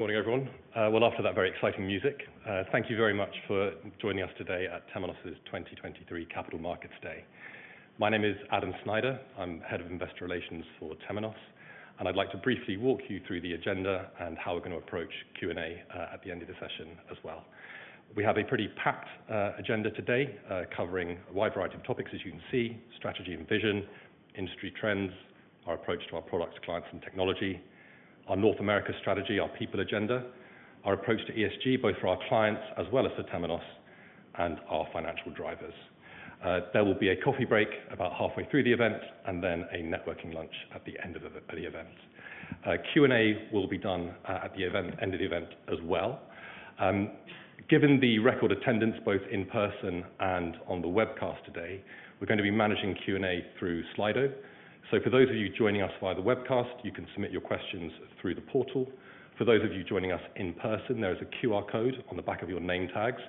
Morning, everyone. Well, after that very exciting music, thank you very much for joining us today at Temenos' 2023 Capital Markets Day. My name is Adam Snyder. I'm Head of Investor Relations for Temenos. I'd like to briefly walk you through the agenda and how we're gonna approach Q&A at the end of the session as well. We have a pretty packed agenda today, covering a wide variety of topics, as you can see, strategy and vision, industry trends, our approach to our products, clients, and technology, our North America strategy, our people agenda, our approach to ESG, both for our clients as well as for Temenos, and our financial drivers. There will be a coffee break about halfway through the event and then a networking lunch at the end of the event. Q&A will be done at the event, end of the event as well. Given the record attendance both in person and on the webcast today, we're gonna be managing Q&A through Slido. For those of you joining us via the webcast, you can submit your questions through the portal. For those of you joining us in person, there is a QR code on the back of your name tags.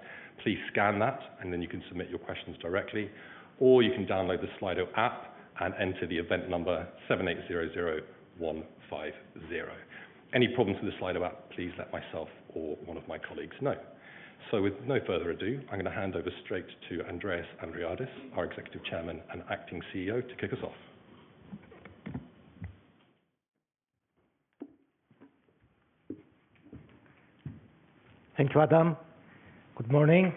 Please scan that, and then you can submit your questions directly, or you can download the Slido app and enter the event number 7800150. Any problems with the Slido app, please let myself or one of my colleagues know. With no further ado, I'm gonna hand over straight to Andreas Andreades, our Executive Chairman and Acting CEO, to kick us off. Thank you, Adam. Good morning.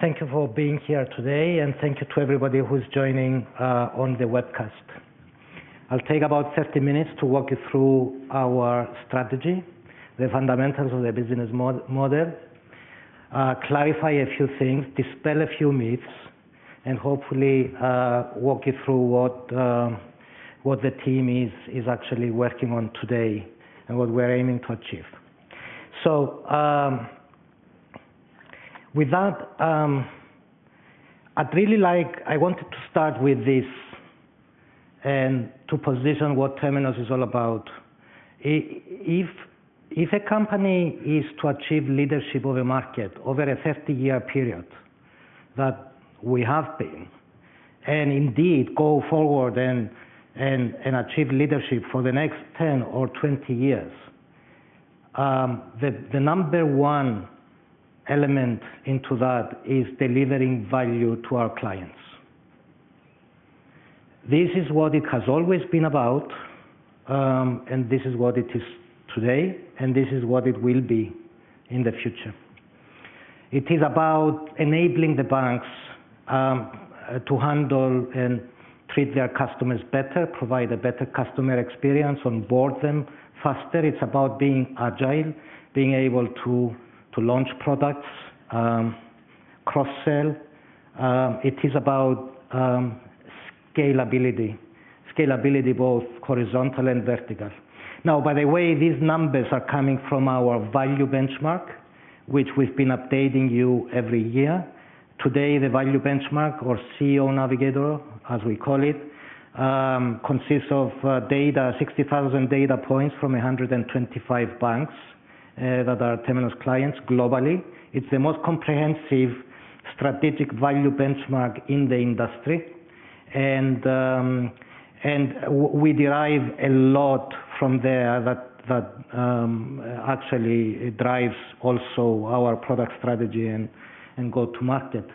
Thank you for being here today, and thank you to everybody who is joining on the webcast. I'll take about 30 minutes to walk you through our strategy, the fundamentals of the business model, clarify a few things, dispel a few myths, and hopefully, walk you through what the team is actually working on today, and what we're aiming to achieve. With that, I wanted to start with this, and to position what Temenos is all about. If a company is to achieve leadership of a market over a 50-year period that we have been, and indeed go forward and achieve leadership for the next 10 or 20 years, the number one element into that is delivering value to our clients. This is what it has always been about. This is what it is today, and this is what it will be in the future. It is about enabling the banks to handle and treat their customers better, provide a better customer experience, onboard them faster. It's about being agile, being able to launch products, cross-sell. It is about scalability. Scalability both horizontal and vertical. By the way, these numbers are coming from our Value Benchmark, which we've been updating you every year. Today, the Value Benchmark or CEO Navigator, as we call it, consists of data, 60,000 data points from 125 banks that are Temenos clients globally. It's the most comprehensive, strategic value benchmark in the industry and we derive a lot from there that actually drives also our product strategy and go to market.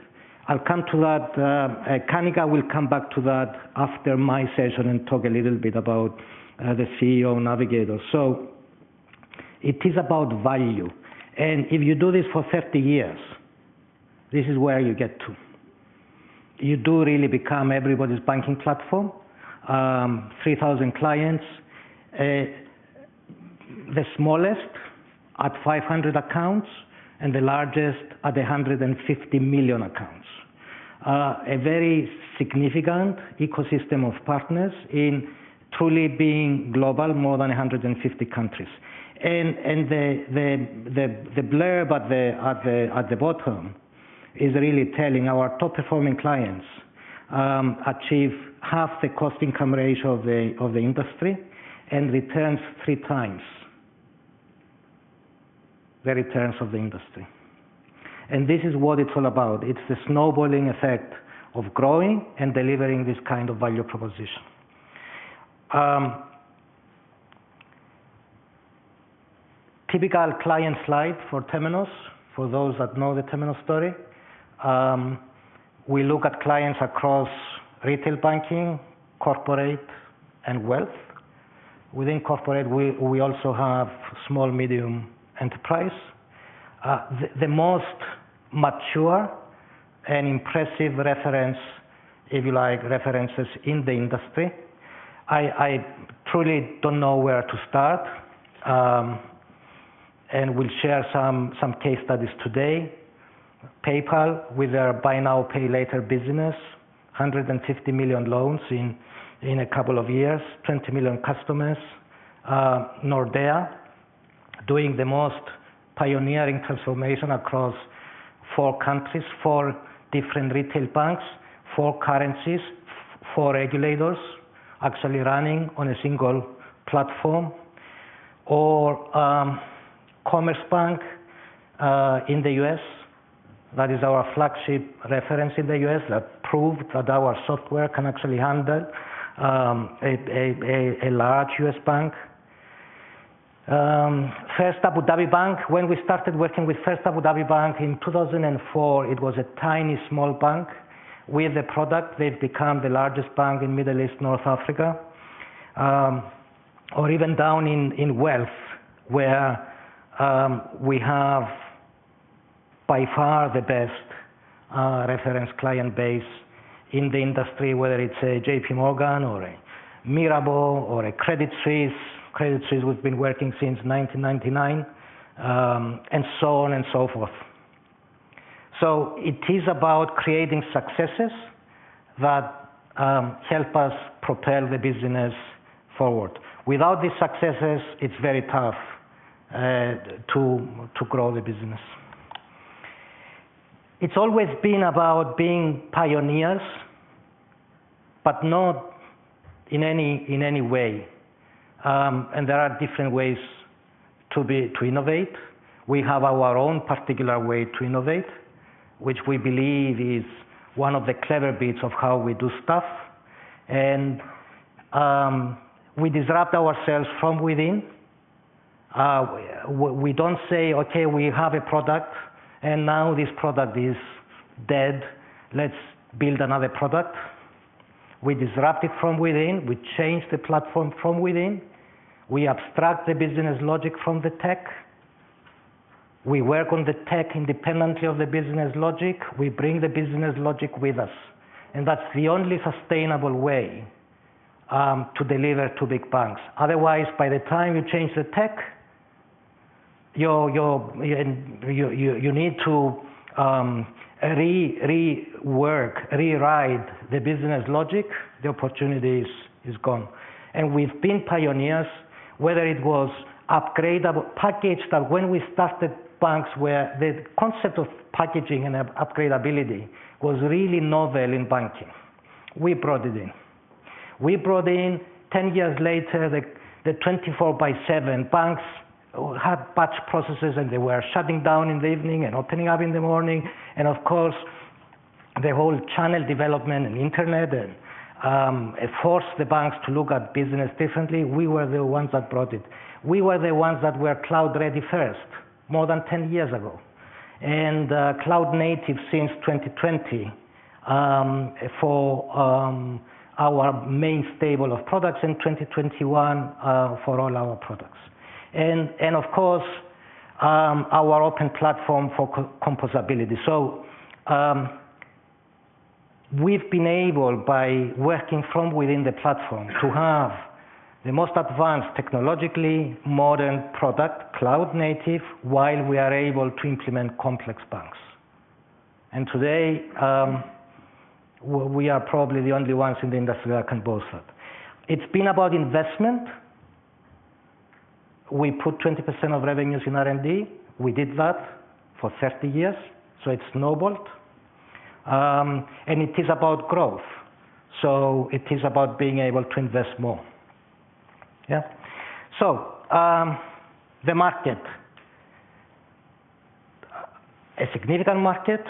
I'll come to that. Kanika will come back to that after my session and talk a little bit about the Temenos CEO Navigator. It is about value. If you do this for 30 years, this is where you get to. You do really become everybody's banking platform. 3,000 clients, the smallest at 500 accounts and the largest at 150 million accounts. A very significant ecosystem of partners in truly being global, more than 150 countries. The blurb at the bottom is really telling our top-performing clients achieve half the cost-income ratio of the industry and 3x the returns of the industry. This is what it's all about. It's the snowballing effect of growing and delivering this kind of value proposition. Typical client slide for Temenos for those that know the Temenos story. We look at clients across retail banking, corporate, and wealth. Within corporate, we also have small-medium enterprise. The most mature and impressive reference, if you like, references in the industry. I truly don't know where to start. We'll share some case studies today. PayPal with their buy-now-pay-later business, 150 million loans in two years, 20 million customers. Nordea doing the most pioneering transformation across four countries, four different retail banks, four currencies, four regulators actually running on a single platform, or Commerce Bank in the U.S. That is our flagship reference in the U.S. that proved that our software can actually handle a large U.S. bank. First Abu Dhabi Bank, when we started working with First Abu Dhabi Bank in 2004, it was a tiny small bank. With the product, they've become the largest bank in Middle East, North Africa. Even down in wealth, where we have by far the best reference client base in the industry, whether it's a JPMorgan or a Mirabaud or a Credit Suisse. Credit Suisse we've been working since 1999, and so on and so forth. It is about creating successes that help us propel the business forward. Without these successes, it's very tough to grow the business. It's always been about being pioneers, but not in any way. There are different ways to innovate. We have our own particular way to innovate, which we believe is one of the clever bits of how we do stuff. We disrupt ourselves from within. We don't say, "Okay, we have a product, and now this product is dead. Let's build another product." We disrupt it from within. We change the platform from within. We abstract the business logic from the tech. We work on the tech independently of the business logic. We bring the business logic with us, and that's the only sustainable way to deliver to big banks. Otherwise, by the time you change the tech, you need to rework, rewrite the business logic, the opportunity is gone. We've been pioneers, whether it was upgradeable packaged, or when we started banks where the concept of packaging and upgradability was really novel in banking. We brought it in. We brought in 10 years later, the 24/7 banks had batch processes, and they were shutting down in the evening and opening up in the morning. Of course, the whole channel development and internet, and it forced the banks to look at business differently. We were the ones that brought it. We were the ones that were cloud-ready first, more than 10 years ago. Cloud native since 2020, for our main stable of products in 2021, for all our products. Of course, our open platform for co-composability. We've been able, by working from within the platform, to have the most advanced technologically modern product, cloud native, while we are able to implement complex banks. Today, we are probably the only ones in the industry that can boast that. It's been about investment. We put 20% of revenues in R&D. We did that for 30 years, so it snowballed. It is about growth, so it is about being able to invest more. Yeah. The market. A significant market,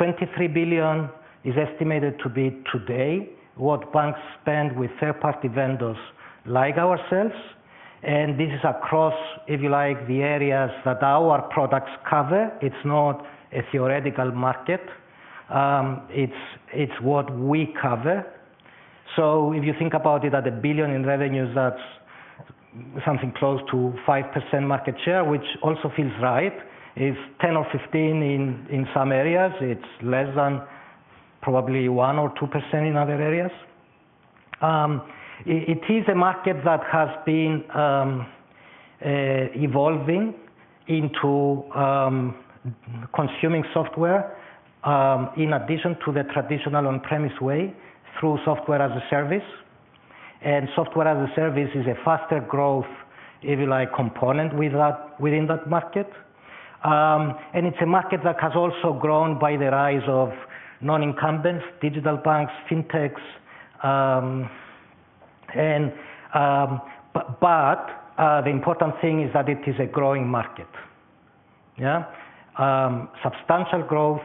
$23 billion is estimated to be today, what banks spend with third-party vendors like ourselves. This is across, if you like, the areas that our products cover. It's not a theoretical market. It's what we cover. If you think about it at $1 billion in revenues, that's something close to 5% market share, which also feels right. It's 10% or 15% in some areas. It's less than probably 1% or 2% in other areas. It is a market that has been evolving into consuming software in addition to the traditional on-premise way through software as a service. Software as a service is a faster growth, if you like, component within that market. It's a market that has also grown by the rise of non-incumbents, digital banks, fintechs. The important thing is that it is a growing market. Yeah. Substantial growth.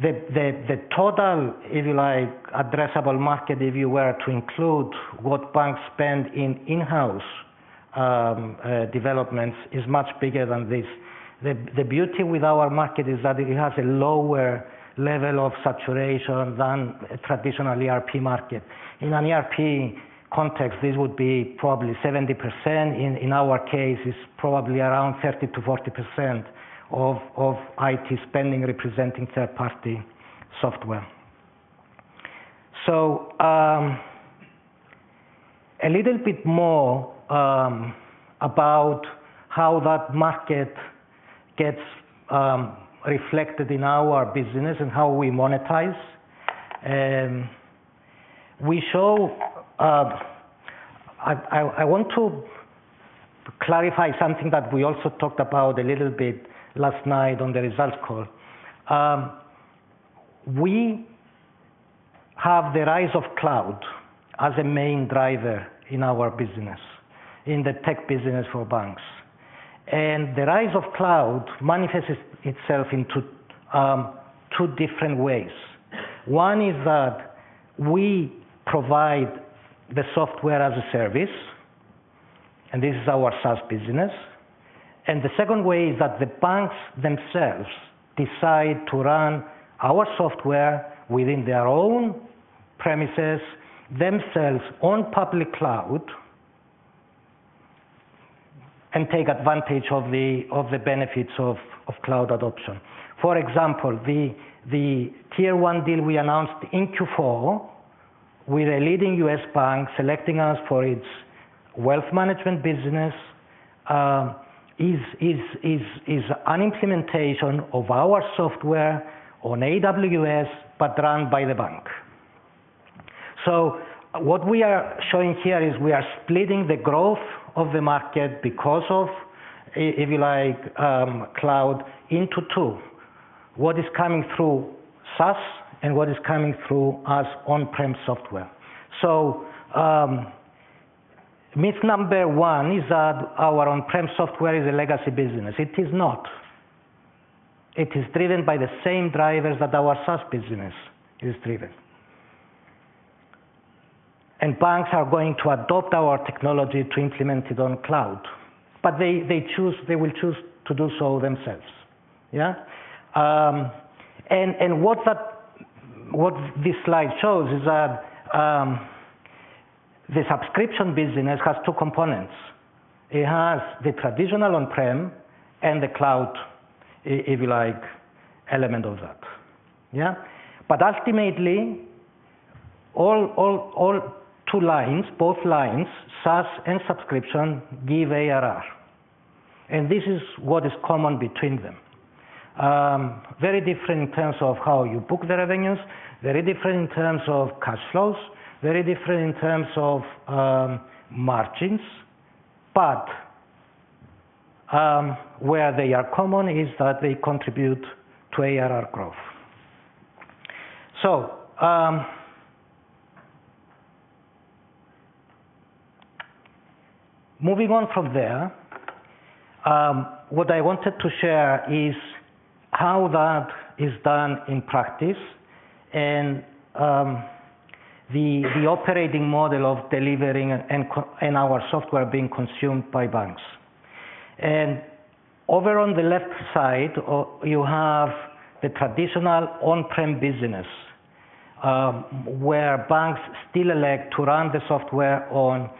The total, if you like, addressable market, if you were to include what banks spend in in-house developments, is much bigger than this. The beauty with our market is that it has a lower level of saturation than a traditional ERP market. In an ERP context, this would be probably 70%. In our case, it's probably around 30%-40% of IT spending representing third-party software. A little bit more about how that market gets reflected in our business and how we monetize. We show... I want to clarify something that we also talked about a little bit last night on the results call. Have the rise of cloud as a main driver in our business, in the tech business for banks. The rise of cloud manifests itself in two different ways. One is that we provide the software as a service, and this is our SaaS business. The second way is that the banks themselves decide to run our software within their own premises themselves on public cloud and take advantage of the benefits of cloud adoption. For example, the Tier one deal we announced in Q4 with a leading U.S. bank selecting us for its wealth management business is an implementation of our software on AWS, but run by the bank. What we are showing here is we are splitting the growth of the market because of, if you like, cloud into two. What is coming through SaaS and what is coming through as on-prem software. Myth number one is that our on-prem software is a legacy business. It is not. It is driven by the same drivers that our SaaS business is driven. Banks are going to adopt our technology to implement it on cloud. They will choose to do so themselves. What this slide shows is that the subscription business has two components. It has the traditional on-prem and the cloud, if you like, element of that. Ultimately, all two lines, both lines, SaaS and subscription give ARR. This is what is common between them. Very different in terms of how you book the revenues, very different in terms of cash flows, very different in terms of margins. Where they are common is that they contribute to ARR growth. Moving on from there, what I wanted to share is how that is done in practice and the operating model of delivering and our software being consumed by banks. Over on the left side, you have the traditional on-prem business, where banks still elect to run the software on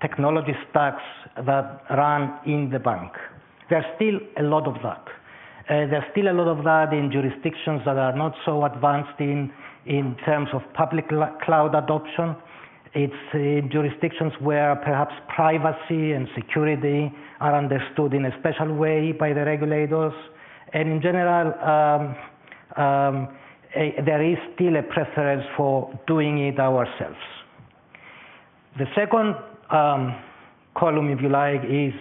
technology stacks that run in the bank. There's still a lot of that. There's still a lot of that in jurisdictions that are not so advanced in terms of public cloud adoption. It's in jurisdictions where perhaps privacy and security are understood in a special way by the regulators. In general, there is still a preference for doing it ourselves. The second column, if you like, is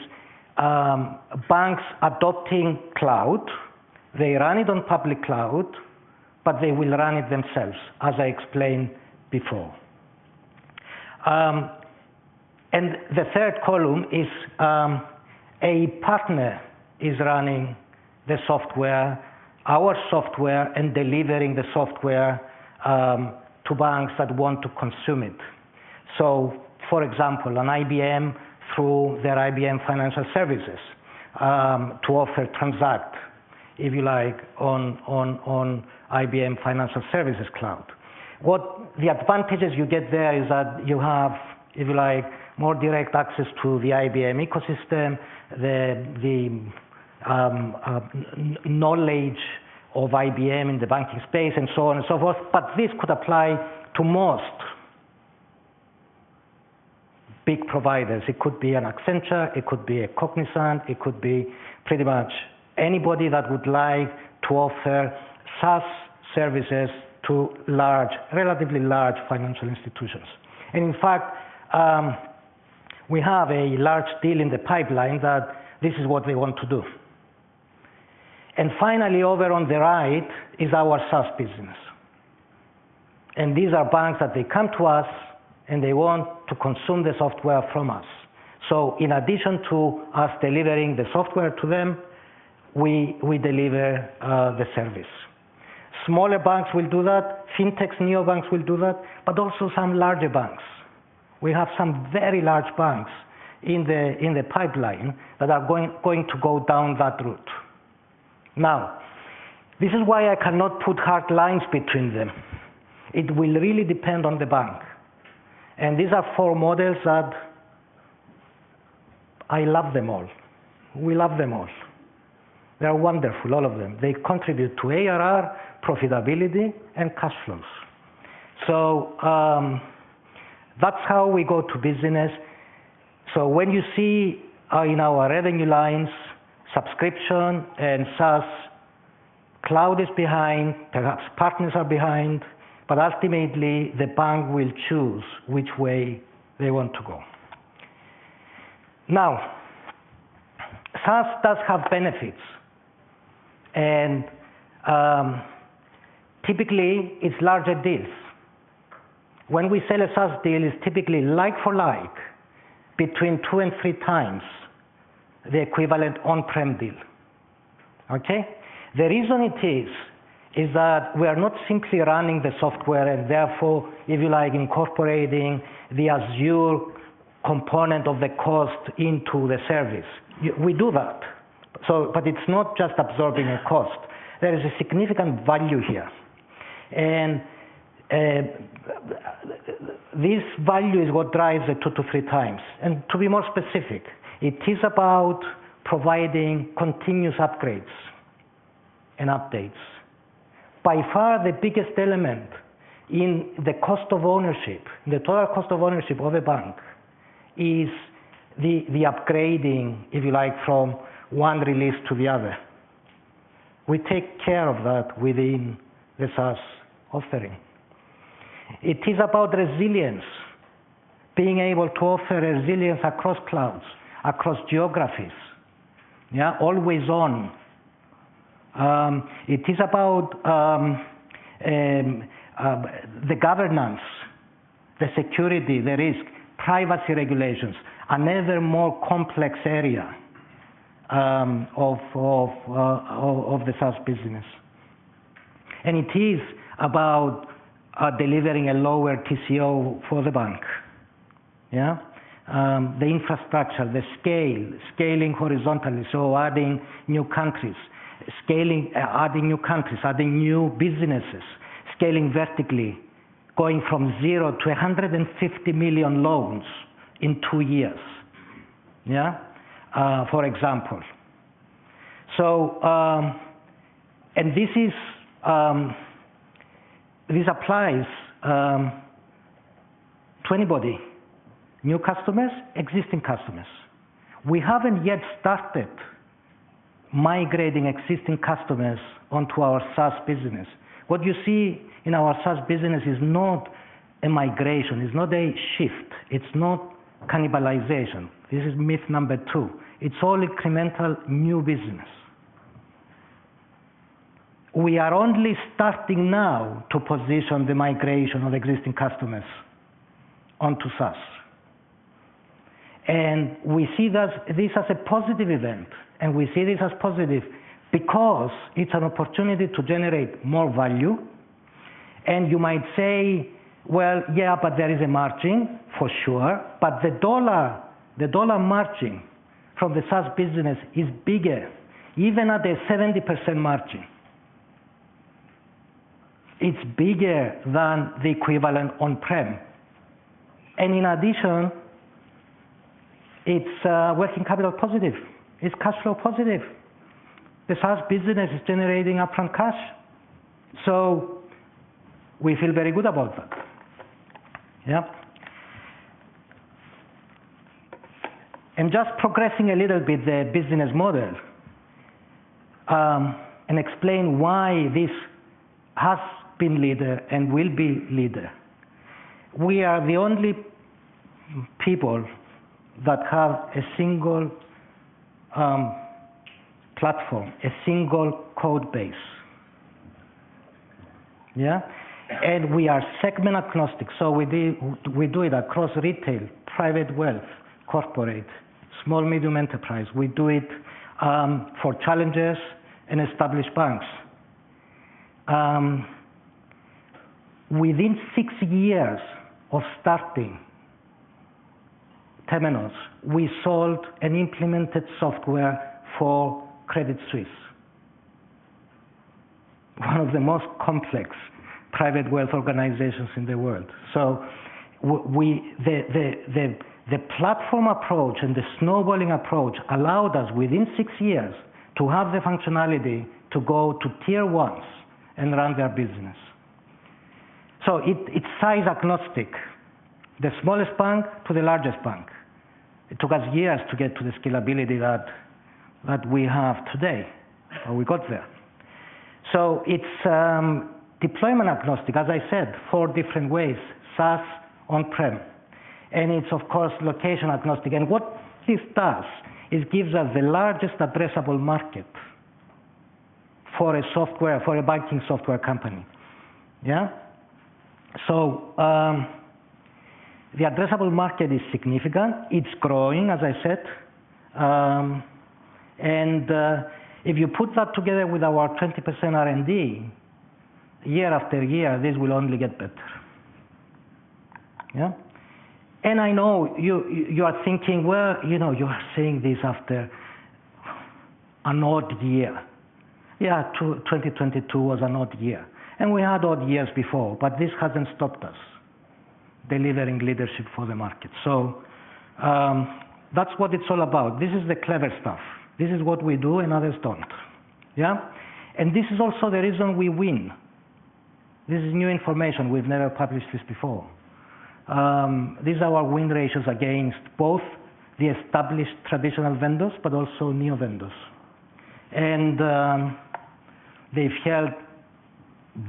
banks adopting cloud. They run it on public cloud, but they will run it themselves, as I explained before. The third column is a partner is running the software, our software, and delivering the software to banks that want to consume it. For example, an IBM through their IBM Financial Services to offer Transact, if you like, on IBM Financial Services cloud. What the advantages you get there is that you have, if you like, more direct access to the IBM ecosystem, the knowledge of IBM in the banking space and so on and so forth. This could apply to most big providers. It could be an Accenture, it could be a Cognizant, it could be pretty much anybody that would like to offer SaaS services to large, relatively large financial institutions. In fact, we have a large deal in the pipeline that this is what they want to do. Finally, over on the right is our SaaS business. These are banks that they come to us, and they want to consume the software from us. In addition to us delivering the software to them, we deliver the service. Smaller banks will do that, fintechs, neobanks will do that, but also some larger banks. We have some very large banks in the pipeline that are going to go down that route. This is why I cannot put hard lines between them. It will really depend on the bank. These are four models that I love them all. We love them all. They are wonderful, all of them. They contribute to ARR, profitability, and cash flows. That's how we go to business. When you see in our revenue lines, subscription and SaaS, cloud is behind, perhaps partners are behind, but ultimately, the bank will choose which way they want to go. SaaS does have benefits and typically it's larger deals. When we sell a SaaS deal, it's typically like for like between 2x and 3x the equivalent on-prem deal. Okay? The reason it is that we are not simply running the software and therefore, if you like, incorporating the Azure component of the cost into the service. We do that, but it's not just absorbing a cost. There is a significant value here. This value is what drives it 2x-3x. To be more specific, it is about providing continuous upgrades and updates. By far the biggest element in the cost of ownership, the total cost of ownership of a bank is the upgrading, if you like, from one release to the other. We take care of that within the SaaS offering. It is about resilience, being able to offer resilience across clouds, across geographies. Always on. It is about the governance, the security, the risk, privacy regulations. Another more complex area of the SaaS business. It is about delivering a lower TCO for the bank. The infrastructure, the scale, scaling horizontally, so adding new countries. Scaling adding new countries, adding new businesses, scaling vertically, going from zero to 150 million loans in two years. For example. This applies to anybody, new customers, existing customers. We haven't yet started migrating existing customers onto our SaaS business. What you see in our SaaS business is not a migration, it's not a shift, it's not cannibalization. This is myth number two. It's all incremental new business. We are only starting now to position the migration of existing customers onto SaaS. We see this as a positive event, and we see this as positive because it's an opportunity to generate more value. You might say, "Well, yeah, but there is a margin for sure." The dollar margin from the SaaS business is bigger. Even at a 70% margin, it's bigger than the equivalent on-prem. In addition, it's working capital positive, it's cash flow positive. The SaaS business is generating upfront cash, we feel very good about that. Yeah. Just progressing a little bit the business model, and explain why this has been leader and will be leader. We are the only people that have a single platform, a single code base. Yeah. We are segment agnostic, so we do, we do it across retail, private wealth, corporate, small-medium enterprise. We do it for challengers and established banks. Within six years of starting Temenos, we sold and implemented software for Credit Suisse, one of the most complex private wealth organizations in the world. The platform approach and the snowballing approach allowed us, within six years, to have the functionality to go to tier ones and run their business. It's size agnostic, the smallest bank to the largest bank. It took us years to get to the scalability that we have today, but we got there. It's deployment agnostic, as I said, four different ways, SaaS, on-prem. It's of course, location agnostic. What this does, it gives us the largest addressable market for a banking software company. The addressable market is significant. It's growing, as I said. If you put that together with our 20% R&D year-after-year, this will only get better. I know you are thinking, well, you know, you are saying this after an odd year. 2022 was an odd year, and we had odd years before, but this hasn't stopped us delivering leadership for the market. That's what it's all about. This is the clever stuff. This is what we do and others don't. This is also the reason we win. This is new information. We've never published this before. These are our win ratios against both the established traditional vendors but also neo vendors. They've held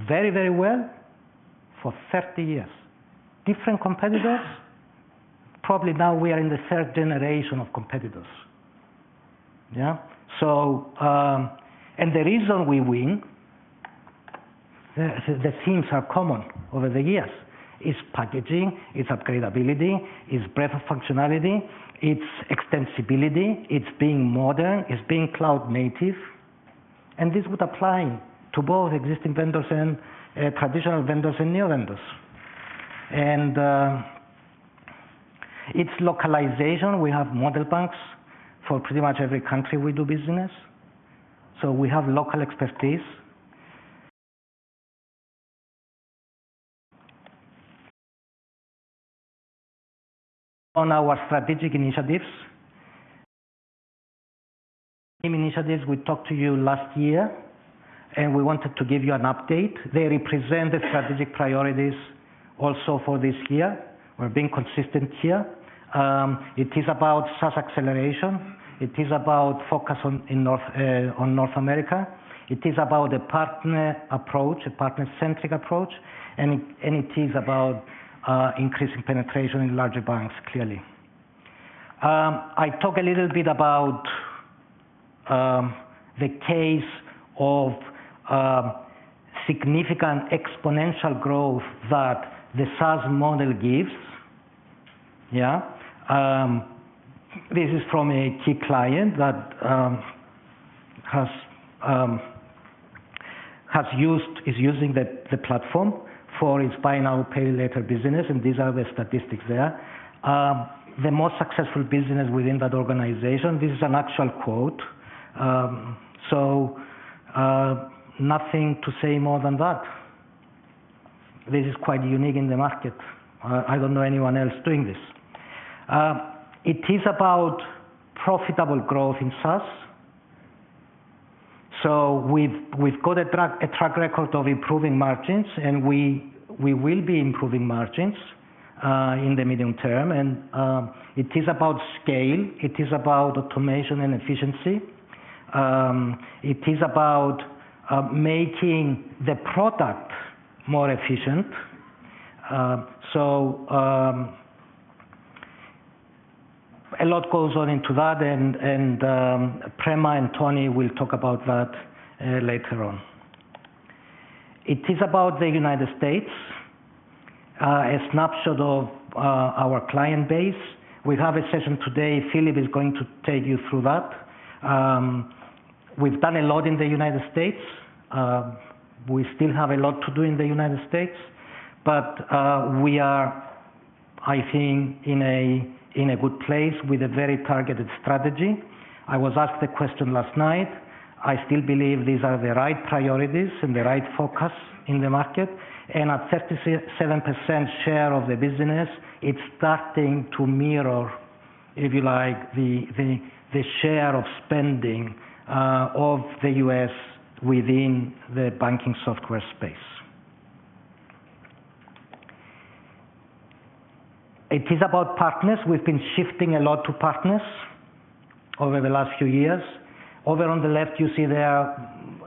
very well for 30 years. Different competitors, probably now we are in the 3rd generation of competitors. The reason we win, the themes are common over the years. It's packaging, it's upgradeability, it's breadth of functionality, it's extensibility, it's being modern, it's being cloud native. This would apply to both existing vendors and traditional vendors and new vendors. It's localization. We have Model Banks for pretty much every country we do business. We have local expertise. On our strategic initiatives we talked to you last year, we wanted to give you an update. They represent the strategic priorities also for this year. We're being consistent here. It is about SaaS acceleration. It is about focus on North America. It is about a partner approach, a partner-centric approach. It is about increasing penetration in larger banks, clearly. I talk a little bit about the case of significant exponential growth that the SaaS model gives. Yeah. This is from a key client that is using the platform for its buy now, pay later business. These are the statistics there. The most successful business within that organization, this is an actual quote. Nothing to say more than that. This is quite unique in the market. I don't know anyone else doing this. It is about profitable growth in SaaS. We've got a track record of improving margins, and we will be improving margins in the medium term. It is about scale, it is about automation and efficiency. It is about making the product more efficient. A lot goes on into that and Prema and Tony will talk about that later on. It is about the United States, a snapshot of our client base. We have a session today, Philip is going to take you through that. We've done a lot in the United States. We still have a lot to do in the United States, but we are, I think, in a good place with a very targeted strategy. I was asked the question last night. I still believe these are the right priorities and the right focus in the market. At 37% share of the business, it's starting to mirror, if you like, the share of spending of the U.S. within the banking software space. It is about partners. We've been shifting a lot to partners over the last few years. Over on the left, you see there,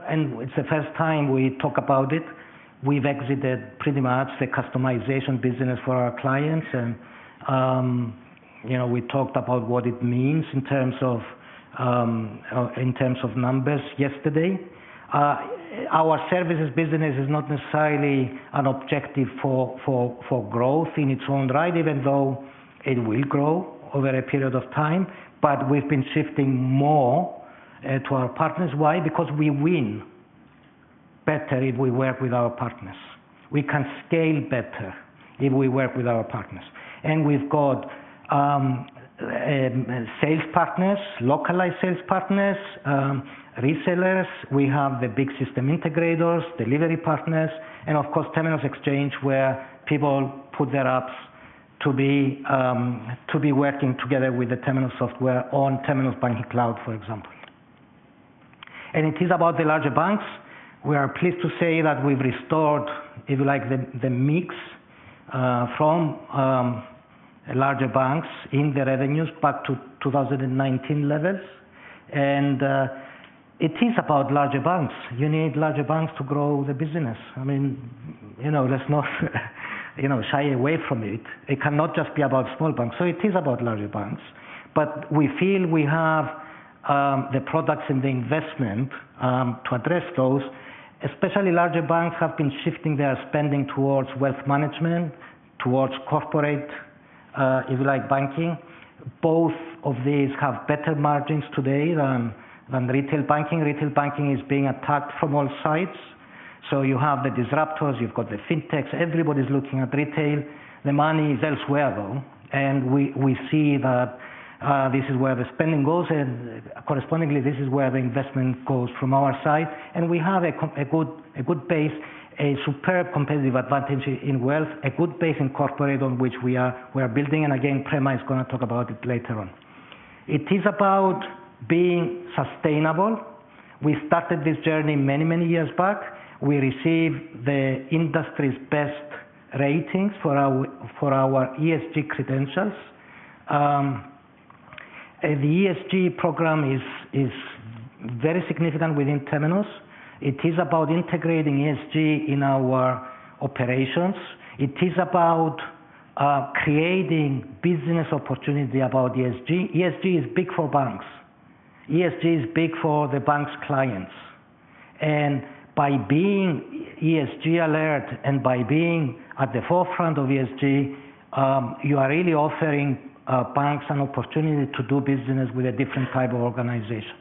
and it's the first time we talk about it, we've exited pretty much the customization business for our clients and, you know, we talked about what it means in terms of in terms of numbers yesterday. Our services business is not necessarily an objective for growth in its own right, even though it will grow over a period of time, but we've been shifting more to our partners. Why? Because we win, better if we work with our partners. We can scale better if we work with our partners. We've got sales partners, localized sales partners, resellers. We have the big system integrators, delivery partners, and of course, Temenos Exchange, where people put their apps to be working together with the Temenos software on Temenos Banking Cloud, for example. It is about the larger banks. We are pleased to say that we've restored, if you like, the mix from larger banks in the revenues back to 2019 levels. It is about larger banks. You need larger banks to grow the business. I mean, you know, let's not, you know, shy away from it. It cannot just be about small banks. It is about larger banks. We feel we have the products and the investment to address those, especially larger banks have been shifting their spending towards wealth management, towards corporate, if you like, banking. Both of these have better margins today than retail banking. Retail banking is being attacked from all sides. You have the disruptors, you've got the fintechs, everybody's looking at retail. The money is elsewhere, though. We see that this is where the spending goes, and correspondingly, this is where the investment goes from our side. We have a good, a good base, a superb competitive advantage in wealth, a good base in corporate on which we are, we are building. Again, Prema is gonna talk about it later on. It is about being sustainable. We started this journey many, many years back. We received the industry's best ratings for our ESG credentials. The ESG program is very significant within Temenos. It is about integrating ESG in our operations. It is about creating business opportunity about ESG. ESG is big for banks. ESG is big for the bank's clients. By being ESG alert and by being at the forefront of ESG, you are really offering banks an opportunity to do business with a different type of organization.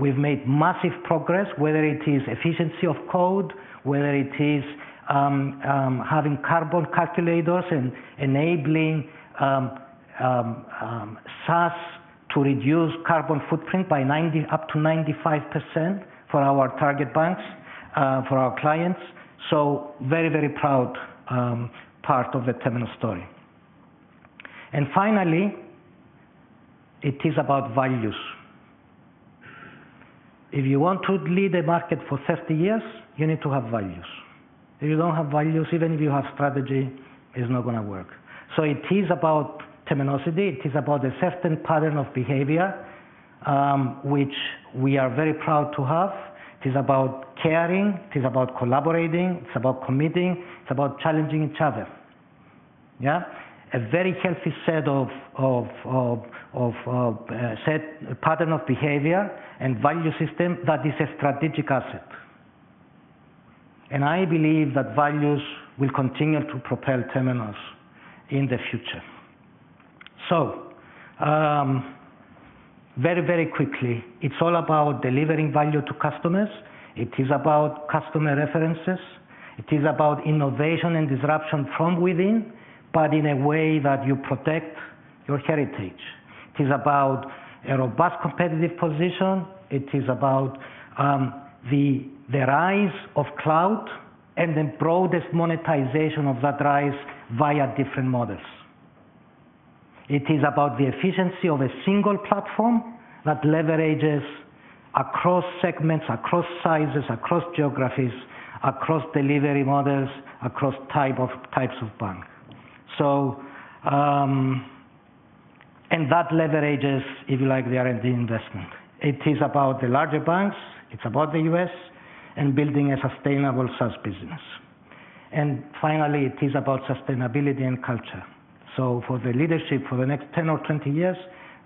We've made massive progress, whether it is efficiency of code, whether it is having carbon calculators and enabling SaaS to reduce carbon footprint up to 95% for our target banks, for our clients. So very, very proud part of the Temenos story. Finally, it is about values. If you want to lead the market for 30 years, you need to have values. If you don't have values, even if you have strategy, it's not gonna work. It is about Temenosity, it is about a certain pattern of behavior, which we are very proud to have. It is about caring, it is about collaborating, it's about committing, it's about challenging each other. Yeah. A very healthy set of set pattern of behavior and value system that is a strategic asset. I believe that values will continue to propel Temenos in the future. Very, very quickly, it's all about delivering value to customers. It is about customer references. It is about innovation and disruption from within, but in a way that you protect your heritage. It is about a robust competitive position. It is about the rise of cloud and the broadest monetization of that rise via different models. It is about the efficiency of a single platform that leverages across segments, across sizes, across geographies, across delivery models, across types of bank. And that leverages, if you like, the R&D investment. It is about the larger banks, it's about the U.S., and building a sustainable SaaS business. Finally, it is about sustainability and culture. For the leadership for the next 10 or 20 years,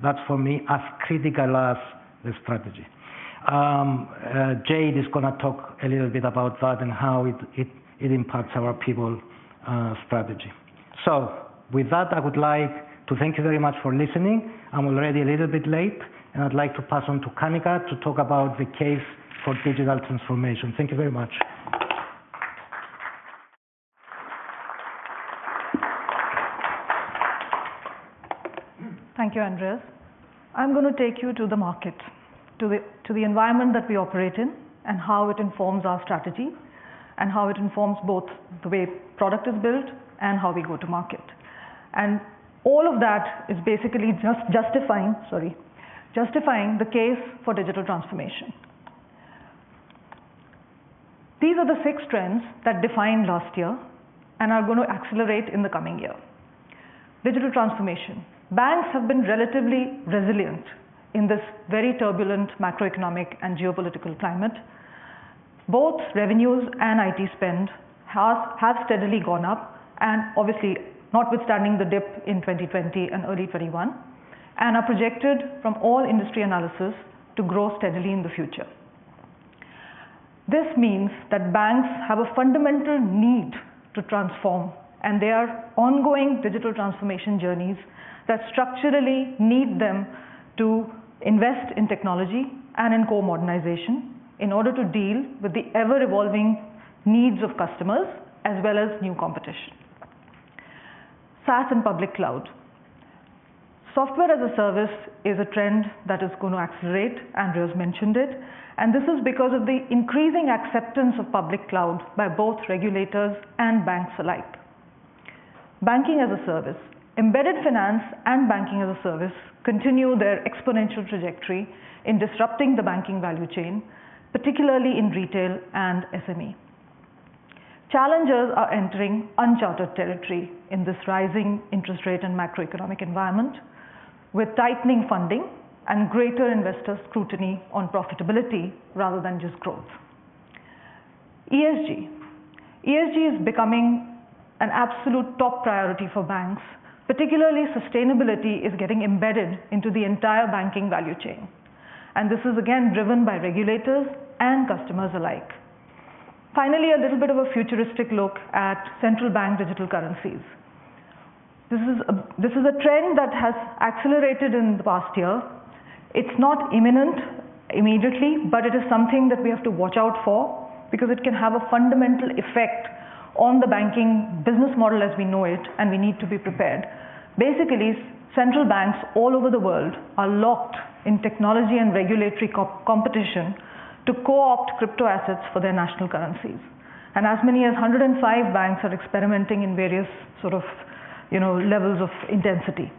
that's for me as critical as the strategy. Jayde is gonna talk a little bit about that and how it impacts our people strategy. With that, I would like to thank you very much for listening. I'm already a little bit late, and I'd like to pass on to Kanika to talk about the case for digital transformation. Thank you very much. Thank you, Andreas. I'm gonna take you to the market, to the environment that we operate in and how it informs our strategy and how it informs both the way product is built and how we go to market. All of that is basically just justifying, sorry, justifying the case for digital transformation. These are the six trends that defined last year and are gonna accelerate in the coming year. Digital transformation. Banks have been relatively resilient in this very turbulent macroeconomic and geopolitical climate. Both revenues and IT spend has steadily gone up, and obviously notwithstanding the dip in 2020 and early 2021, and are projected from all industry analysis to grow steadily in the future. This means that banks have a fundamental need to transform. They are ongoing digital transformation journeys that structurally need them to invest in technology and in core modernization in order to deal with the ever-evolving needs of customers as well as new competition. SaaS and public cloud. Software as a service is a trend that is gonna accelerate, Andreas mentioned it, and this is because of the increasing acceptance of public cloud by both regulators and banks alike. Banking as a service. Embedded finance and banking as a service continue their exponential trajectory in disrupting the banking value chain, particularly in retail and SME. Challengers are entering uncharted territory in this rising interest rate and macroeconomic environment, with tightening funding and greater investor scrutiny on profitability rather than just growth. ESG. ESG is becoming an absolute top priority for banks, particularly sustainability is getting embedded into the entire banking value chain. This is again driven by regulators and customers alike. Finally, a little bit of a futuristic look at central bank digital currencies. This is a trend that has accelerated in the past year. It's not imminent immediately. It is something that we have to watch out for because it can have a fundamental effect on the banking business model as we know it. We need to be prepared. Basically, central banks all over the world are locked in technology and regulatory competition to co-opt crypto assets for their national currencies. As many as 105 banks are experimenting in various sort of, you know, levels of intensity.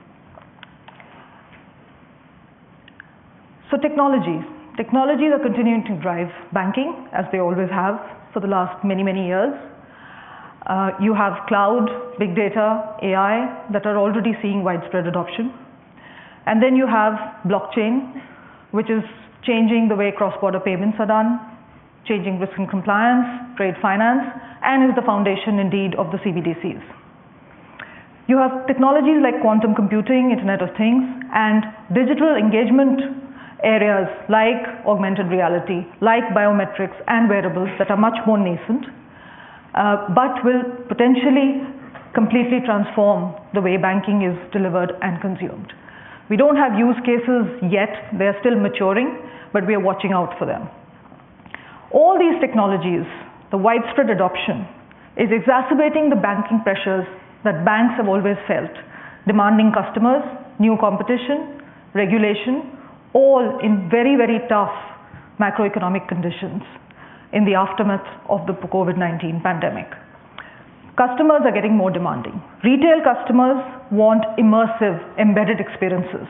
Technologies. Technologies are continuing to drive banking, as they always have for the last many, many years. You have cloud, big data, AI that are already seeing widespread adoption. You have blockchain, which is changing the way cross-border payments are done, changing risk and compliance, trade finance, and is the foundation indeed of the CBDCs. You have technologies like quantum computing, Internet of Things, and digital engagement areas like augmented reality, like biometrics and wearables that are much more nascent, but will potentially completely transform the way banking is delivered and consumed. We don't have use cases yet. They are still maturing, but we are watching out for them. All these technologies, the widespread adoption is exacerbating the banking pressures that banks have always felt. Demanding customers, new competition, regulation, all in very, very tough macroeconomic conditions in the aftermath of the COVID-19 pandemic. Customers are getting more demanding. Retail customers want immersive, embedded experiences.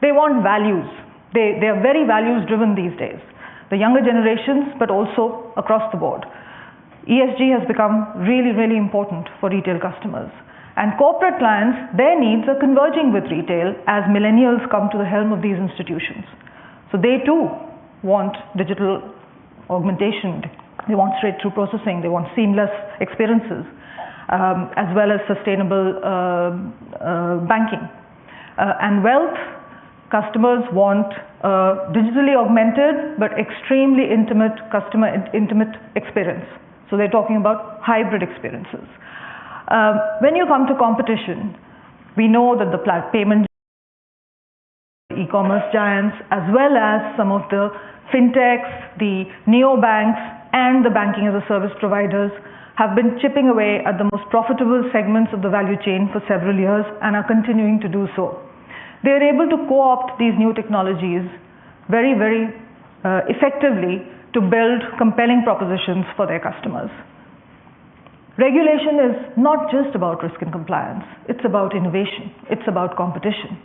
They want values. They are very values driven these days, the younger generations, but also across the board. ESG has become really, really important for retail customers. Corporate clients, their needs are converging with retail as millennials come to the helm of these institutions. They too want digital augmentation. They want straight-through processing, they want seamless experiences, as well as sustainable banking. Wealth customers want a digitally augmented but extremely intimate experience. They're talking about hybrid experiences. When you come to competition, we know that the payment e-commerce giants, as well as some of the fintechs, the neobanks, and the banking-as-a-service providers, have been chipping away at the most profitable segments of the value chain for several years and are continuing to do so. They are able to co-opt these new technologies very effectively to build compelling propositions for their customers. Regulation is not just about risk and compliance. It's about innovation, it's about competition.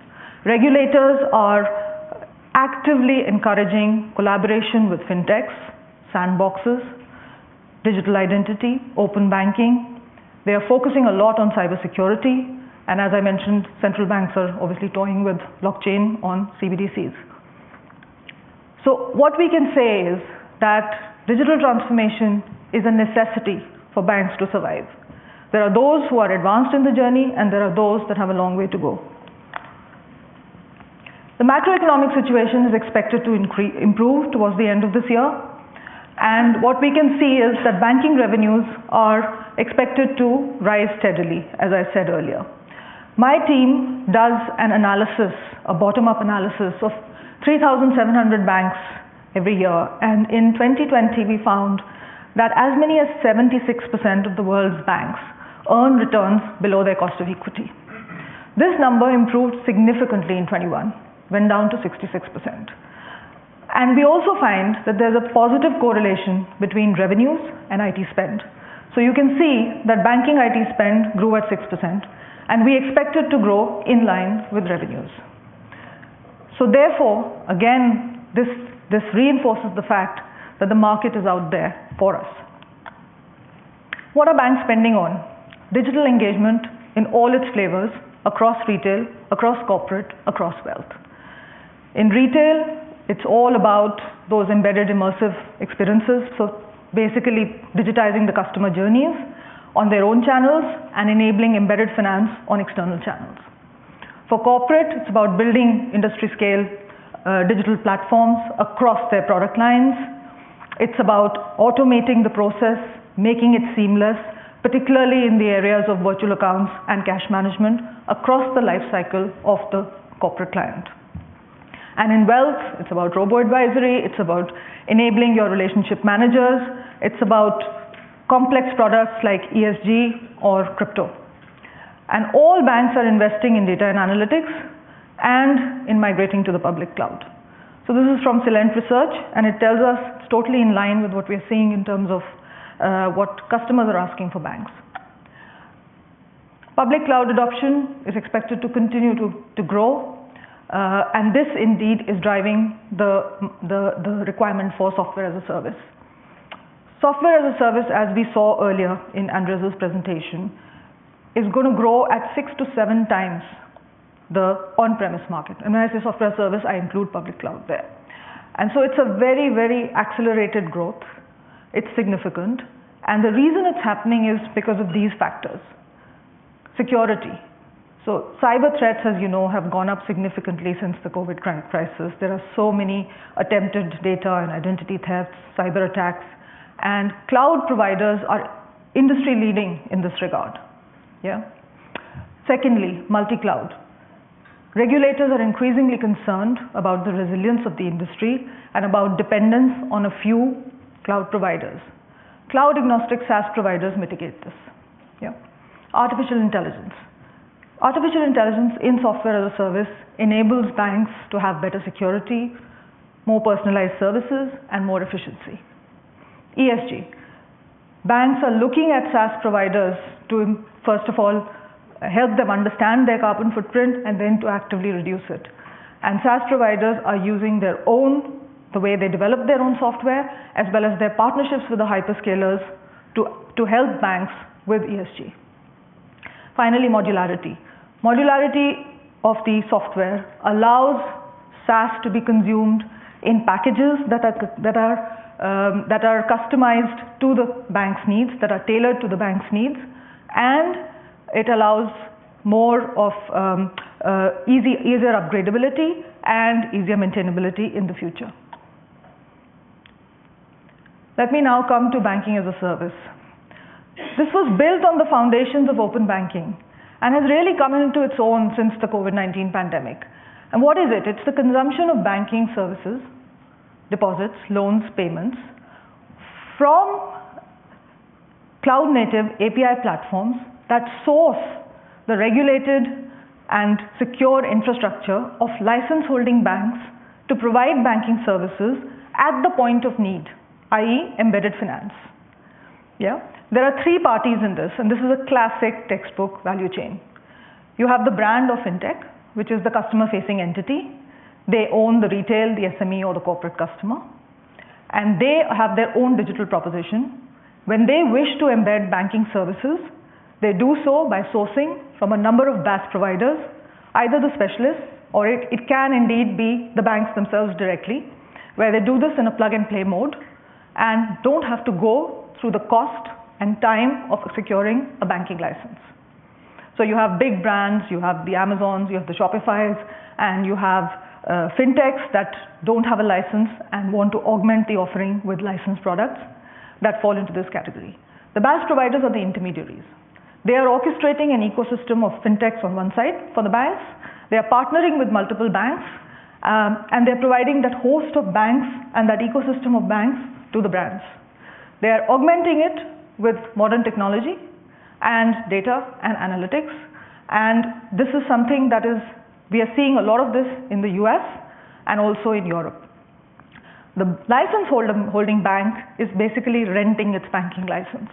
Regulators are actively encouraging collaboration with fintechs, sandboxes, digital identity, open banking. They are focusing a lot on cybersecurity. As I mentioned, central banks are obviously toying with blockchain on CBDCs. What we can say is that digital transformation is a necessity for banks to survive. There are those who are advanced in the journey. There are those that have a long way to go. The macroeconomic situation is expected to improve towards the end of this year. What we can see is that banking revenues are expected to rise steadily, as I said earlier. My team does an analysis, a bottom-up analysis of 3,700 banks every year, and in 2020 we found that as many as 76% of the world's banks earn returns below their cost of equity. This number improved significantly in 2021. Went down to 66%. We also find that there's a positive correlation between revenues and IT spend. You can see that banking IT spend grew at 6%, and we expect it to grow in line with revenues. Therefore, again, this reinforces the fact that the market is out there for us. What are banks spending on? Digital engagement in all its flavors across retail, across corporate, across wealth. In retail, it's all about those embedded immersive experiences, so basically digitizing the customer journeys on their own channels and enabling embedded finance on external channels. For corporate, it's about building industry scale, digital platforms across their product lines. It's about automating the process, making it seamless, particularly in the areas of virtual accounts and cash management across the lifecycle of the corporate client. In wealth, it's about robo-advisory, it's about enabling your relationship managers. It's about complex products like ESG or crypto. All banks are investing in data and analytics and in migrating to the public cloud. This is from Celent research, and it tells us it's totally in line with what we're seeing in terms of what customers are asking for banks. Public cloud adoption is expected to continue to grow, and this indeed is driving the requirement for software-as-a-service. Software-as-a-service, as we saw earlier in Andreas's presentation, is gonna grow at six to seven times the on-premise market. When I say software service, I include public cloud there. It's a very, very accelerated growth. It's significant. The reason it's happening is because of these factors. Security. Cyber threats, as you know, have gone up significantly since the COVID crisis. There are so many attempted data and identity thefts, cyberattacks, and cloud providers are industry leading in this regard. Secondly, multi-cloud. Regulators are increasingly concerned about the resilience of the industry and about dependence on a few cloud providers. Cloud agnostic SaaS providers mitigate this. Artificial intelligence. Artificial intelligence in software-as-a-service enables banks to have better security, more personalized services, and more efficiency. ESG. Banks are looking at SaaS providers to first of all help them understand their carbon footprint and then to actively reduce it. SaaS providers are using their own, the way they develop their own software, as well as their partnerships with the hyperscalers to help banks with ESG. Finally, modularity. Modularity of the software allows SaaS to be consumed in packages that are customized to the bank's needs, that are tailored to the bank's needs, and it allows more of easier upgradability and easier maintainability in the future. Let me now come to banking-as-a-service. This was built on the foundations of open banking and has really come into its own since the COVID-19 pandemic. What is it? It's the consumption of banking services, deposits, loans, payments from cloud native API platforms that source the regulated and secure infrastructure of license-holding banks to provide banking services at the point of need, i.e. embedded finance. Yeah. There are three parties in this, and this is a classic textbook value chain. You have the brand of fintech, which is the customer-facing entity. They own the retail, the SME or the corporate customer, and they have their own digital proposition. When they wish to embed banking services, they do so by sourcing from a number of BaaS providers, either the specialists or it can indeed be the banks themselves directly, where they do this in a plug-and-play mode and don't have to go through the cost and time of securing a banking license. You have big brands, you have the Amazons, you have the Shopifys, and you have fintechs that don't have a license and want to augment the offering with licensed products that fall into this category. The BaaS providers are the intermediaries. They are orchestrating an ecosystem of fintechs on one side for the banks, they are partnering with multiple banks, and they're providing that host of banks and that ecosystem of banks to the brands. They are augmenting it with modern technology and data and analytics, and this is something that we are seeing a lot of this in the U.S. and also in Europe. The license holding bank is basically renting its banking license.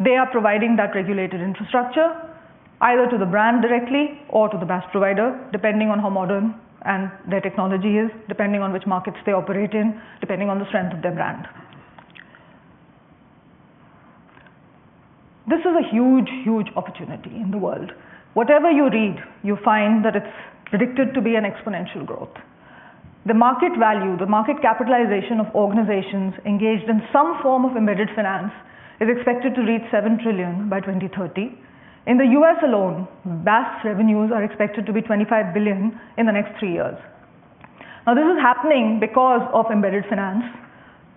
They are providing that regulated infrastructure either to the brand directly or to the BaaS provider, depending on how modern their technology is, depending on which markets they operate in, depending on the strength of their brand. This is a huge, huge opportunity in the world. Whatever you read, you find that it's predicted to be an exponential growth. The market value, the market capitalization of organizations engaged in some form of embedded finance is expected to reach $7 trillion by 2030. In the U.S. alone, BaaS revenues are expected to be $25 billion in the next three years. This is happening because of embedded finance.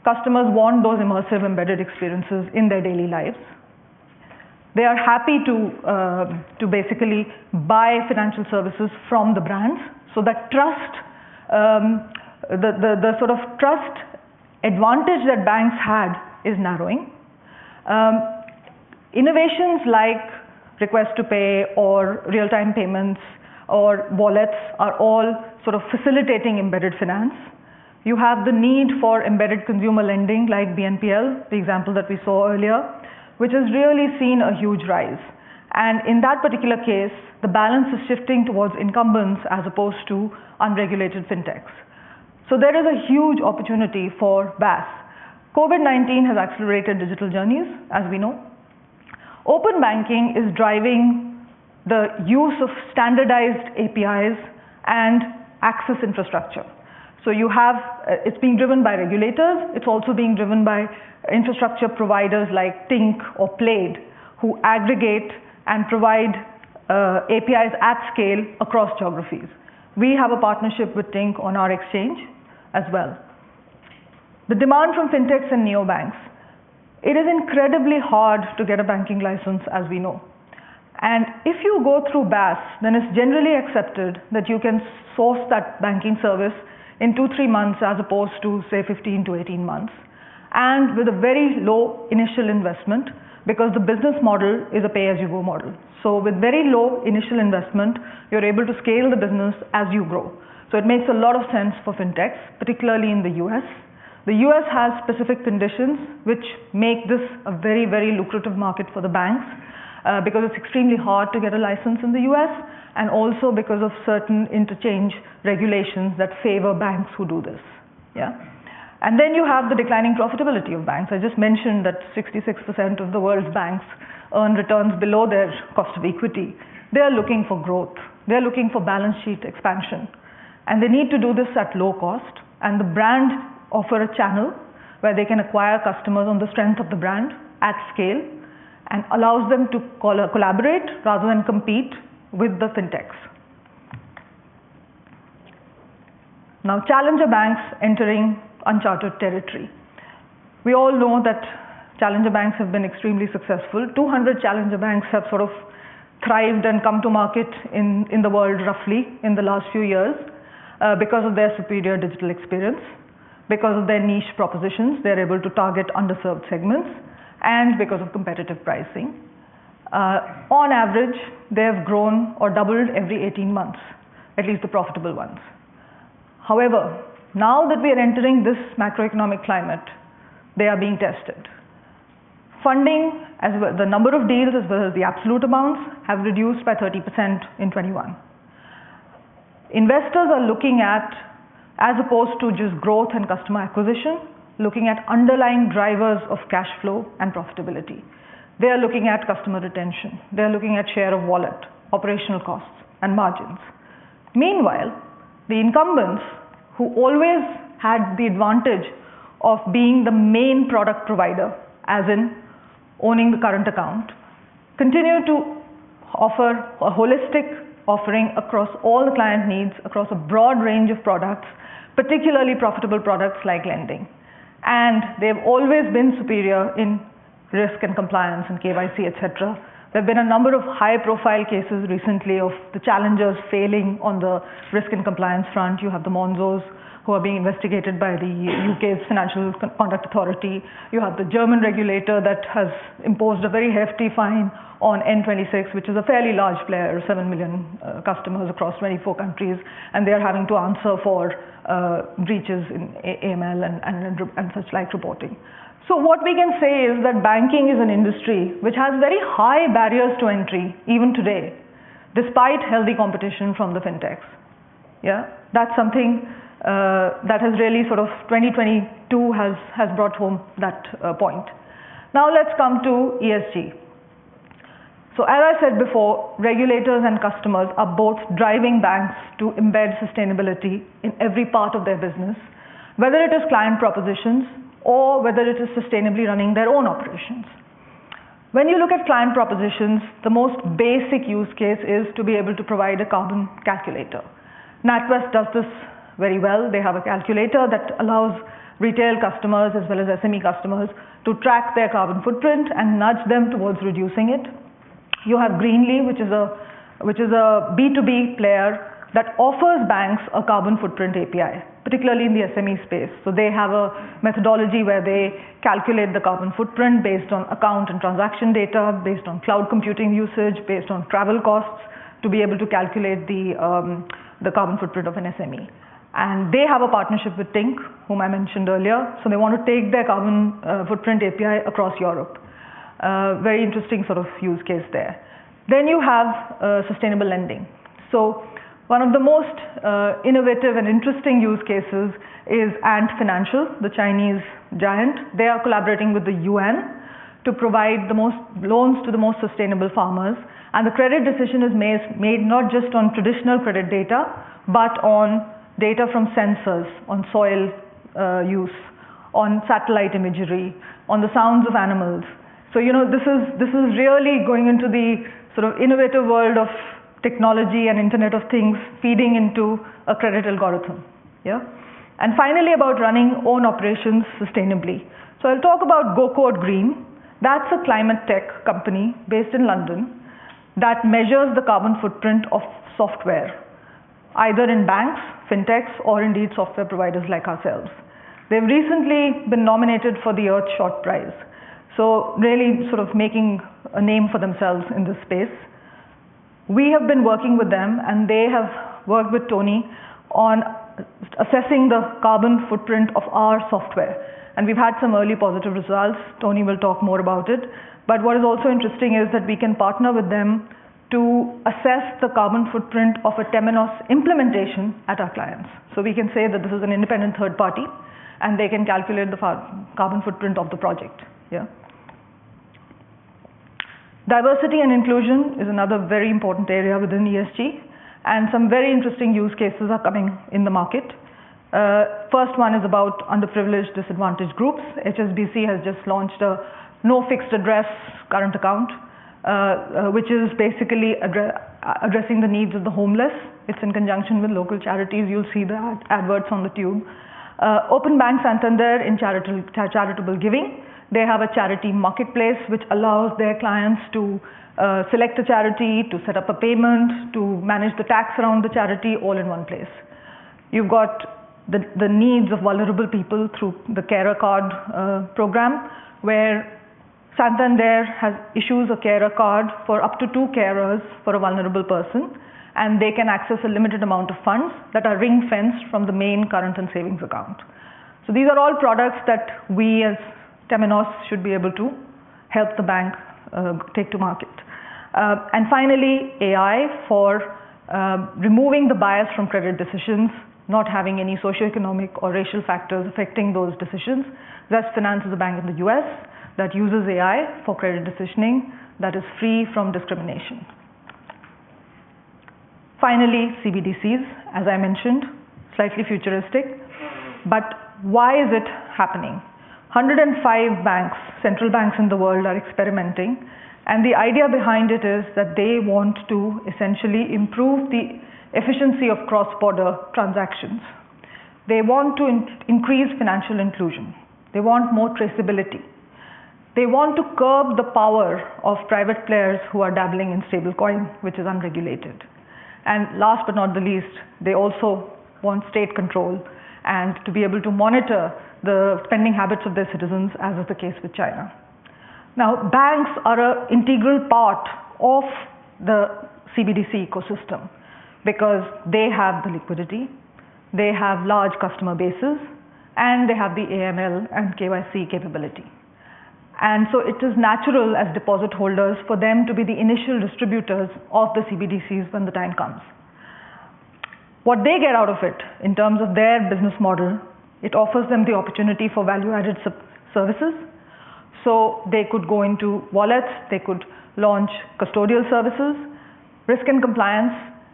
Customers want those immersive embedded experiences in their daily lives. They are happy to basically buy financial services from the brands. The trust, the sort of trust advantage that banks had is narrowing. Innovations like request to pay or real-time payments or wallets are all sort of facilitating embedded finance. You have the need for embedded consumer lending like BNPL, the example that we saw earlier, which has really seen a huge rise. In that particular case, the balance is shifting towards incumbents as opposed to unregulated fintechs. There is a huge opportunity for BaaS. COVID-19 has accelerated digital journeys, as we know. Open banking is driving the use of standardized APIs and access infrastructure. It's being driven by regulators. It's also being driven by infrastructure providers like Tink or Plaid, who aggregate and provide APIs at scale across geographies. We have a partnership with Tink on our exchange as well. The demand from fintechs and neobanks. It is incredibly hard to get a banking license, as we know. If you go through BaaS, it's generally accepted that you can source that banking service in two, three months as opposed to, say, 15-18 months, and with a very low initial investment because the business model is a pay-as-you-go model. With very low initial investment, you're able to scale the business as you grow. It makes a lot of sense for fintechs, particularly in the U.S. The U.S. has specific conditions which make this a very, very lucrative market for the banks, because it's extremely hard to get a license in the U.S. and also because of certain interchange regulations that favor banks who do this. You have the declining profitability of banks. I just mentioned that 66% of the world's banks earn returns below their cost of equity. They are looking for growth. They are looking for balance sheet expansion, and they need to do this at low cost. The brand offer a channel where they can acquire customers on the strength of the brand at scale and allows them to collaborate rather than compete with the fintechs. Challenger banks entering uncharted territory. We all know that challenger banks have been extremely successful. 200 challenger banks have sort of thrived and come to market in the world roughly in the last few years, because of their superior digital experience, because of their niche propositions, they're able to target underserved segments, and because of competitive pricing. On average, they have grown or doubled every 18 months, at least the profitable ones. Now that we are entering this macroeconomic climate, they are being tested. Funding as well, the number of deals as well as the absolute amounts have reduced by 30% in 2021. Investors are looking at, as opposed to just growth and customer acquisition, looking at underlying drivers of cash flow and profitability. They are looking at customer retention. They are looking at share of wallet, operational costs, and margins. Meanwhile, the incumbents who always had the advantage of being the main product provider, as in owning the current account, continue to offer a holistic offering across all the client needs, across a broad range of products, particularly profitable products like lending. They have always been superior in risk and compliance and KYC, et cetera. There have been a number of high-profile cases recently of the challengers failing on the risk and compliance front. You have the Monzos who are being investigated by the U.K. Financial Conduct Authority. You have the German regulator that has imposed a very hefty fine on N26, which is a fairly large player, 7 million customers across 24 countries, and they are having to answer for breaches in AML and such like reporting. What we can say is that banking is an industry which has very high barriers to entry even today, despite healthy competition from the fintechs. Yeah. That's something that has really sort of 2022 has brought home that point. Let's come to ESG. As I said before, regulators and customers are both driving banks to embed sustainability in every part of their business, whether it is client propositions or whether it is sustainably running their own operations. When you look at client propositions, the most basic use case is to be able to provide a carbon calculator. NatWest does this very well. They have a calculator that allows retail customers as well as SME customers to track their carbon footprint and nudge them towards reducing it. You have Greenly, which is a B2B player that offers banks a carbon footprint API, particularly in the SME space. They have a methodology where they calculate the carbon footprint based on account and transaction data, based on cloud computing usage, based on travel costs, to be able to calculate the carbon footprint of an SME. And they have a partnership with Tink, whom I mentioned earlier. They want to take their carbon footprint API across Europe. Very interesting sort of use case there. You have sustainable lending. One of the most innovative and interesting use cases is Ant Financial, the Chinese giant. They are collaborating with the UN to provide loans to the most sustainable farmers, the credit decision is made not just on traditional credit data, but on data from sensors on soil use, on satellite imagery, on the sounds of animals. you know, this is, this is really going into the sort of innovative world of technology and Internet of Things feeding into a credit algorithm. Yeah. Finally, about running own operations sustainably. I'll talk about GoCodeGreen. That's a ClimateTech company based in London that measures the carbon footprint of software, either in banks, Fintechs or indeed software providers like ourselves. They've recently been nominated for The Earthshot Prize, really sort of making a name for themselves in this space. We have been working with them, they have worked with Tony on assessing the carbon footprint of our software, and we've had some early positive results. Tony will talk more about it. What is also interesting is that we can partner with them to assess the carbon footprint of a Temenos implementation at our clients. We can say that this is an independent third party, and they can calculate the carbon footprint of the project. Yeah. Diversity and inclusion is another very important area within ESG, and some very interesting use cases are coming in the market. First one is about underprivileged, disadvantaged groups. HSBC has just launched a no fixed address current account, which is basically addressing the needs of the homeless. It's in conjunction with local charities. You'll see the adverts on the tube. Openbank Santander in charitable giving, they have a charity marketplace which allows their clients to select a charity, to set up a payment, to manage the tax around the charity all in one place. You've got the needs of vulnerable people through the carer card program, where Santander issues a carer card for up to two carers for a vulnerable person, and they can access a limited amount of funds that are ring-fenced from the main current and savings account. These are all products that we as Temenos should be able to help the bank take to market. And finally, AI for removing the bias from credit decisions, not having any socioeconomic or racial factors affecting those decisions. Zest AI is a bank in the U.S. that uses AI for credit decisioning that is free from discrimination. CBDCs, as I mentioned, slightly futuristic, why is it happening? 105 banks, central banks in the world are experimenting, the idea behind it is that they want to essentially improve the efficiency of cross-border transactions. They want to increase financial inclusion. They want more traceability. They want to curb the power of private players who are dabbling in stablecoin, which is unregulated. Last but not the least, they also want state control and to be able to monitor the spending habits of their citizens, as is the case with China. Banks are an integral part of the CBDC ecosystem because they have the liquidity, they have large customer bases, and they have the AML and KYC capability. It is natural as deposit holders for them to be the initial distributors of the CBDCs when the time comes. What they get out of it in terms of their business model, it offers them the opportunity for value-added services. They could go into wallets, they could launch custodial services. Risk and compliance.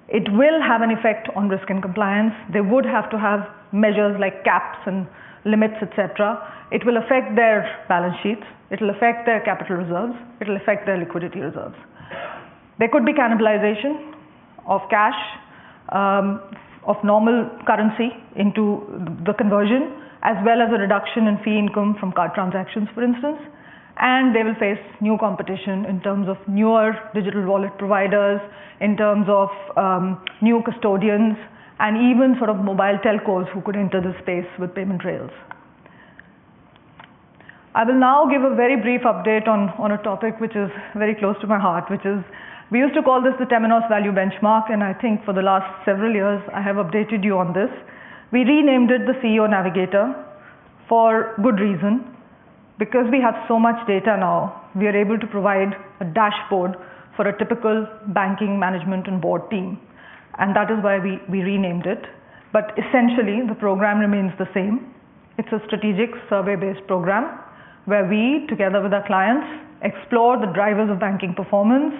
It will have an effect on risk and compliance. They would have to have measures like caps and limits, et cetera. It will affect their balance sheets. It'll affect their capital reserves. It'll affect their liquidity reserves. There could be cannibalization of cash, of normal currency into the conversion, as well as a reduction in fee income from card transactions, for instance. They will face new competition in terms of newer digital wallet providers, in terms of new custodians and even sort of mobile telcos who could enter this space with payment rails. I will now give a very brief update on a topic which is very close to my heart, which is we used to call this the Temenos Value Benchmark, and I think for the last several years I have updated you on this. We renamed it the CEO Navigator for good reason. Because we have so much data now, we are able to provide a dashboard for a typical banking management and board team, and that is why we renamed it. Essentially the program remains the same. It's a strategic survey-based program where we, together with our clients, explore the drivers of banking performance,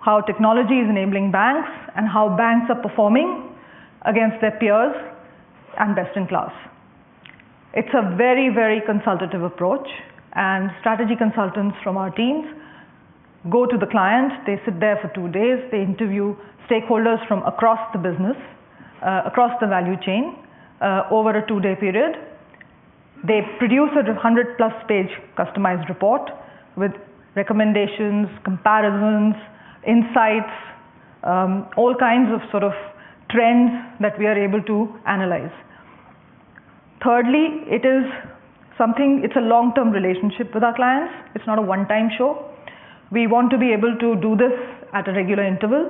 how technology is enabling banks, and how banks are performing against their peers and best in class. It's a very, very consultative approach, and strategy consultants from our teams go to the client. They sit there for two days. They interview stakeholders from across the business, across the value chain, over a two-day period. They produce a 100-plus page customized report with recommendations, comparisons, insights, all kinds of sort of trends that we are able to analyze. Thirdly, it's a long-term relationship with our clients. It's not a one-time show. We want to be able to do this at a regular interval,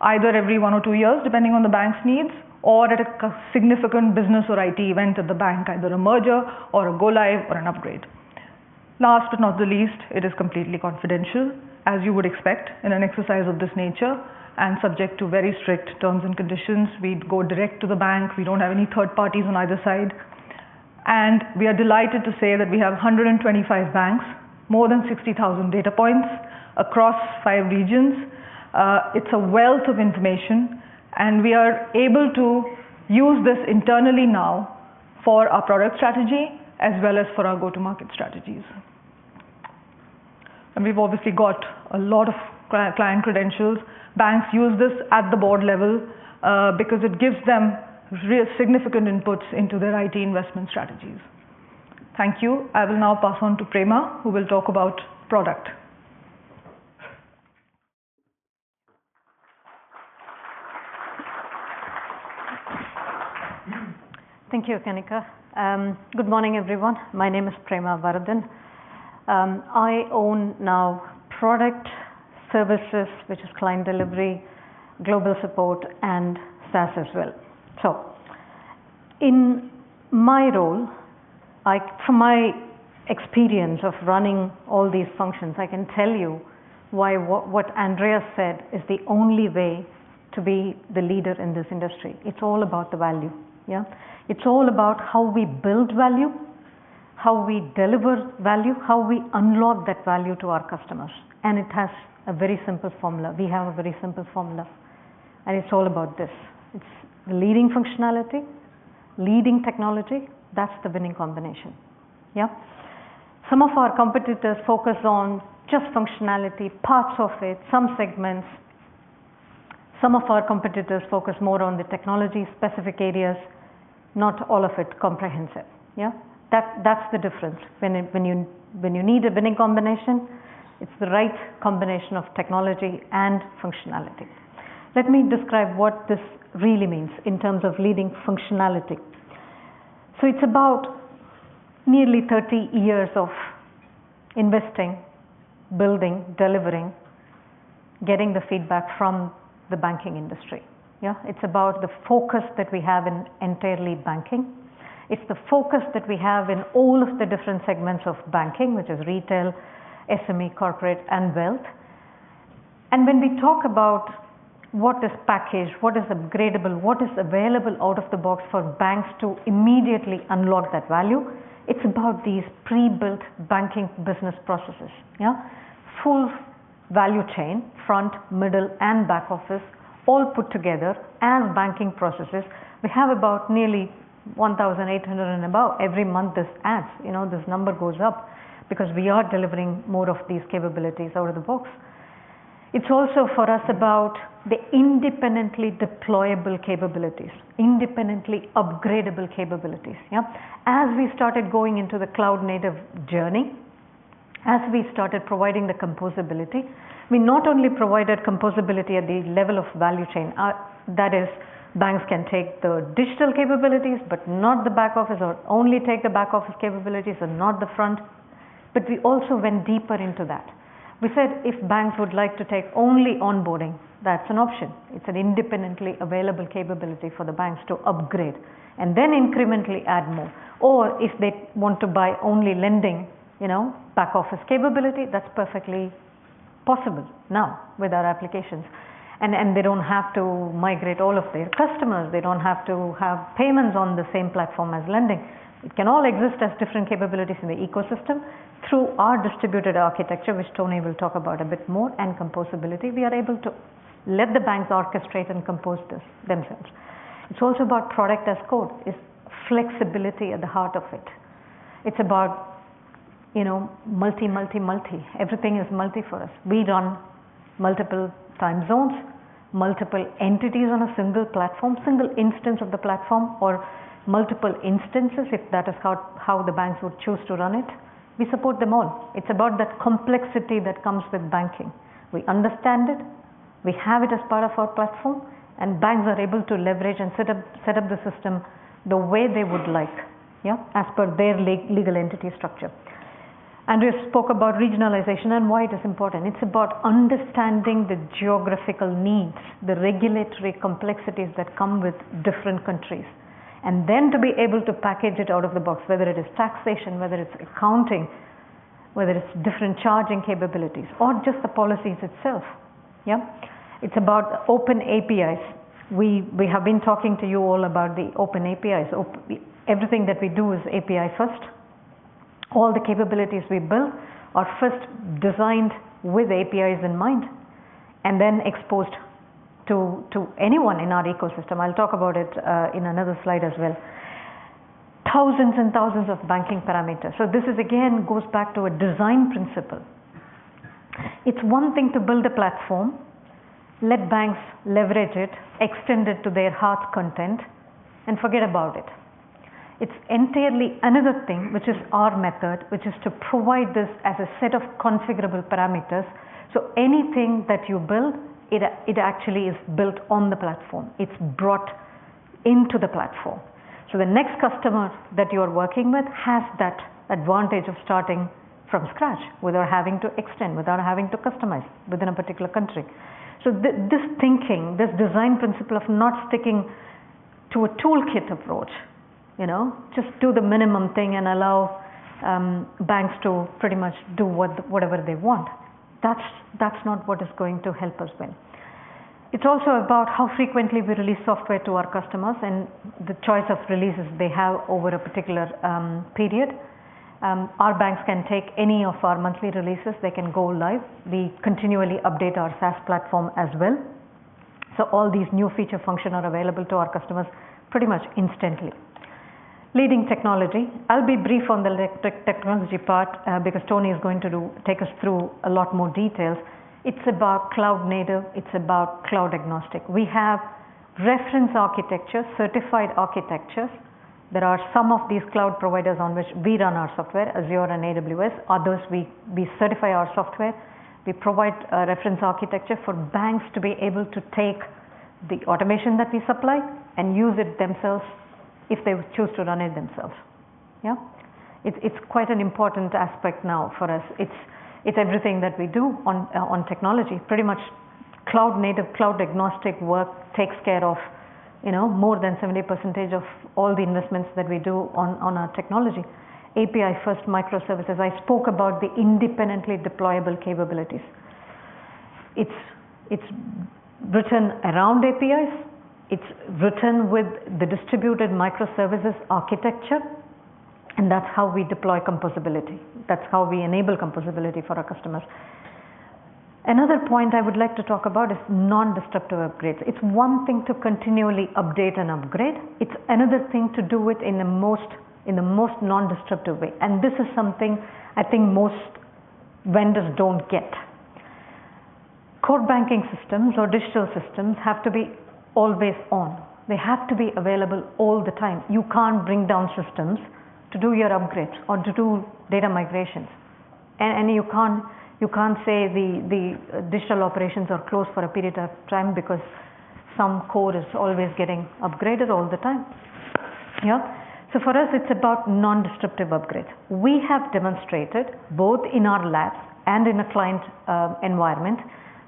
either every one or two years, depending on the bank's needs, or at a significant business or IT event at the bank, either a merger or a go-live or an upgrade. Last but not least, it is completely confidential, as you would expect in an exercise of this nature, and subject to very strict terms and conditions. We go direct to the bank. We don't have any third parties on either side. We are delighted to say that we have 125 banks, more than 60,000 data points across five regions. It's a wealth of information, we are able to use this internally now for our product strategy as well as for our go-to-market strategies. We've obviously got a lot of client credentials. Banks use this at the board level, because it gives them real significant inputs into their IT investment strategies. Thank you. I will now pass on to Prema, who will talk about product. Thank you, Kanika. Good morning, everyone. My name is Prema Varadhan. I own now product, services, which is client delivery, global support and SaaS as well. In my role, from my experience of running all these functions, I can tell you why what Andrea said is the only way to be the leader in this industry. It's all about the value, yeah? It's all about how we build value, how we deliver value, how we unlock that value to our customers. It has a very simple formula. We have a very simple formula. It's all about this. It's leading functionality, leading technology. That's the winning combination. Yeah? Some of our competitors focus on just functionality, parts of it, some segments. Some of our competitors focus more on the technology-specific areas, not all of it comprehensive. Yeah? That's the difference. When you need a winning combination, it's the right combination of technology and functionality. Let me describe what this really means in terms of leading functionality. It's about nearly 30 years of investing, building, delivering, getting the feedback from the banking industry. Yeah? It's about the focus that we have in entirely banking. It's the focus that we have in all of the different segments of banking, which is retail, SME, corporate and wealth. When we talk about what is packaged, what is upgradable, what is available out of the box for banks to immediately unlock that value, it's about these pre-built banking business processes. Yeah? Full value chain front, middle and back office all put together and banking processes. We have about nearly 1,800 and about every month this adds. You know, this number goes up because we are delivering more of these capabilities out of the box. It's also for us about the independently deployable capabilities, independently upgradable capabilities. Yeah? As we started going into the cloud native journey, as we started providing the composability, we not only provided composability at the level of value chain, that is banks can take the digital capabilities but not the back office or only take the back office capabilities and not the front. We also went deeper into that. We said, if banks would like to take only onboarding, that's an option. It's an independently available capability for the banks to upgrade and then incrementally add more. If they want to buy only lending, you know, back-office capability, that's perfectly possible now with our applications, and they don't have to migrate all of their customers. They don't have to have payments on the same platform as lending. It can all exist as different capabilities in the ecosystem through our distributed architecture, which Tony will talk about a bit more, and composability, we are able to let the banks orchestrate and compose this themselves. It's also about product as code. It's flexibility at the heart of it. It's about, you know, multi, multi. Everything is multi for us. We run multiple time zones, multiple entities on a single platform, single instance of the platform or multiple instances, if that is how the banks would choose to run it. We support them all. It's about that complexity that comes with banking. We understand it, we have it as part of our platform, banks are able to leverage and set up the system the way they would like, yeah, as per their legal entity structure. We spoke about regionalization and why it is important. It's about understanding the geographical needs, the regulatory complexities that come with different countries, then to be able to package it out of the box, whether it is taxation, whether it's accounting, whether it's different charging capabilities or just the policies itself, yeah. It's about open APIs. We have been talking to you all about the open APIs. Everything that we do is API first. All the capabilities we build are first designed with APIs in mind and then exposed to anyone in our ecosystem. I'll talk about it in another slide as well. Thousands and thousands of banking parameters. This is again, goes back to a design principle. It's one thing to build a platform, let banks leverage it, extend it to their heart's content, and forget about it. It's entirely another thing, which is our method, which is to provide this as a set of configurable parameters, so anything that you build, it actually is built on the platform. It's brought into the platform. The next customer that you are working with has that advantage of starting from scratch without having to extend, without having to customize within a particular country. This thinking, this design principle of not sticking to a toolkit approach, you know, just do the minimum thing and allow banks to pretty much do whatever they want, that's not what is going to help us win. It's also about how frequently we release software to our customers and the choice of releases they have over a particular period. Our banks can take any of our monthly releases. They can go live. We continually update our SaaS platform as well. All these new feature function are available to our customers pretty much instantly. Leading technology. I'll be brief on the technology part because Tony is going to take us through a lot more details. It's about cloud native. It's about cloud agnostic. We have reference architecture, certified architectures. There are some of these cloud providers on which we run our software, Azure and AWS. Others, we certify our software. We provide a reference architecture for banks to be able to take the automation that we supply, and use it themselves if they choose to run it themselves, yeah. It's quite an important aspect now for us. It's everything that we do on technology. Pretty much cloud native, cloud agnostic work takes care of, you know, more than 70% of all the investments that we do on our technology. API first microservices. I spoke about the independently deployable capabilities. It's written around APIs. It's written with the distributed microservices architecture. That's how we deploy composability. That's how we enable composability for our customers. Another point I would like to talk about is non-destructive upgrades. It's one thing to continually update and upgrade. It's another thing to do it in the most non-destructive way. This is something I think most vendors don't get. Core banking systems or digital systems have to be always on. They have to be available all the time. You can't bring down systems to do your upgrades or to do data migrations, and you can't say the digital operations are closed for a period of time because some code is always getting upgraded all the time. Yeah. For us, it's about non-destructive upgrades. We have demonstrated both in our labs and in a client environment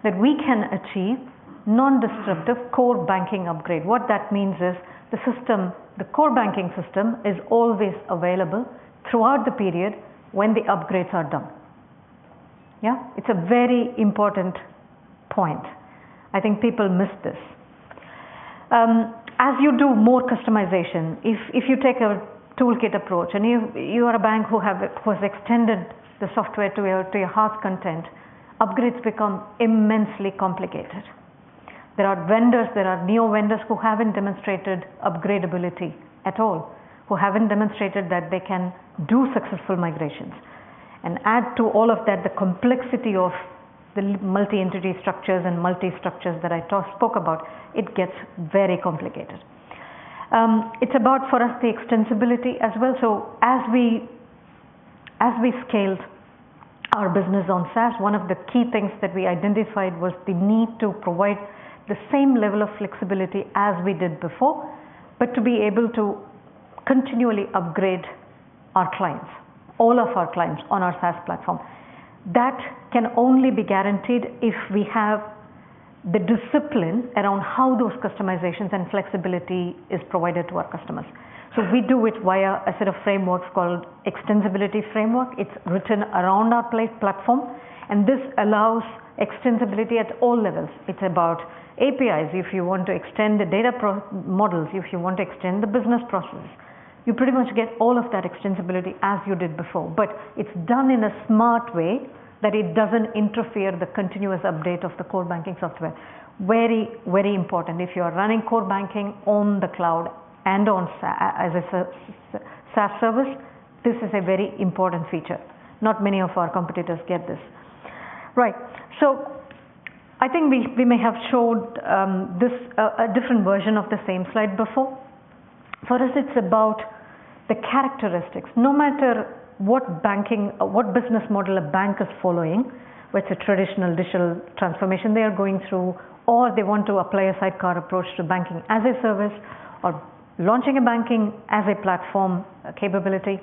that we can achieve non-destructive core banking upgrade. What that means is the system, the core banking system is always available throughout the period when the upgrades are done. Yeah? It's a very important point. I think people miss this. As you do more customization, if you take a toolkit approach and you are a bank who has extended the software to your heart's content, upgrades become immensely complicated. There are vendors, there are neo vendors who haven't demonstrated upgradeability at all, who haven't demonstrated that they can do successful migrations, and add to all of that the complexity of the multi-entity structures and multi-structures that I spoke about, it gets very complicated. It's about for us the extensibility as well. As we scaled our business on SaaS, one of the key things that we identified was the need to provide the same level of flexibility as we did before, but to be able to continually upgrade our clients, all of our clients on our SaaS platform. That can only be guaranteed if we have the discipline around how those customizations and flexibility is provided to our customers. We do it via a set of frameworks called Extensibility Framework. It's written around our plate platform. This allows extensibility at all levels. It's about APIs. If you want to extend the data models, if you want to extend the business process, you pretty much get all of that extensibility as you did before. It's done in a smart way that it doesn't interfere the continuous update of the core banking software. Very, very important. If you are running core banking on the cloud and as a SaaS service, this is a very important feature. Not many of our competitors get this. Right. I think we may have showed this a different version of the same slide before. For us, it's about the characteristics. No matter what banking or what business model a bank is following, whether it's a traditional digital transformation they are going through, or they want to apply a sidecar approach to banking-as-a-service or launching a banking-as-a-platform capability,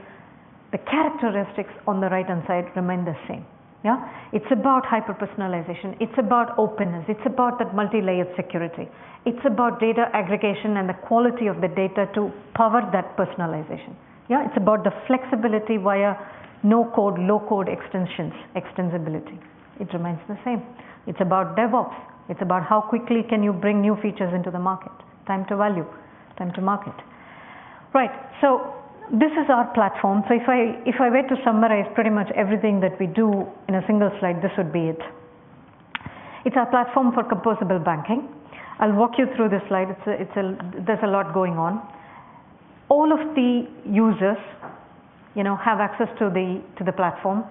the characteristics on the right-hand side remain the same. Yeah? It's about hyper-personalization. It's about openness. It's about that multi-layered security. It's about data aggregation and the quality of the data to power that personalization. Yeah? It's about the flexibility via no-code/low-code extensions, extensibility. It remains the same. It's about DevOps. It's about how quickly can you bring new features into the market, time to value, time to market. Right. This is our platform. If I were to summarize pretty much everything that we do in a single slide, this would be it. It's our platform for composable banking. I'll walk you through this slide. There's a lot going on. All of the users, you know, have access to the platform.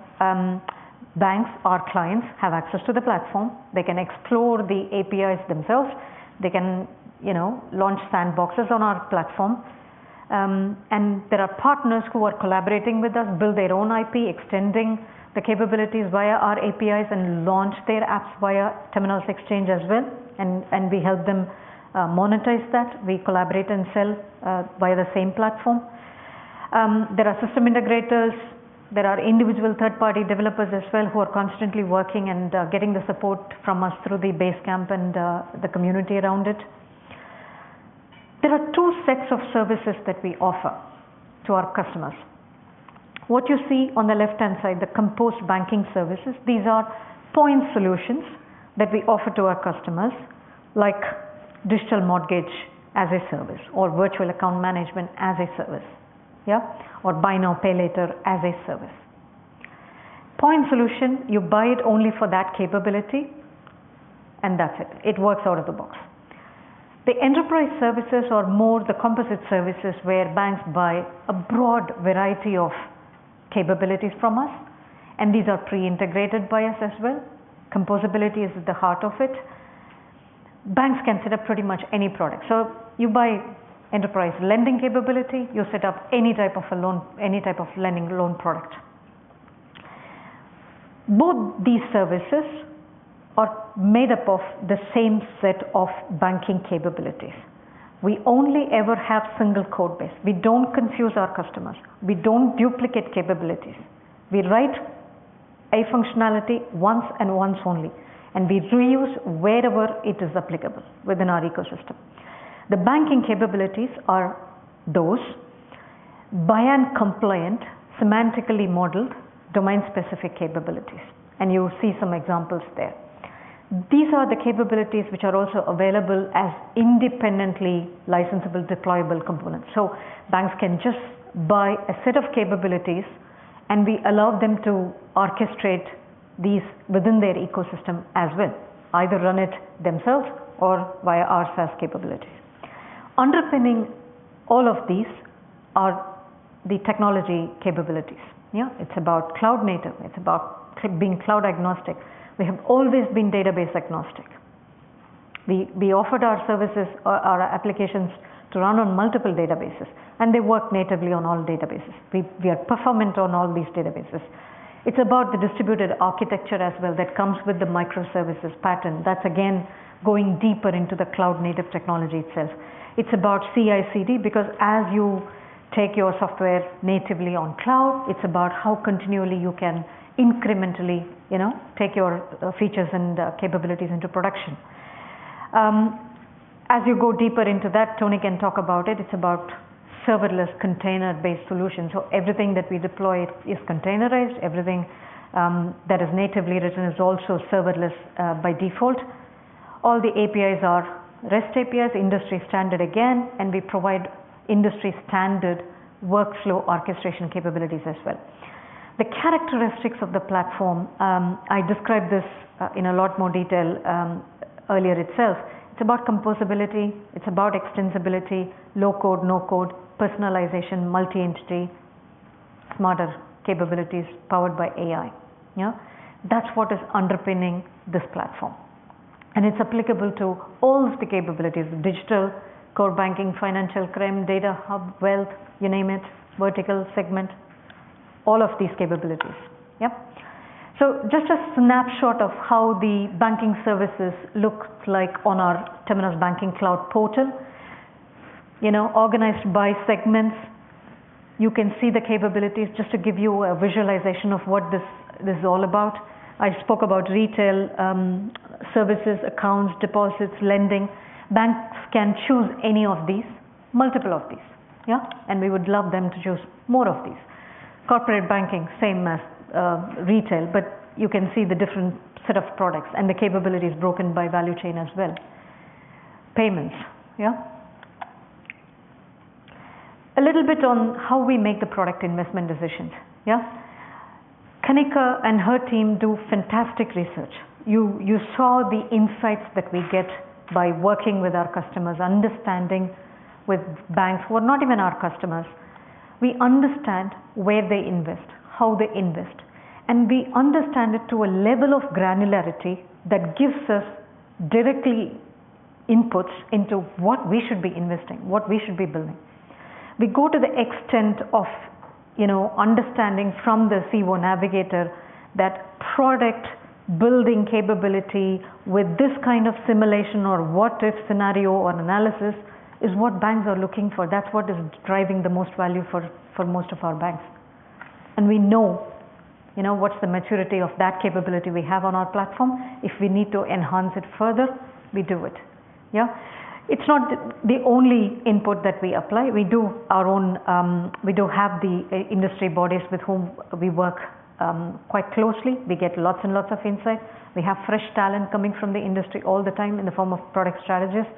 Banks, our clients, have access to the platform. They can explore the APIs themselves. They can, you know, launch sandboxes on our platform. And there are partners who are collaborating with us, build their own IP, extending the capabilities via our APIs and launch their apps via Temenos Exchange as well, and we help them monetize that. We collaborate and sell via the same platform. There are system integrators. There are individual third-party developers as well who are constantly working and getting the support from us through the Basecamp and the community around it. There are two sets of services that we offer to our customers. What you see on the left-hand side, the composed banking services, these are point solutions that we offer to our customers, like digital mortgage as a service or virtual account management as a service. Yeah? Buy-now-pay-later as a service. Point solution, you buy it only for that capability, and that's it. It works out of the box. The enterprise services are more the composite services where banks buy a broad variety of capabilities from us, and these are pre-integrated by us as well. Composability is at the heart of it. Banks can set up pretty much any product. You buy enterprise lending capability, you set up any type of lending loan product. Both these services are made up of the same set of banking capabilities. We only ever have single code base. We don't confuse our customers. We don't duplicate capabilities. We write a functionality once and once only, and we reuse wherever it is applicable within our ecosystem. The banking capabilities are those BIAN-compliant, semantically modeled, domain-specific capabilities, and you'll see some examples there. These are the capabilities which are also available as independently licensable deployable components. Banks can just buy a set of capabilities, and we allow them to orchestrate these within their ecosystem as well, either run it themselves or via our SaaS capabilities. Underpinning all of these are the technology capabilities. It's about cloud native. It's about being cloud agnostic. We have always been database agnostic. We offered our services or our applications to run on multiple databases, and they work natively on all databases. We are performant on all these databases. It's about the distributed architecture as well that comes with the microservices pattern. That's again going deeper into the cloud native technology itself. It's about CI/CD because as you take your software natively on cloud, it's about how continually you can incrementally, you know, take your features and capabilities into production. As you go deeper into that, Tony can talk about it. It's about serverless container-based solutions. Everything that we deploy is containerized. Everything that is natively written is also serverless by default. All the APIs are REST APIs, industry standard again, and we provide industry standard workflow orchestration capabilities as well. The characteristics of the platform, I described this in a lot more detail earlier itself. It's about composability. It's about extensibility, low-code/no-code, personalization, multi-entity, smarter capabilities powered by AI. Yeah. That's what is underpinning this platform. It's applicable to all of the capabilities: digital, core banking, financial crime, data hub, wealth, you name it, vertical segment, all of these capabilities. Yep. Just a snapshot of how the banking services looks like on our Temenos Banking Cloud portal. You know, organized by segments. You can see the capabilities. Just to give you a visualization of what this is all about. I spoke about retail, services, accounts, deposits, lending. Banks can choose any of these, multiple of these. Yeah? We would love them to choose more of these. Corporate banking, same as retail, you can see the different set of products and the capabilities broken by value chain as well. Payments, yeah. A little bit on how we make the product investment decisions, yeah. Kanika and her team do fantastic research. You saw the insights that we get by working with our customers, understanding with banks who are not even our customers. We understand where they invest, how they invest, and we understand it to a level of granularity that gives us directly inputs into what we should be investing, what we should be building. We go to the extent of, you know, understanding from the CEO Navigator that product building capability with this kind of simulation or what-if scenario or analysis is what banks are looking for. That's what is driving the most value for most of our banks. We know, you know, what's the maturity of that capability we have on our platform. If we need to enhance it further, we do it. Yeah? It's not the only input that we apply. We do our own. We do have the industry bodies with whom we work quite closely. We get lots and lots of insight. We have fresh talent coming from the industry all the time in the form of product strategists.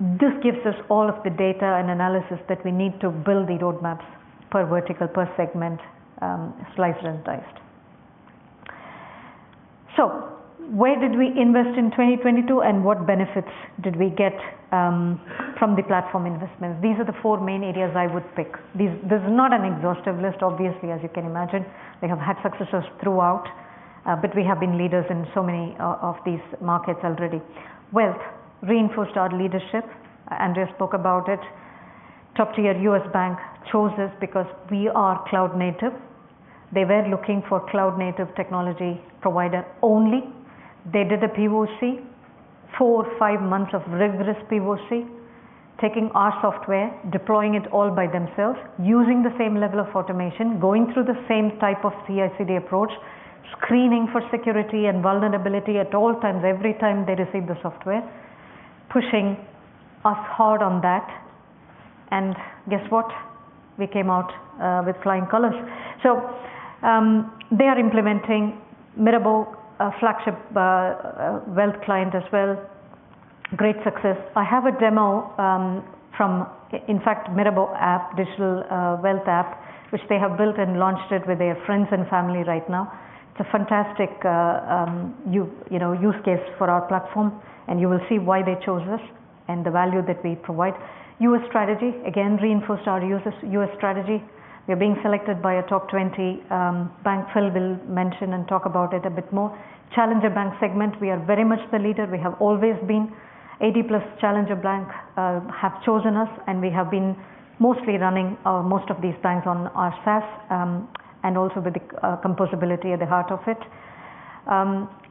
This gives us all of the data and analysis that we need to build the roadmaps per vertical, per segment, sliced and diced. Where did we invest in 2022, and what benefits did we get from the platform investments? These are the four main areas I would pick. This is not an exhaustive list, obviously, as you can imagine. We have had successes throughout, we have been leaders in so many of these markets already. Wealth reinforced our leadership, Andreas spoke about it. Top-tier U.S. bank chose us because we are cloud-native. They were looking for cloud-native technology provider only. They did a POC, four, five months of rigorous POC, taking our software, deploying it all by themselves, using the same level of automation, going through the same type of CI/CD approach, screening for security and vulnerability at all times, every time they receive the software, pushing us hard on that. Guess what? We came out with flying colors. They are implementing Mirabaud, a flagship wealth client as well. Great success. I have a demo from, in fact, Mirabaud app, digital wealth app, which they have built and launched it with their friends and family right now. It's a fantastic, you know, use case for our platform, and you will see why they chose us and the value that we provide. U.S. strategy, again, reinforced our U.S. strategy. We are being selected by a top 20 bank. Phil will mention and talk about it a bit more. Challenger bank segment, we are very much the leader. We have always been. 80+ challenger bank have chosen us, and we have been mostly running most of these banks on our SaaS, and also with the composability at the heart of it.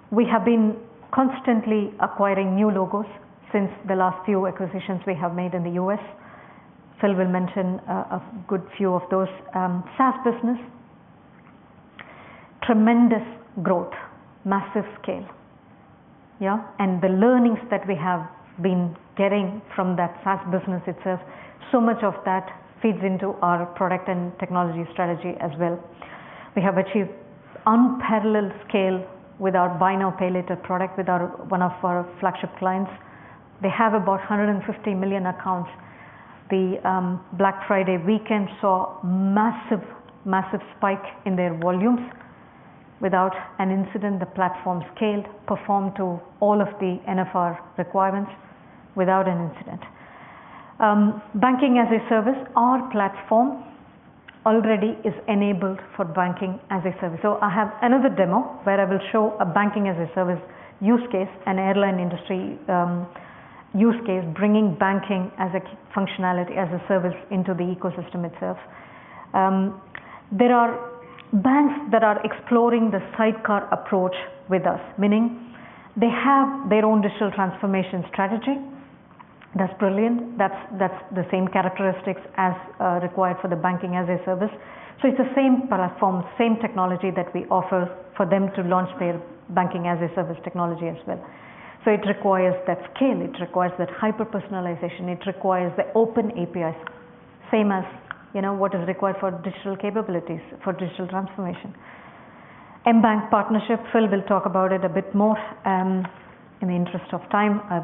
We have been constantly acquiring new logos since the last few acquisitions we have made in the U.S. Phil will mention a good few of those. SaaS business, tremendous growth, massive scale. Yeah? The learnings that we have been getting from that SaaS business itself, so much of that feeds into our product and technology strategy as well. We have achieved unparalleled scale with our buy now, pay later product with our one of our flagship clients. They have about 150 million accounts. Black Friday weekend saw massive spike in their volumes. Without an incident, the platform scaled, performed to all of the NFR requirements without an incident. Banking-as-a-service, our platform already is enabled for banking-as-a-service. I have another demo where I will show a banking-as-a-service use case, an airline industry use case, bringing banking as a functionality, as a service into the ecosystem itself. There are banks that are exploring the sidecar approach with us, meaning they have their own digital transformation strategy. That's brilliant. That's the same characteristics as required for the banking-as-a-service. It's the same platform, same technology that we offer for them to launch their banking-as-a-service technology as well. It requires that scale, it requires that hyper-personalization, it requires the open APIs, same as, you know, what is required for digital capabilities, for digital transformation. Mbanq partnership, Phil will talk about it a bit more. In the interest of time, I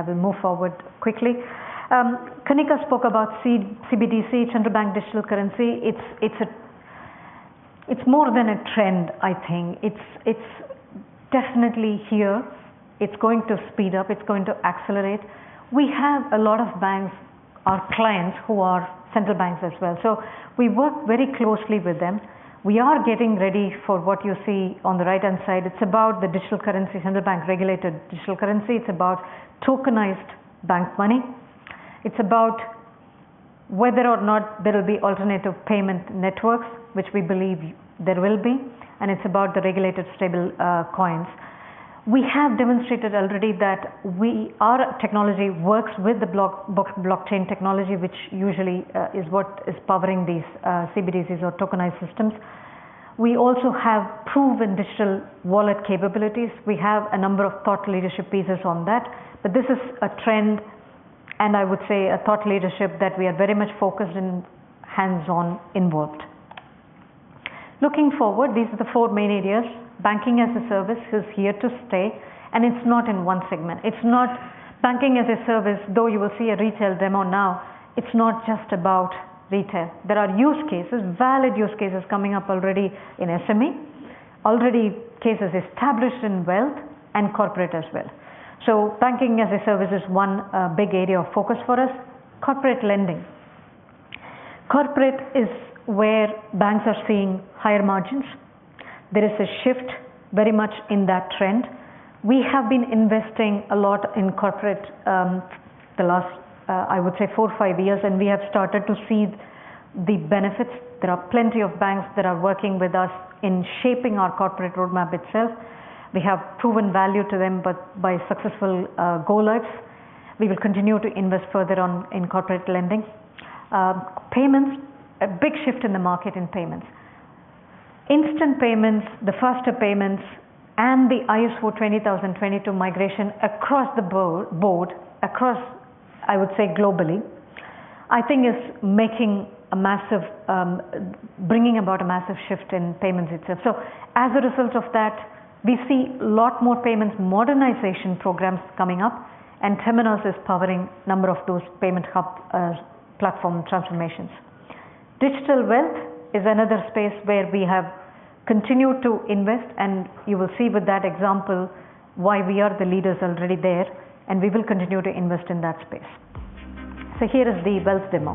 will move forward quickly. Kanika spoke about CBDC, central bank digital currency. It's more than a trend, I think. It's definitely here. It's going to speed up. It's going to accelerate. We have a lot of banks, our clients, who are central banks as well. We work very closely with them. We are getting ready for what you see on the right-hand side. It's about the digital currency, central bank regulated digital currency. It's about tokenized bank money. It's about whether or not there will be alternative payment networks, which we believe there will be, and it's about the regulated stable coins. We have demonstrated already that our technology works with the blockchain technology, which usually is what is powering these CBDCs or tokenized systems. We also have proven digital wallet capabilities. We have a number of thought leadership pieces on that. This is a trend, and I would say a thought leadership that we are very much focused and hands-on involved. Looking forward, these are the four main areas. Banking-as-a-service is here to stay. It's not in one segment. Banking-as-a-service, though you will see a retail demo now, it's not just about retail. There are use cases, valid use cases coming up already in SME, already cases established in wealth and corporate as well. Banking-as-a-service is one big area of focus for us. Corporate lending. Corporate is where banks are seeing higher margins. There is a shift very much in that trend. We have been investing a lot in corporate, the last, I would say four, five years. We have started to see the benefits. There are plenty of banks that are working with us in shaping our corporate roadmap itself. We have proven value to them by successful go-lives. We will continue to invest further in corporate lending. Payments, a big shift in the market in payments. Instant payments, the faster payments, the ISO 20022 migration across the board, across, I would say, globally, I think is making a massive, bringing about a massive shift in payments itself. As a result of that, we see a lot more payments modernization programs coming up. Temenos is powering number of those payment hub platform transformations. Digital wealth is another space where we have continued to invest, and you will see with that example why we are the leaders already there, and we will continue to invest in that space. Here is the wealth demo.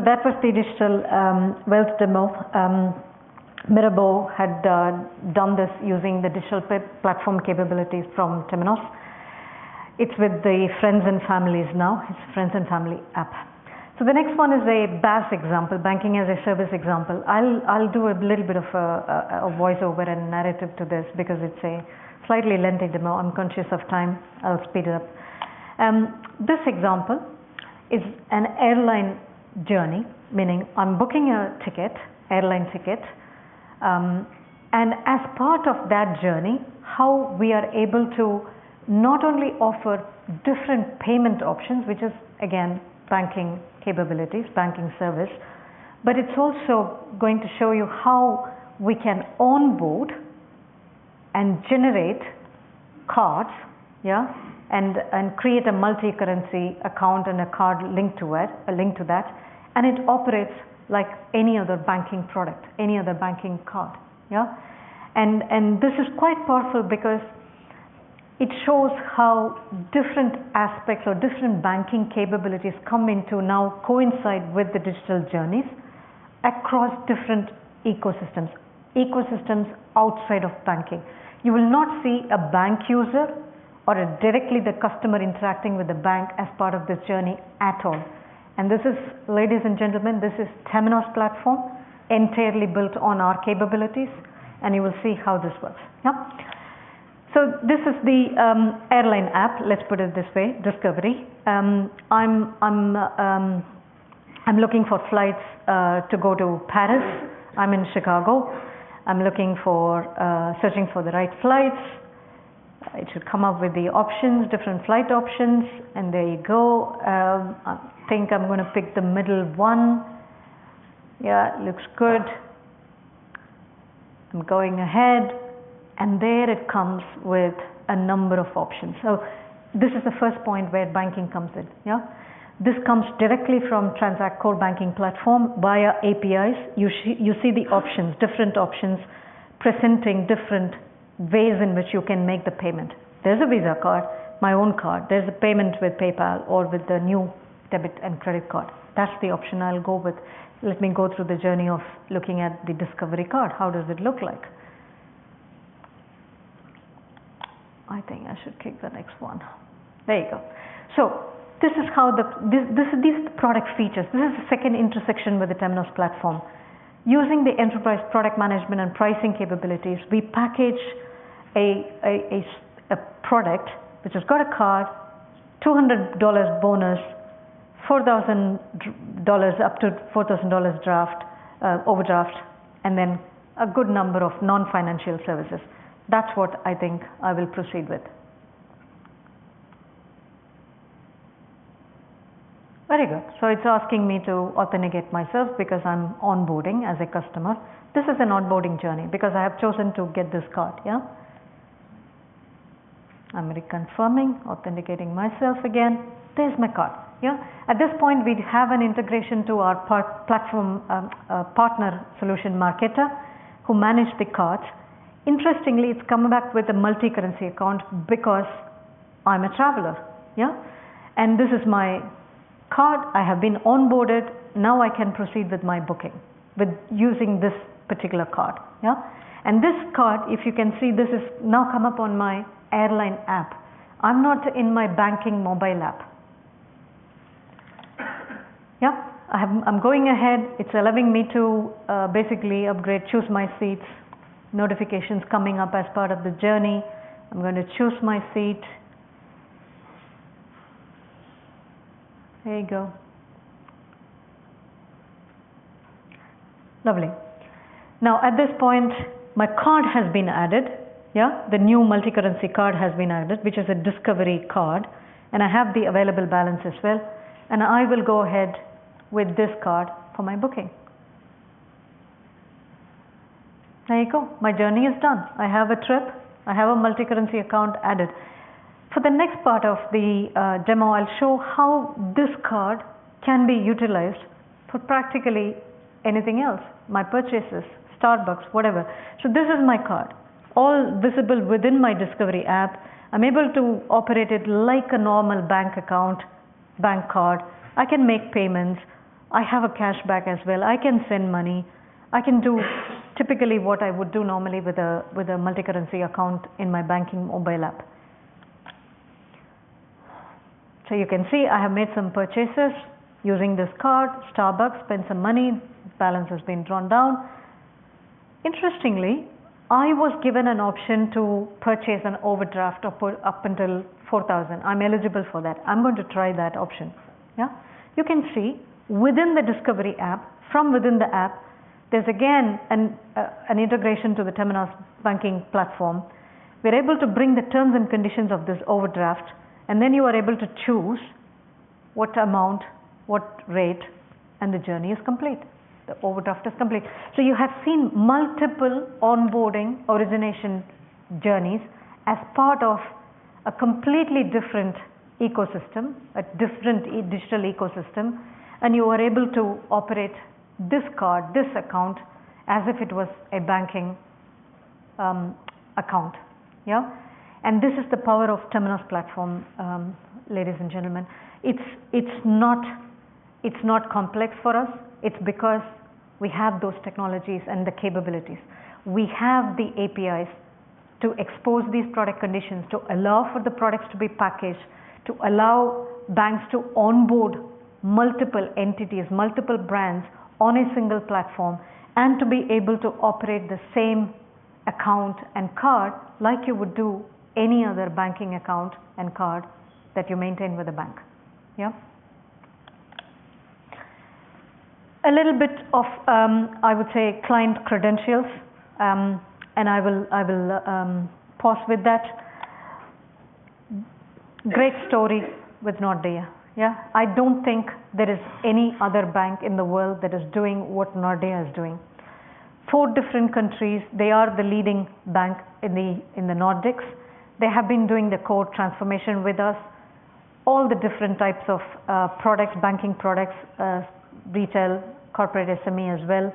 Right. That was the digital wealth demo. Mirabaud had done this using the digital platform capabilities from Temenos. It's with the friends and families now. It's friends and family app. The next one is a BaaS example, Banking-as-a-Service example. I'll do a little bit of a voiceover and narrative to this because it's a slightly lengthy demo. I'm conscious of time. I'll speed it up. This example is an airline journey, meaning I'm booking a ticket, airline ticket, and as part of that journey, how we are able to not only offer different payment options, which is again, banking capabilities, banking service, but it's also going to show you how we can onboard and generate cards, and create a multicurrency account and a card linked to it, and it operates like any other banking product, any other banking card. This is quite powerful because it shows how different aspects or different banking capabilities come into now coincide with the digital journeys across different ecosystems outside of banking. You will not see a bank user or a directly the customer interacting with the bank as part of this journey at all. This is, ladies and gentlemen, this is Temenos platform entirely built on our capabilities, and you will see how this works. Yeah. This is the airline app, let's put it this way, Discovery. I'm looking for flights to go to Paris. I'm in Chicago. I'm looking for, searching for the right flights. It should come up with the options, different flight options. There you go. I think I'm gonna pick the middle one. Yeah, looks good. I'm going ahead, there it comes with a number of options. This is the first point where banking comes in. Yeah. This comes directly from Transact core banking platform via APIs. You see the options, different options, presenting different ways in which you can make the payment. There's a Visa card, my own card. There's a payment with PayPal or with the new debit and credit card. That's the option I'll go with. Let me go through the journey of looking at the Discovery card. How does it look like? I think I should click the next one. There you go. This is how this is these product features. This is the second intersection with the Temenos platform. Using the enterprise product management and pricing capabilities, we package a product which has got a card, $200 bonus, $4,000 dollars up to $4,000 draft, overdraft, and then a good number of non-financial services. That's what I think I will proceed with. Very good. It's asking me to authenticate myself because I'm onboarding as a customer. This is an onboarding journey because I have chosen to get this card. Yeah. I'm reconfirming, authenticating myself again. There's my card. Yeah? At this point, we have an integration to our part platform, partner solution Marqeta who manage the cards. Interestingly, it's come back with a multicurrency account because I'm a traveler. Yeah? This is my card. I have been onboarded. Now I can proceed with my booking with using this particular card. Yeah? This card, if you can see, this has now come up on my airline app. I'm not in my banking mobile app. Yeah? I'm going ahead. It's allowing me to basically upgrade, choose my seats, notifications coming up as part of the journey. I'm gonna choose my seat. There you go. Lovely. Now, at this point, my card has been added. Yeah? The new multicurrency card has been added, which is a Discovery card, and I have the available balance as well, and I will go ahead with this card for my booking. There you go. My journey is done. I have a trip. I have a multicurrency account added. For the next part of the demo, I'll show how this card can be utilized for practically anything else, my purchases, Starbucks, whatever. This is my card, all visible within my Discovery app. I'm able to operate it like a normal bank account, bank card. I can make payments. I have a cashback as well. I can send money. I can do typically what I would do normally with a multicurrency account in my banking mobile app. You can see I have made some purchases using this card. Starbucks, spent some money. Balance has been drawn down. Interestingly, I was given an option to purchase an overdraft up until $4,000. I'm eligible for that. I'm going to try that option. Yeah. You can see within the Discovery app, from within the app, there's again an integration to the Temenos banking platform. We're able to bring the terms and conditions of this overdraft, and then you are able to choose what amount, what rate, and the journey is complete. The overdraft is complete. You have seen multiple onboarding origination journeys as part of a completely different ecosystem, a different digital ecosystem, and you are able to operate this card, this account, as if it was a banking account. Yeah. This is the power of Temenos platform, ladies and gentlemen. It's not complex for us. It's because we have those technologies and the capabilities. We have the APIs to expose these product conditions, to allow for the products to be packaged, to allow banks to onboard multiple entities, multiple brands on a single platform, and to be able to operate the same account and card like you would do any other banking account and card that you maintain with a bank. Yeah. A little bit of, I would say client credentials, and I will pause with that. Great story with Nordea. Yeah. I don't think there is any other bank in the world that is doing what Nordea is doing. Four different countries, they are the leading bank in the Nordics. They have been doing the core transformation with us. All the different types of products, banking products, retail, corporate SME as well.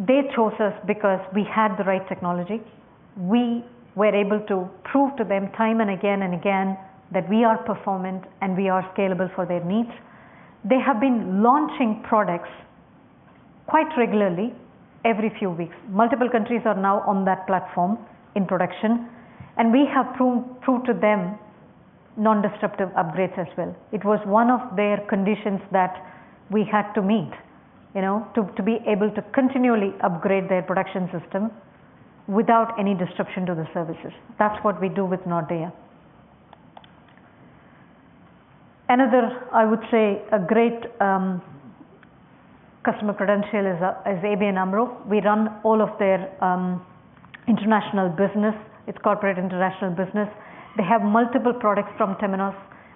They chose us because we had the right technology. We were able to prove to them time and again that we are performant and we are scalable for their needs. They have been launching products quite regularly every few weeks. Multiple countries are now on that platform in production. We have proved true to them non-disruptive upgrades as well. It was one of their conditions that we had to meet, you know, to be able to continually upgrade their production system without any disruption to the services. That's what we do with Nordea. Another, I would say, a great customer credential is ABN AMRO. We run all of their international business. It's corporate international business. They have multiple products from Temenos.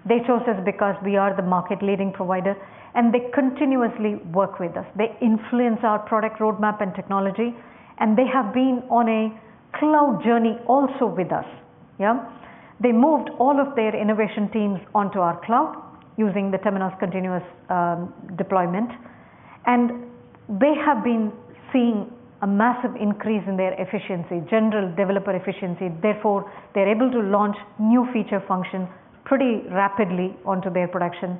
They chose us because we are the market leading provider, and they continuously work with us. They influence our product roadmap and technology, and they have been on a cloud journey also with us. Yeah? They moved all of their innovation teams onto our cloud using the Temenos continuous deployment. They have been seeing a massive increase in their efficiency, general developer efficiency. Therefore, they're able to launch new feature functions pretty rapidly onto their production.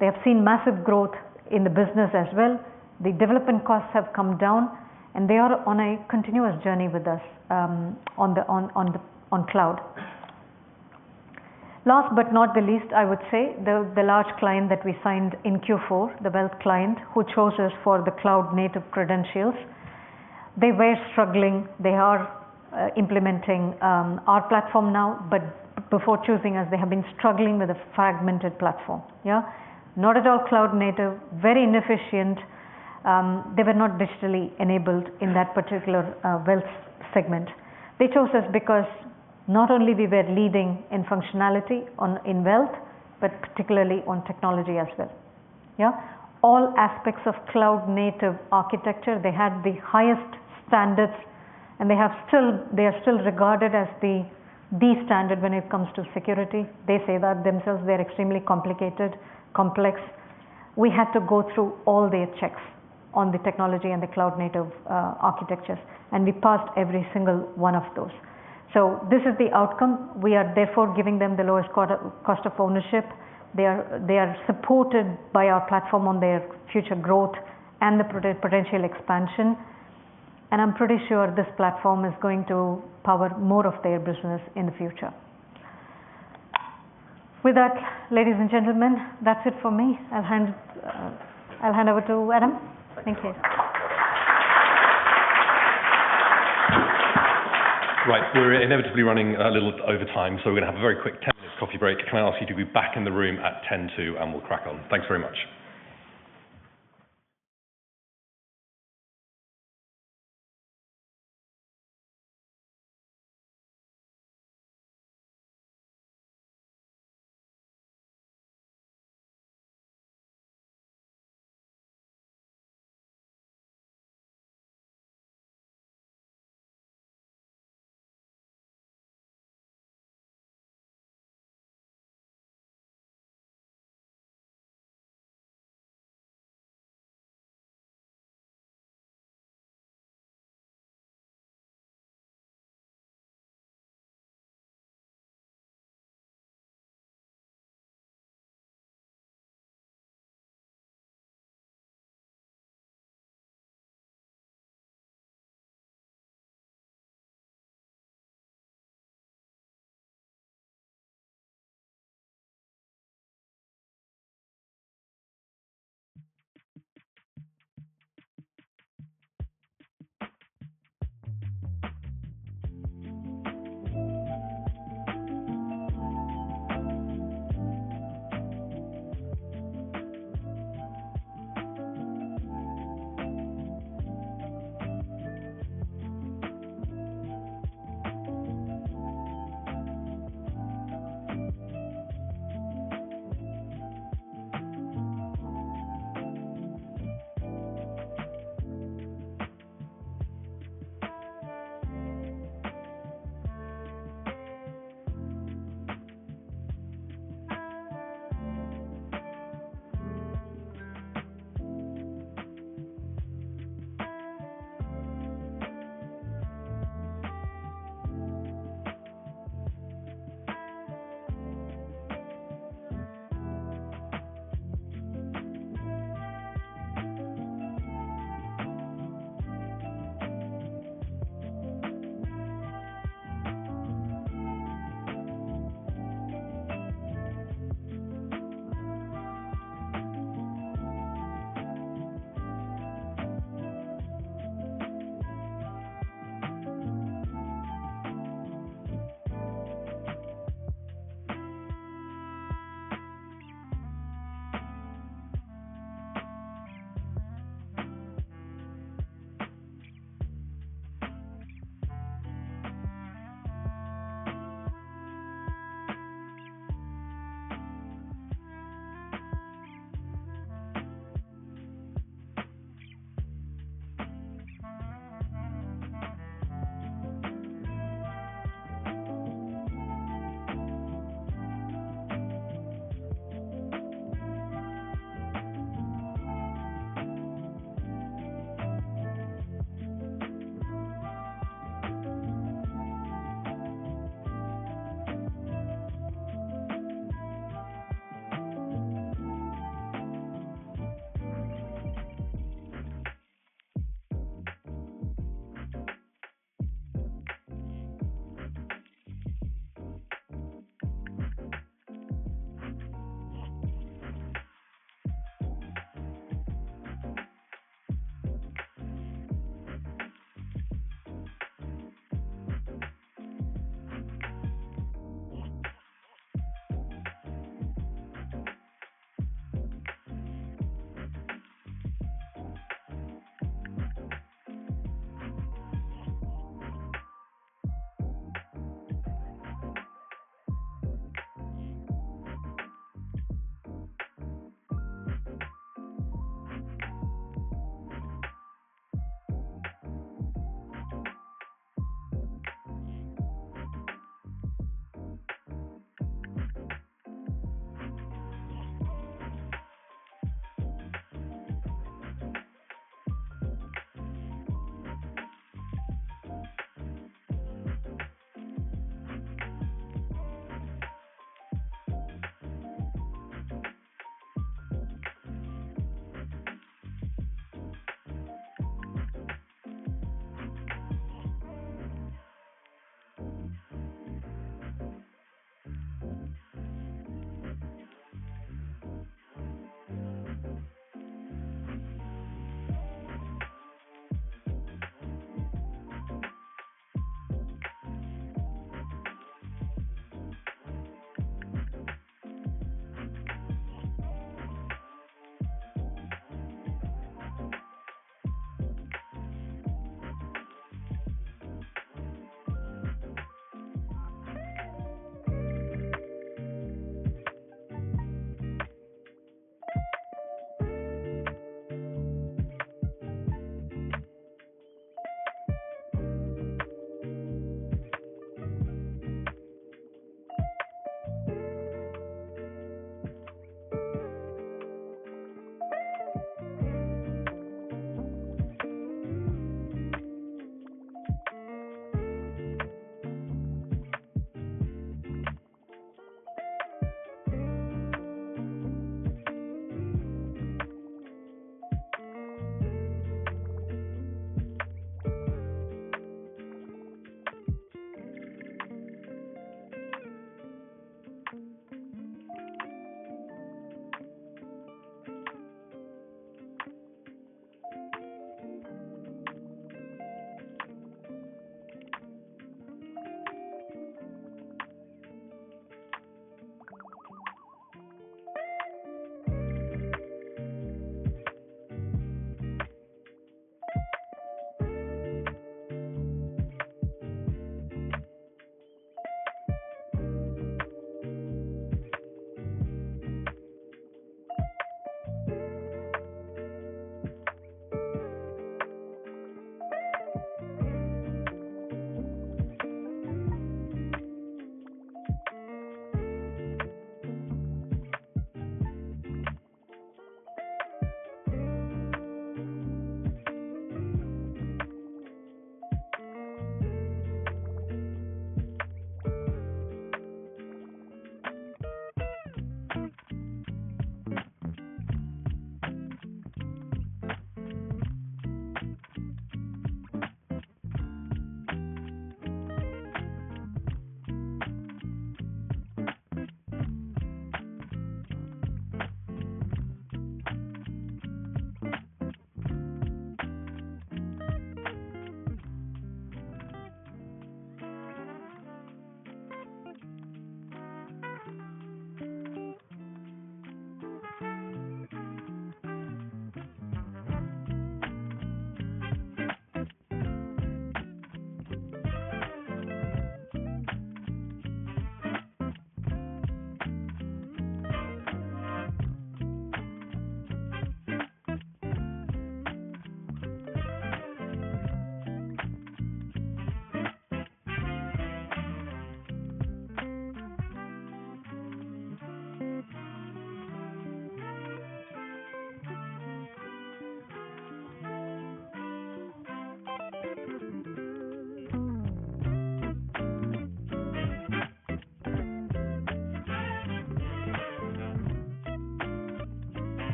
They have seen massive growth in the business as well. The development costs have come down, and they are on a continuous journey with us on cloud. Last but not the least, I would say the large client that we signed in Q4, the wealth client who chose us for the cloud-native credentials, they were struggling. They are implementing our platform now. Before choosing us, they have been struggling with a fragmented platform. Yeah? Not at all cloud-native, very inefficient. They were not digitally enabled in that particular wealth segment. They chose us because not only we were leading in functionality in wealth, but particularly on technology as well. Yeah? All aspects of cloud-native architecture, they had the highest standards, and they are still regarded as the standard when it comes to security. They say that themselves. They're extremely complicated, complex. We had to go through all their checks on the technology and the cloud-native architectures, and we passed every single one of those. This is the outcome. We are therefore giving them the lowest cost of ownership. They are supported by our platform on their future growth and the potential expansion. I'm pretty sure this platform is going to power more of their business in the future. With that, ladies and gentlemen, that's it for me. I'll hand over to Adam. Thank you. Right. We're inevitably running a little over time, so we're gonna have a very quick 10-minute coffee break. Can I ask you to be back in the room at 10 to 2, and we'll crack on. Thanks very much.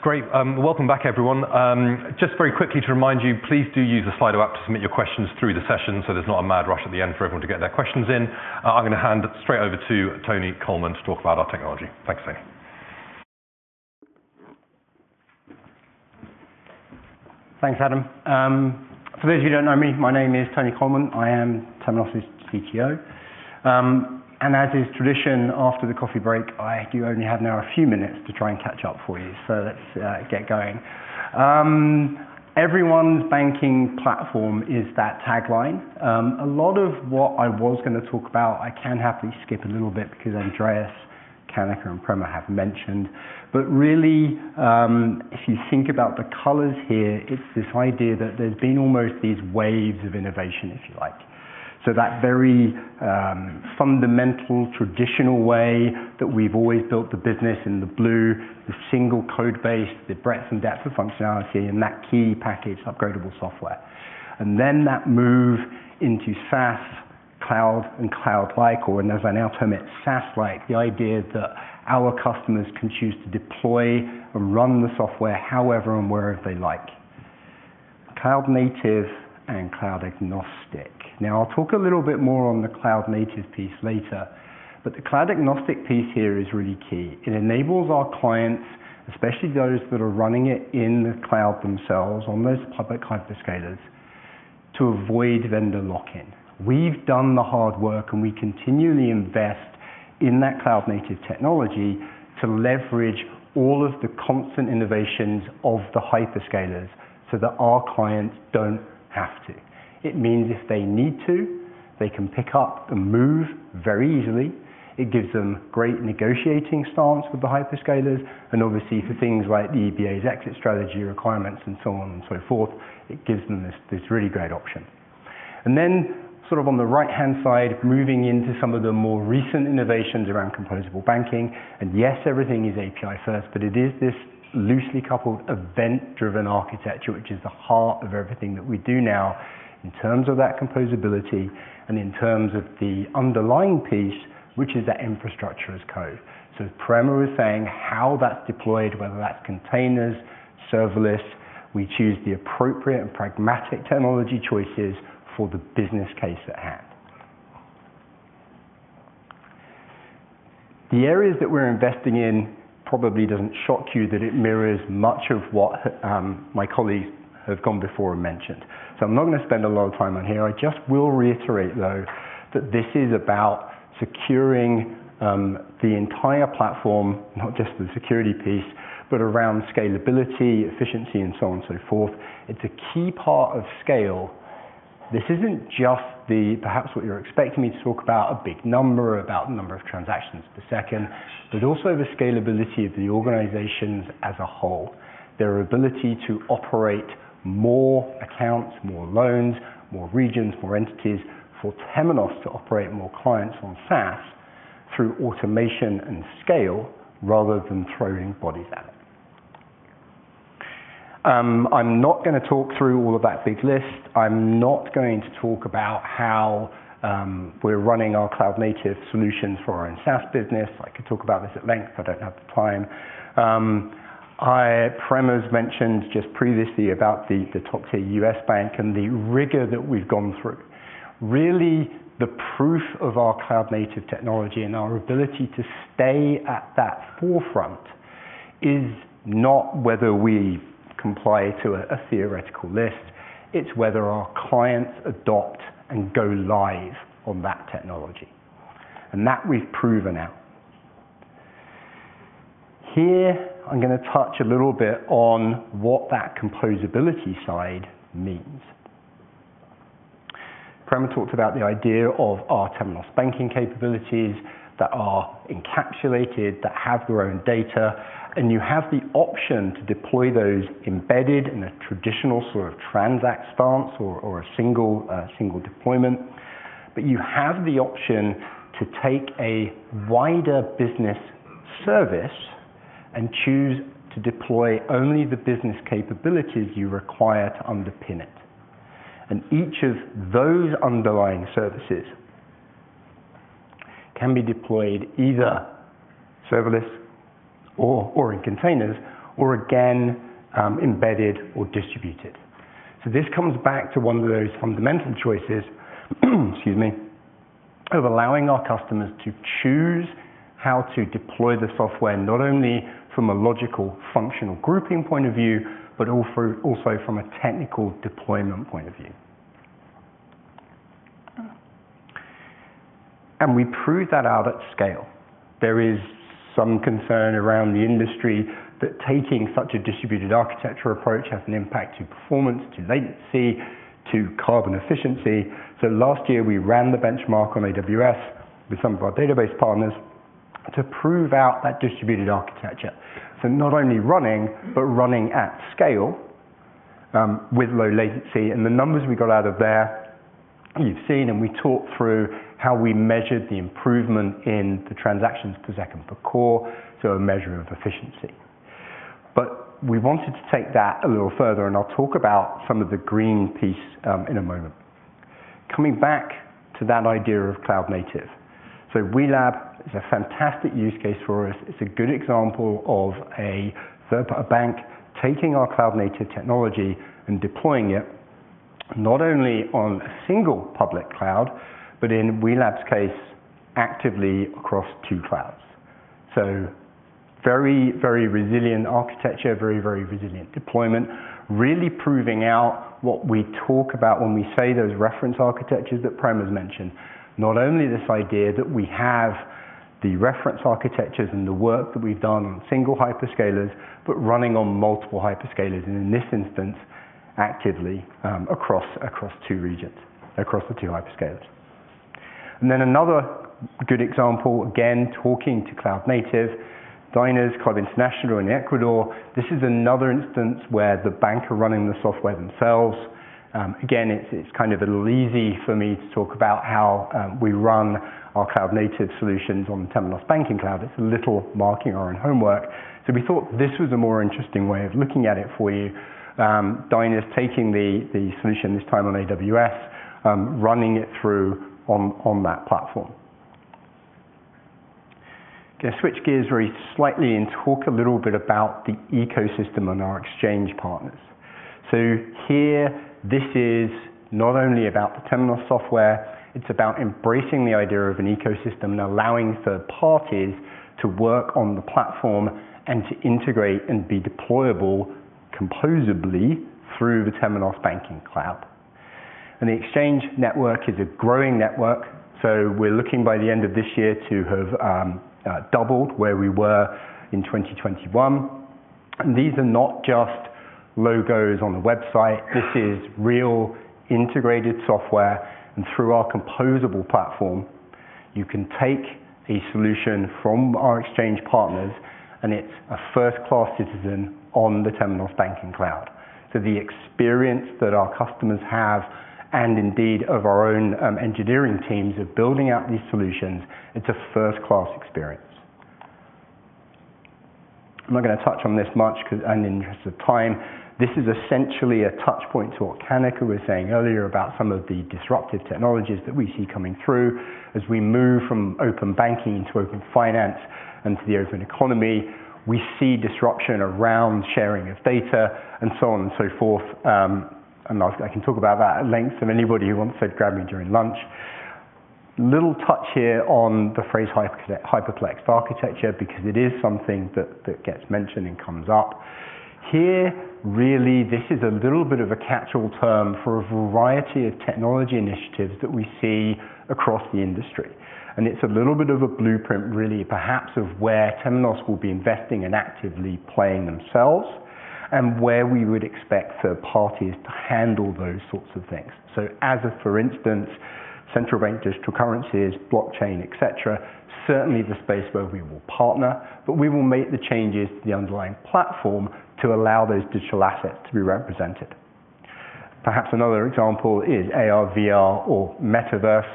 Great. Welcome back everyone. Just very quickly to remind you, please do use the Slido app to submit your questions through the session so there's not a mad rush at the end for everyone to get their questions in. I'm gonna hand straight over to Tony Coleman to talk about our technology. Thanks, Tony. Thanks, Adam. For those of you who don't know me, my name is Tony Coleman. I am Temenos' CTO. As is tradition, after the coffee break, I do only have now a few minutes to try and catch up for you. Let's get going. Everyone's banking platform is that tagline. A lot of what I was gonna talk about, I can happily skip a little bit because Andreas, Kanika, and Prema have mentioned. Really, if you think about the colors here, it's this idea that there's been almost these waves of innovation, if you like. That very fundamental traditional way that we've always built the business in the blue, the single code base, the breadth and depth of functionality, and that key package, upgradable software. That move into SaaS, cloud, and cloud-like, or as I now term it, SaaS-like, the idea that our customers can choose to deploy and run the software however and wherever they like. Cloud native and cloud agnostic. Now, I'll talk a little bit more on the cloud native piece later, but the cloud agnostic piece here is really key. It enables our clients, especially those that are running it in the cloud themselves on those public hyperscalers, to avoid vendor lock-in. We've done the hard work, and we continually invest in that cloud native technology to leverage all of the constant innovations of the hyperscalers so that our clients don't have to. It means if they need to, they can pick up and move very easily. It gives them great negotiating stance with the hyperscalers and obviously for things like the EBA's exit strategy requirements and so on and so forth, it gives them this really great option. Then sort of on the right-hand side, moving into some of the more recent innovations around composable banking. Yes, everything is API first, but it is this loosely coupled event-driven architecture which is the heart of everything that we do now in terms of that composability and in terms of the underlying piece, which is that infrastructure as code. As Prema was saying, how that's deployed, whether that's containers, serverless, we choose the appropriate and pragmatic technology choices for the business case at hand. The areas that we're investing in probably doesn't shock you that it mirrors much of what my colleagues have gone before and mentioned. I'm not going to spend a lot of time on here. I just will reiterate, though, that this is about securing the entire platform, not just the security piece, but around scalability, efficiency, and so on and so forth. It's a key part of scale. This isn't just the perhaps what you're expecting me to talk about, a big number, about number of transactions per second, but also the scalability of the organizations as a whole, their ability to operate more accounts, more loans, more regions, more entities for Temenos to operate more clients on SaaS through automation and scale rather than throwing bodies at it. I'm not going to talk through all of that big list. I'm not going to talk about how we're running our cloud-native solutions for our own SaaS business. I could talk about this at length, but I don't have the time. Prema's mentioned just previously about the top tier US bank and the rigor that we've gone through. Really the proof of our cloud-native technology and our ability to stay at that forefront is not whether we comply to a theoretical list, it's whether our clients adopt and go live on that technology, and that we've proven out. Here I'm going to touch a little bit on what that composability side means. Prema talked about the idea of our Temenos banking capabilities that are encapsulated, that have their own data, and you have the option to deploy those embedded in a traditional sort of transact stance or a single deployment. You have the option to take a wider business service and choose to deploy only the business capabilities you require to underpin it, and each of those underlying services can be deployed either serverless or in containers or again, embedded or distributed. This comes back to one of those fundamental choices, excuse me, of allowing our customers to choose how to deploy the software, not only from a logical functional grouping point of view, but also from a technical deployment point of view. We prove that out at scale. There is some concern around the industry that taking such a distributed architecture approach has an impact to performance, to latency, to carbon efficiency. Last year, we ran the benchmark on AWS with some of our database partners to prove out that distributed architecture. Not only running but running at scale, with low latency. The numbers we got out of there you've seen, and we talked through how we measured the improvement in the transactions per second per core. A measure of efficiency. We wanted to take that a little further, and I'll talk about some of the green piece in a moment. Coming back to that idea of cloud native. WeLab is a fantastic use case for us. It's a good example of a third-party bank taking our cloud-native technology and deploying it not only on a single public cloud, but in WeLab's case, actively across two clouds. Very, very resilient architecture, very, very resilient deployment. Really proving out what we talk about when we say those reference architectures that Prema's mentioned. Not only this idea that we have the reference architectures and the work that we've done on single hyperscalers, but running on multiple hyperscalers and in this instance actively across two regions, across the two hyperscalers. Another good example, again talking to cloud native, Diners Club International in Ecuador. This is another instance where the bank are running the software themselves. Again, it's kind of a little easy for me to talk about how we run our cloud-native solutions on Temenos Banking Cloud. It's a little marking our own homework. We thought this was a more interesting way of looking at it for you. Diners taking the solution this time on AWS, running it through on that platform. Switch gears very slightly and talk a little bit about the ecosystem and our exchange partners. Here, this is not only about the Temenos software, it's about embracing the idea of an ecosystem and allowing third-parties to work on the platform, and to integrate and be deployable composably through the Temenos Banking Cloud. The Exchange network is a growing network, so we're looking by the end of this year to have doubled where we were in 2021. These are not just logos on the website. This is real integrated software and through our composable platform. You can take a solution from our Exchange partners, and it's a first-class citizen on the Temenos Banking Cloud. The experience that our customers have, and indeed of our own, engineering teams of building out these solutions, it's a first-class experience. I'm not gonna touch on this much 'cause in interest of time. This is essentially a touch point to what Kanika was saying earlier about some of the disruptive technologies that we see coming through. As we move from open banking to open finance and to the open economy, we see disruption around sharing of data and so on and so forth. I can talk about that at length. Anybody who wants it, grab me during lunch. Little touch here on the phrase hyperplex architecture because it is something that gets mentioned and comes up. Here, really this is a little bit of a catch-all term for a variety of technology initiatives that we see across the industry. It's a little bit of a blueprint really perhaps of where Temenos will be investing and actively playing themselves, and where we would expect third parties to handle those sorts of things. As a for instance, central bank digital currencies, blockchain, et cetera, certainly the space where we will partner, but we will make the changes to the underlying platform to allow those digital assets to be represented. Perhaps another example is AR/VR or Metaverse,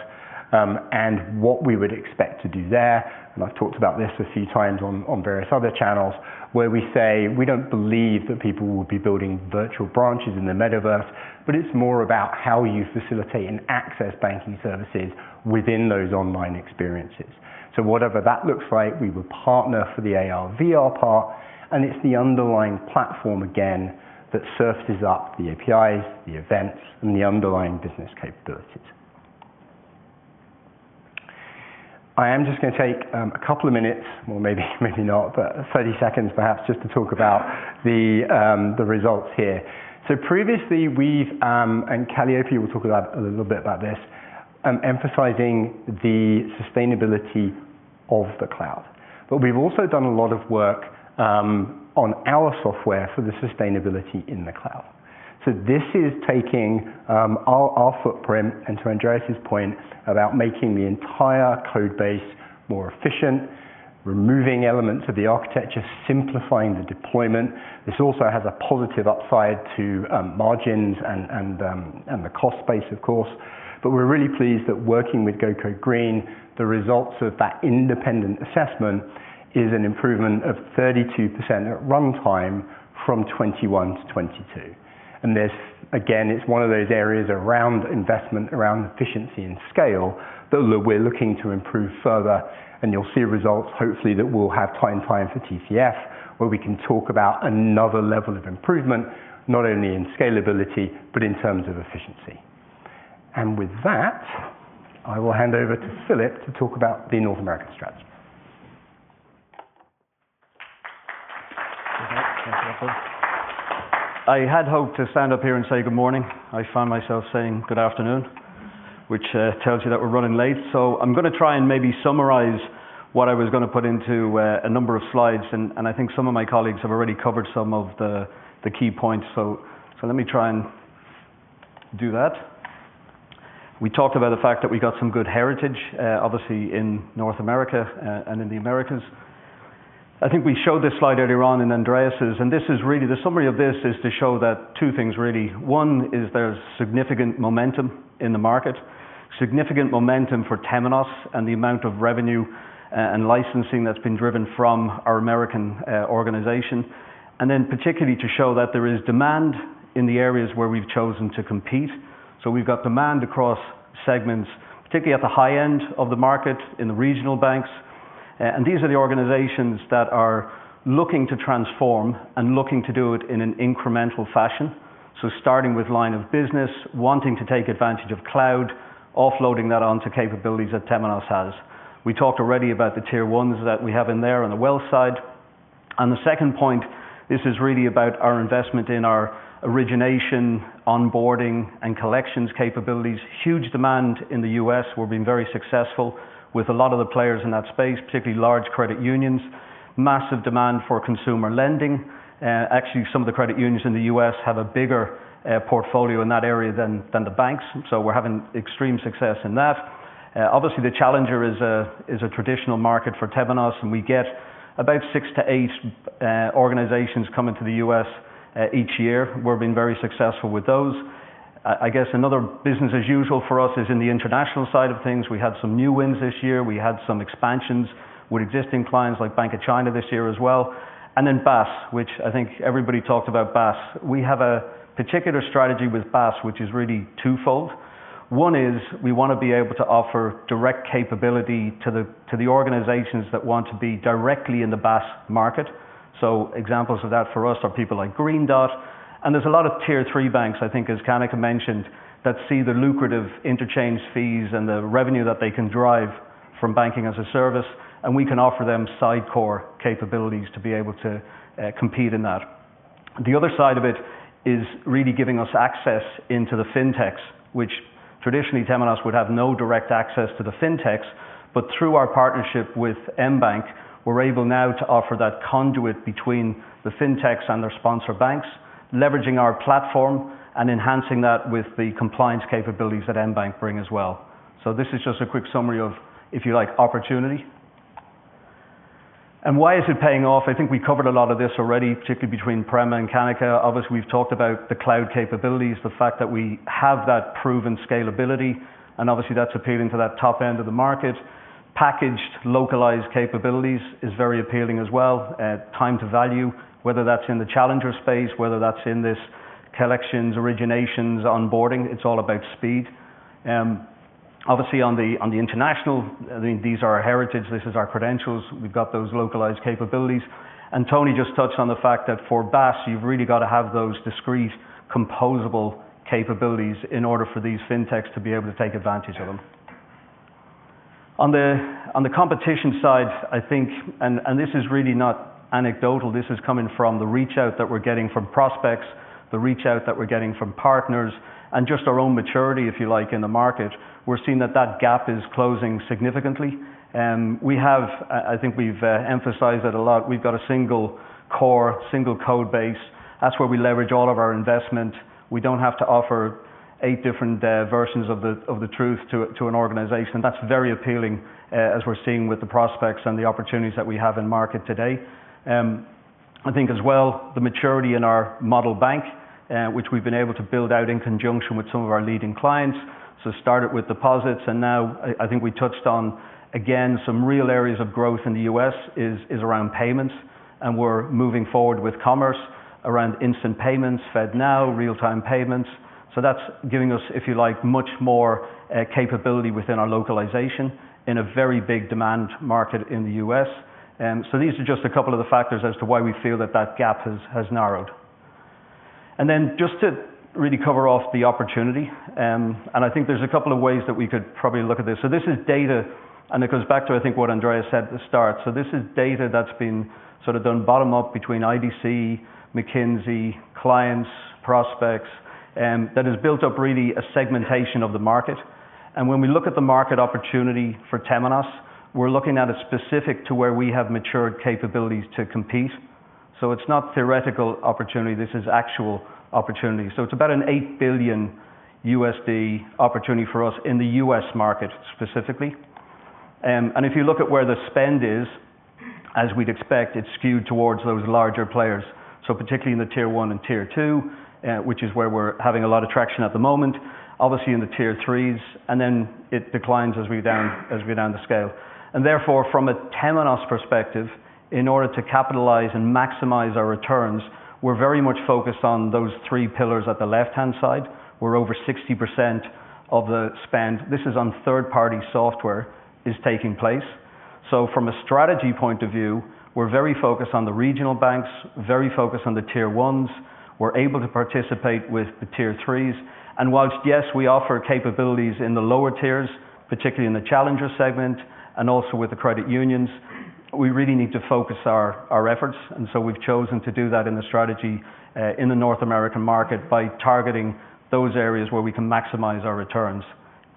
and what we would expect to do there, and I've talked about this a few times on various other channels, where we say we don't believe that people will be building virtual branches in the Metaverse, but it's more about how you facilitate and access banking services within those online experiences. Whatever that looks like, we would partner for the AR/VR part, and it's the underlying platform again that surfaces up the APIs, the events, and the underlying business capabilities. I am just gonna take a couple of minutes or maybe maybe not, but 30 seconds perhaps just to talk about the results here. Previously we've, and Kalliopi will talk about a little bit about this, emphasizing the sustainability of the cloud. We've also done a lot of work on our software for the sustainability in the cloud. This is taking our footprint, and to Andreas' point about making the entire code base more efficient, removing elements of the architecture, simplifying the deployment. This also has a positive upside to margins and the cost base of course. We're really pleased that working with GoCodeGreen, the results of that independent assessment is an improvement of 32% at runtime from 2021 - 2022. This, again, it's one of those areas around investment, around efficiency and scale that we're looking to improve further, and you'll see results hopefully that we'll have time for TCF where we can talk about another level of improvement, not only in scalability, but in terms of efficiency. With that, I will hand over to Philip to talk about the North American strategy. I had hoped to stand up here and say good morning. I found myself saying good afternoon, which tells you that we're running late. I'm gonna try and maybe summarize what I was gonna put into a number of slides and I think some of my colleagues have already covered some of the key points. Let me try and do that. We talked about the fact that we got some good heritage, obviously in North America, and in the Americas. I think we showed this slide earlier on in Andreas'. This is really the summary of this is to show that two things really. One is there's significant momentum in the market, significant momentum for Temenos, and the amount of revenue, and licensing that's been driven from our American organization, and then particularly to show that there is demand in the areas where we've chosen to compete. We've got demand across segments, particularly at the high end of the market in the regional banks. These are the organizations that are looking to transform and looking to do it in an incremental fashion. Starting with line of business, wanting to take advantage of cloud, offloading that onto capabilities that Temenos has. We talked already about the tier ones that we have in there on the wealth side. The second point, this is really about our investment in our origination, onboarding, and collections capabilities. Huge demand in the U.S. We're being very successful with a lot of the players in that space, particularly large credit unions. Massive demand for consumer lending. Actually, some of the credit unions in the U.S. have a bigger portfolio in that area than the banks. We're having extreme success in that. Obviously, the challenger is a traditional market for Temenos, and we get about 6-8 organizations coming to the U.S. each year. We're being very successful with those. I guess another business as usual for us is in the international side of things. We had some new wins this year. We had some expansions with existing clients like Bank of China this year as well. BaaS, which I think everybody talked about BaaS. We have a particular strategy with BaaS, which is really twofold. One is we wanna be able to offer direct capability to the organizations that want to be directly in the BaaS market. Examples of that for us are people like Green Dot. There's a lot of tier three banks, I think as Kanika mentioned, that see the lucrative interchange fees and the revenue that they can drive from banking as a service, and we can offer them sidecore capabilities to be able to compete in that. The other side of it is really giving us access into the fintechs, which traditionally Temenos would have no direct access to the fintechs, but through our partnership with Mbanq, we're able now to offer that conduit between the fintechs and their sponsor banks. Leveraging our platform and enhancing that with the compliance capabilities that Mbanq bring as well. This is just a quick summary of, if you like, opportunity. Why is it paying off? I think we covered a lot of this already, particularly between Prema and Kanika. Obviously, we've talked about the cloud capabilities, the fact that we have that proven scalability, and obviously that's appealing to that top end of the market. Packaged localized capabilities is very appealing as well. Time to value, whether that's in the challenger space, whether that's in this collections, originations, onboarding, it's all about speed. Obviously on the, on the international, I think these are our heritage, this is our credentials. We've got those localized capabilities. Tony just touched on the fact that for BaaS, you've really got to have those discrete composable capabilities in order for these fintechs to be able to take advantage of them. On the competition side, I think, and this is really not anecdotal, this is coming from the reach-out that we're getting from prospects, the reach-out that we're getting from partners, and just our own maturity, if you like, in the market. We're seeing that that gap is closing significantly. We have, I think we've emphasized it a lot. We've got a single core, single code base. That's where we leverage all of our investment. We don't have to offer eight different versions of the truth to an organization. That's very appealing as we're seeing with the prospects and the opportunities that we have in market today. I think as well, the maturity in our Model Bank, which we've been able to build out in conjunction with some of our leading clients. Started with deposits, and now I think we touched on again some real areas of growth in the U.S. Is around payments, and we're moving forward with commerce around instant payments, FedNow, real-time payments. That's giving us, if you like, much more capability within our localization in a very big demand market in the U.S. These are just a couple of the factors as to why we feel that gap has narrowed. Just to really cover off the opportunity, and I think there's a couple of ways that we could probably look at this. This is data, and it goes back to I think what Andreas said at the start. This is data that's been sort of done bottom-up between IDC, McKinsey, clients, prospects, that has built up really a segmentation of the market. When we look at the market opportunity for Temenos, we're looking at it specific to where we have matured capabilities to compete. It's not theoretical opportunity, this is actual opportunity. It's about an $8 billion opportunity for us in the U.S. market specifically. If you look at where the spend is, as we'd expect, it's skewed towards those larger players. Particularly in the tier one and tier two, which is where we're having a lot of traction at the moment, obviously in the tier threes, and then it declines as we down the scale. Therefore, from a Temenos perspective, in order to capitalize and maximize our returns, we're very much focused on those three pillars at the left-hand side, where over 60% of the spend, this is on third-party software, is taking place. From a strategy point of view, we're very focused on the regional banks, very focused on the tier ones. We're able to participate with the tier threes. Whilst, yes, we offer capabilities in the lower tiers, particularly in the challenger segment and also with the credit unions, we really need to focus our efforts. We've chosen to do that in the strategy in the North American market by targeting those areas where we can maximize our returns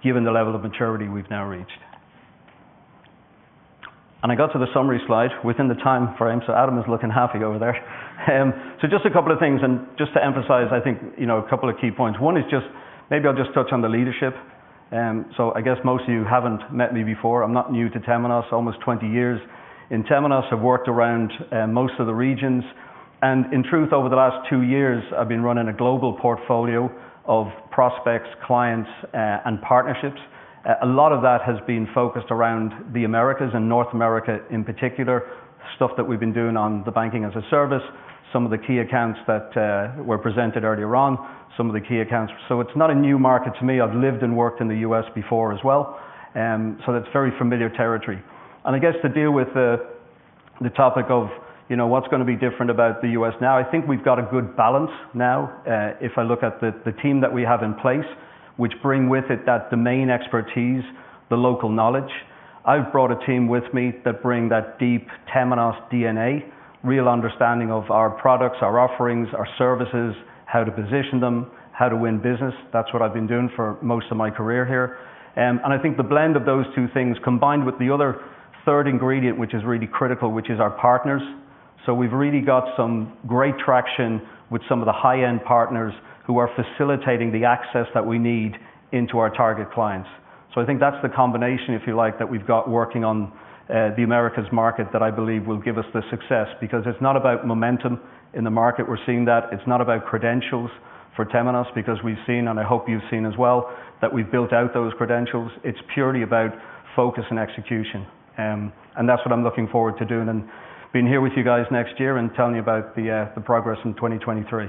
given the level of maturity we've now reached. I got to the summary slide within the time frame, so Adam is looking happy over there. Just a couple of things and just to emphasize, I think, you know, a couple of key points. One is just maybe I'll just touch on the leadership. I guess most of you haven't met me before. I'm not new to Temenos, almost 20 years in Temenos. I've worked around most of the regions. In truth, over the last two years, I've been running a global portfolio of prospects, clients, and partnerships. A lot of that has been focused around the Americas and North America in particular, stuff that we've been doing on the banking-as-a-service, some of the key accounts that were presented earlier on. It's not a new market to me. I've lived and worked in the U.S. before as well. That's very familiar territory. I guess to deal with the topic of, you know, what's gonna be different about the U.S. now, I think we've got a good balance now, if I look at the team that we have in place, which bring with it that domain expertise, the local knowledge. I've brought a team with me that bring that deep Temenos DNA, real understanding of our products, our offerings, our services, how to position them, how to win business. That's what I've been doing for most of my career here. I think the blend of those two things, combined with the other third ingredient, which is really critical, which is our partners. We've really got some great traction with some of the high-end partners who are facilitating the access that we need into our target clients. I think that's the combination, if you like, that we've got working on the Americas market that I believe will give us the success, because it's not about momentum in the market. We're seeing that. It's not about credentials for Temenos because we've seen, and I hope you've seen as well, that we've built out those credentials. It's purely about focus and execution. And that's what I'm looking forward to doing and being here with you guys next year and telling you about the progress in 2023.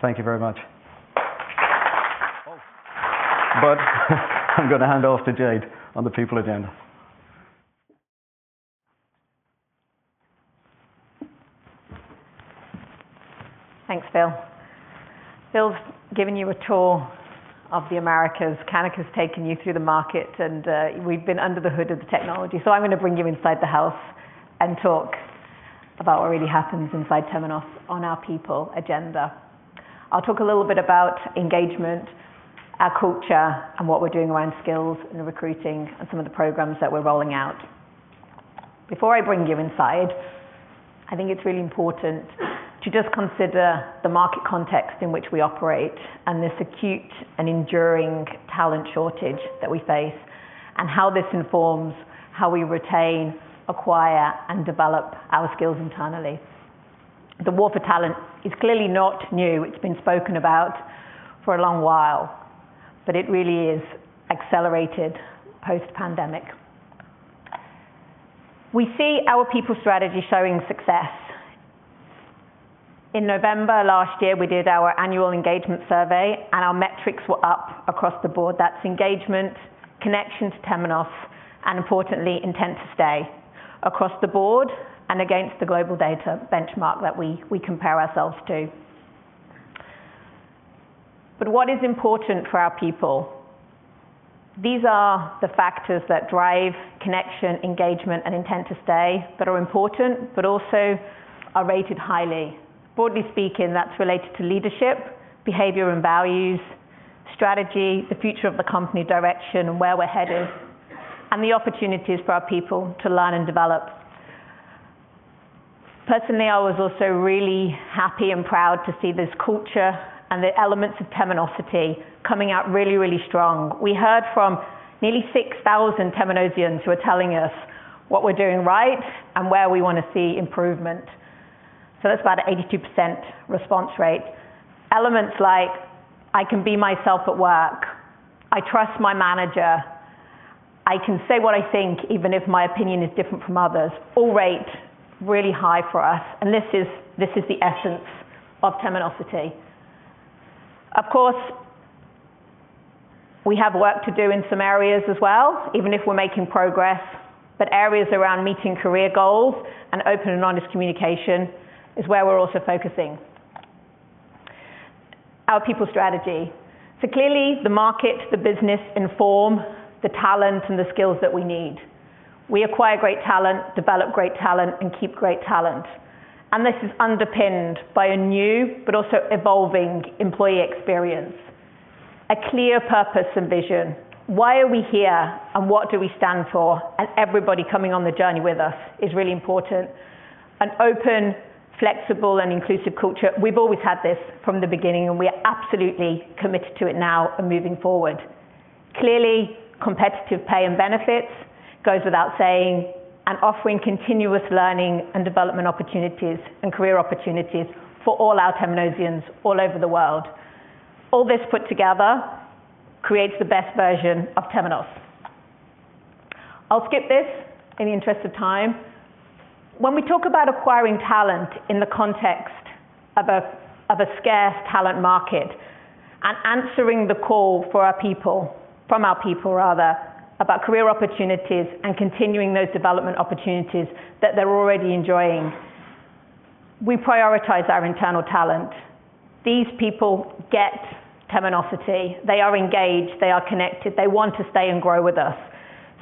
Thank you very much. I'm gonna hand off to Jayde on the people agenda. Thanks, Phil. Phil's given you a tour of the Americas. Kanika's taken you through the market. We've been under the hood of the technology. I'm gonna bring you inside the house and talk about what really happens inside Temenos on our people agenda. I'll talk a little bit about engagement, our culture, and what we're doing around skills and recruiting and some of the programs that we're rolling out. Before I bring you inside, I think it's really important to just consider the market context in which we operate and this acute and enduring talent shortage that we face, and how this informs how we retain, acquire, and develop our skills internally. The war for talent is clearly not new. It's been spoken about for a long while, but it really is accelerated post-pandemic. We see our people strategy showing success. In November last year, we did our annual engagement survey. Our metrics were up across the board. That's engagement, connection to Temenos, and importantly, intent to stay across the board and against the global data benchmark that we compare ourselves to. What is important for our people? These are the factors that drive connection, engagement, and intent to stay that are important but also are rated highly. Broadly speaking, that's related to leadership, behavior and values, strategy, the future of the company direction and where we're headed, and the opportunities for our people to learn and develop. Personally, I was also really happy and proud to see this culture and the elements of Temenosity coming out really, really strong. We heard from nearly 6,000 Temenosians who are telling us what we're doing right and where we want to see improvement. That's about 82% response rate. Elements like, "I can be myself at work," "I trust my manager," "I can say what I think even if my opinion is different from others," all rate really high for us, and this is the essence of Temenosity. Of course, we have work to do in some areas as well, even if we're making progress, but areas around meeting career goals and open and honest communication is where we're also focusing. Our people strategy. Clearly the market, the business inform the talent and the skills that we need. We acquire great talent, develop great talent, and keep great talent, and this is underpinned by a new but also evolving employee experience. A clear purpose and vision. Why are we here, and what do we stand for, and everybody coming on the journey with us is really important. An open, flexible, and inclusive culture. We've always had this from the beginning, and we are absolutely committed to it now and moving forward. Clearly, competitive pay and benefits goes without saying, and offering continuous learning and development opportunities and career opportunities for all our Temenosians all over the world. All this put together creates the best version of Temenos. I'll skip this in the interest of time. When we talk about acquiring talent in the context of a scarce talent market and answering the call from our people rather, about career opportunities and continuing those development opportunities that they're already enjoying, we prioritize our internal talent. These people get Temenosity, they are engaged, they are connected, they want to stay and grow with us.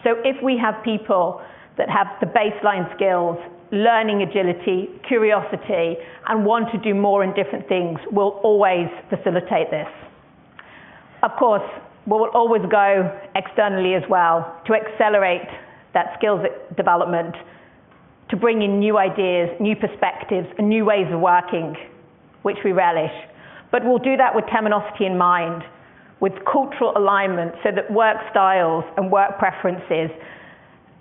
If we have people that have the baseline skills, learning agility, curiosity, and want to do more and different things, we'll always facilitate this. Of course, we will always go externally as well to accelerate that skills development, to bring in new ideas, new perspectives, and new ways of working, which we relish. We'll do that with Temenosity in mind, with cultural alignment so that work styles and work preferences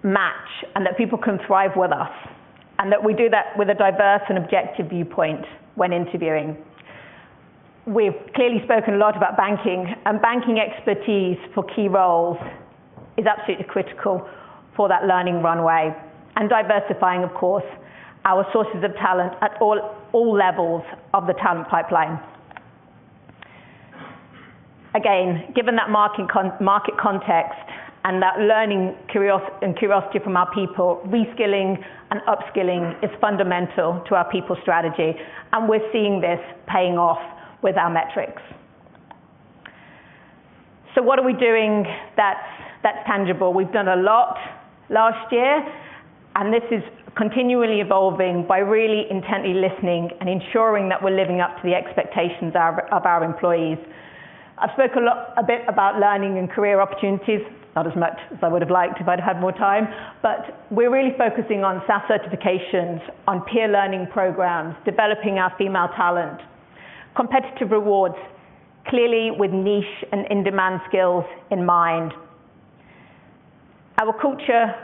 match and that people can thrive with us, and that we do that with a diverse and objective viewpoint when interviewing. We've clearly spoken a lot about banking, and banking expertise for key roles is absolutely critical for that learning runway and diversifying, of course, our sources of talent at all levels of the talent pipeline. Given that market context and that learning and curiosity from our people, reskilling and upskilling is fundamental to our people strategy, and we're seeing this paying off with our metrics. What are we doing that's tangible? We've done a lot last year, and this is continually evolving by really intently listening and ensuring that we're living up to the expectations of our employees. I've spoke a lot a bit about learning and career opportunities, not as much as I would have liked if I'd had more time, but we're really focusing on SaaS certifications, on peer learning programs, developing our female talent, competitive rewards, clearly with niche and in-demand skills in mind. Our culture,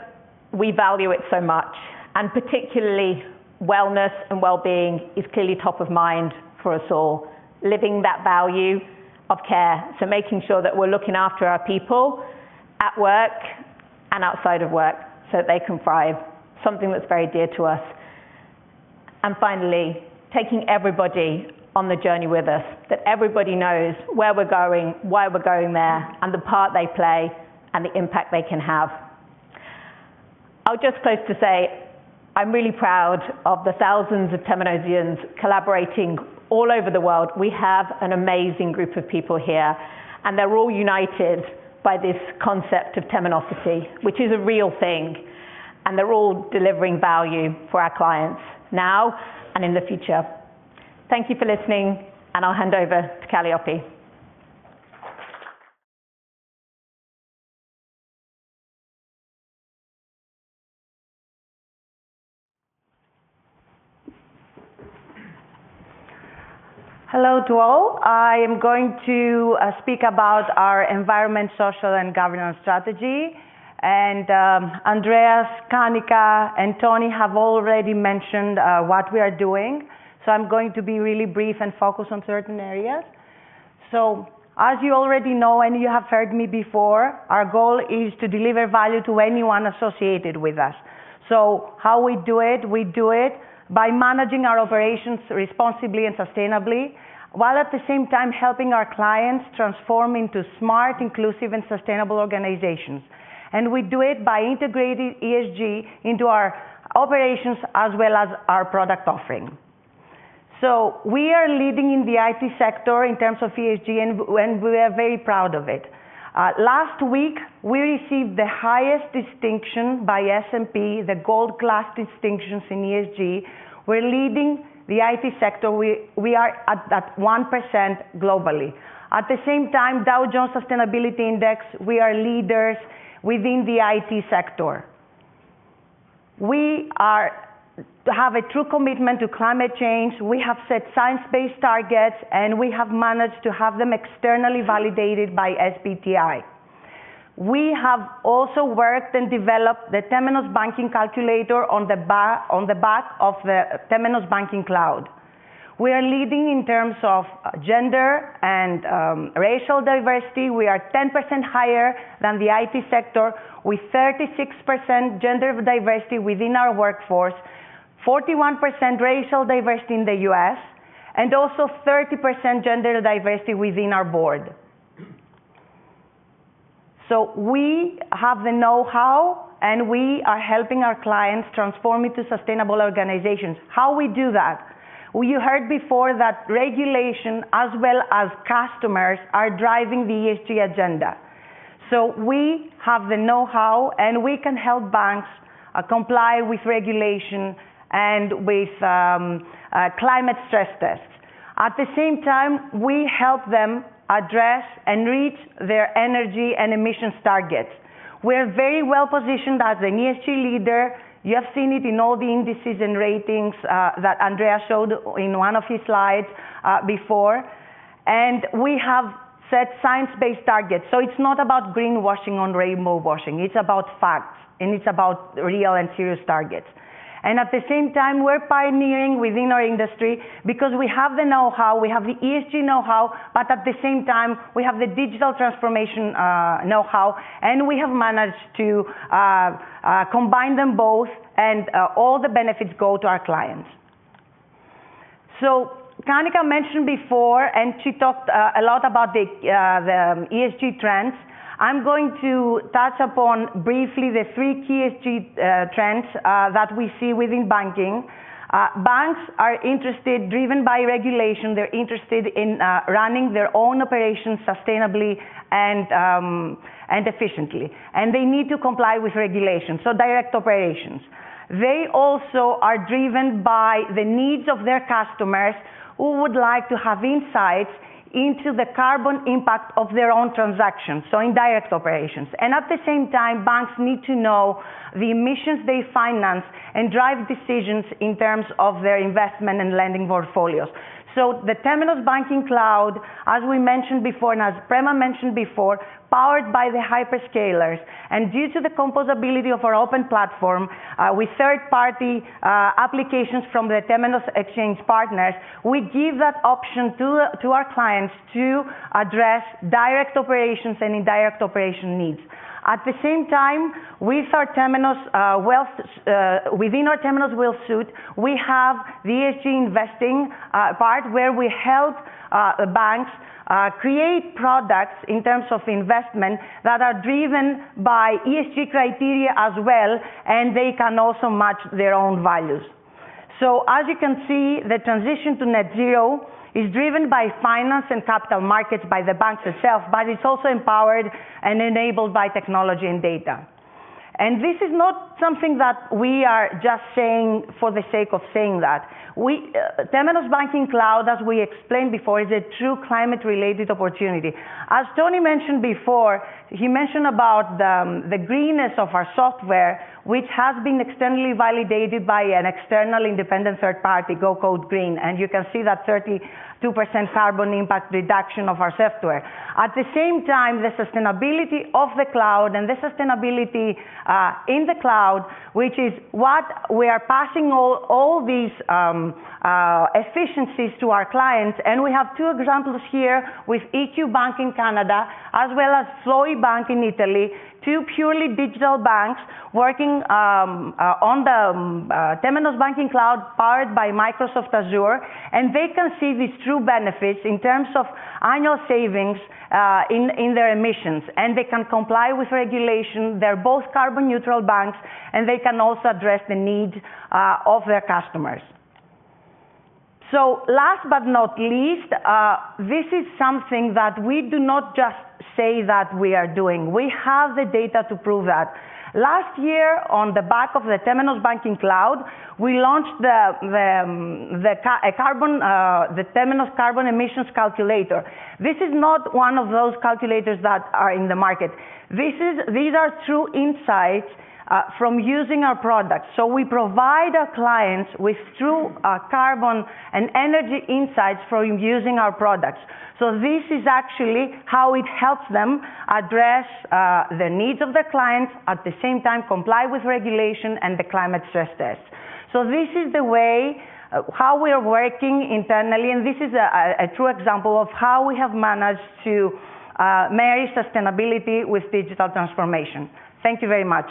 we value it so much, and particularly wellness and wellbeing is clearly top of mind for us all. Living that value of care, so making sure that we're looking after our people at work and outside of work so that they can thrive, something that's very dear to us. Finally, taking everybody on the journey with us, that everybody knows where we're going, why we're going there, and the part they play and the impact they can have. I'll just close to say I'm really proud of the thousands of Temenosians collaborating all over the world. We have an amazing group of people here, and they're all united by this concept of Temenosity, which is a real thing, and they're all delivering value for our clients now and in the future. Thank you for listening, and I'll hand over to Kalliopi. Hello to all. I am going to speak about our environment, social, and governance strategy. Andreas, Kanika, and Tony have already mentioned what we are doing, I'm going to be really brief and focus on certain areas. As you already know, and you have heard me before, our goal is to deliver value to anyone associated with us. How we do it, we do it by managing our operations responsibly and sustainably, while at the same time helping our clients transform into smart, inclusive, and sustainable organizations. We do it by integrating ESG into our operations as well as our product offering. We are leading in the IT sector in terms of ESG and we are very proud of it. Last week we received the highest distinction by S&P, the gold-class distinctions in ESG. We're leading the IT sector. We are at 1% globally. At the same time, Dow Jones Sustainability Index, we are leaders within the IT sector. We have a true commitment to climate change. We have set science-based targets, and we have managed to have them externally validated by SBTi. We have also worked and developed the Temenos Carbon Emissions Calculator on the back of the Temenos Banking Cloud. We are leading in terms of gender and racial diversity. We are 10% higher than the IT sector, with 36% gender diversity within our workforce, 41% racial diversity in the U.S., and also 30% gender diversity within our board. We have the know-how, and we are helping our clients transform into sustainable organizations. How we do that? You heard before that regulation as well as customers are driving the ESG agenda. We have the know-how, and we can help banks comply with regulation and with climate-stress tests. At the same time, we help them address and reach their energy and emissions targets. We're very well positioned as an ESG leader. You have seen it in all the indices and ratings that Andreas showed in one of his slides before. We have set science-based targets, so it's not about greenwashing or rainbow washing. It's about facts, and it's about real and serious targets. At the same time, we're pioneering within our industry because we have the know-how. We have the ESG know-how, but at the same time, we have the digital transformation know-how, and we have managed to combine them both, and all the benefits go to our clients. Kanika mentioned before, and she talked a lot about the ESG trends. I'm going to touch upon briefly the three key ESG trends that we see within banking. Banks are interested, driven by regulation. They're interested in running their own operations sustainably and efficiently. They need to comply with regulations, so direct operations. They also are driven by the needs of their customers who would like to have insights into the carbon impact of their own transactions, so indirect operations. At the same time, banks need to know the emissions they finance and drive decisions in terms of their investment and lending portfolios. The Temenos Banking Cloud, as we mentioned before and as Prema mentioned before, powered by the hyperscalers and due to the composability of our open platform, with third-party applications from the Temenos Exchange partners, we give that option to our clients to address direct operations and indirect operation needs. At the same time, with our Temenos Wealth suite, we have the ESG investing part where we help banks create products in terms of investment that are driven by ESG criteria as well, and they can also match their own values. As you can see, the transition to net zero is driven by finance and capital markets by the banks itself, but it's also empowered and enabled by technology and data. This is not something that we are just saying for the sake of saying that. We, Temenos Banking Cloud, as we explained before, is a true climate-related opportunity. As Tony mentioned before, he mentioned about the greenness of our software, which has been externally validated by an external independent third party, GoCodeGreen. You can see that 32% carbon impact reduction of our software. At the same time, the sustainability of the cloud and the sustainability in the cloud, which is what we are passing all these efficiencies to our clients. We have two examples here with EQ Bank in Canada, as well as Flowe in Italy. Two purely digital banks working on the Temenos Banking Cloud powered by Microsoft Azure. They can see these true benefits in terms of annual savings in their emissions. They can comply with regulation. They're both carbon neutral banks. They can also address the needs of their customers. Last but not least, this is something that we do not just say that we are doing. We have the data to prove that. Last year, on the back of the Temenos Banking Cloud, we launched the Temenos Carbon Emissions Calculator. This is not one of those calculators that are in the market. These are true insights from using our products. We provide our clients with true carbon and energy insights from using our products. This is actually how it helps them address the needs of the clients, at the same time comply with regulation and the climate stress test. This is the way how we are working internally, and this is a true example of how we have managed to marry sustainability with digital transformation. Thank you very much.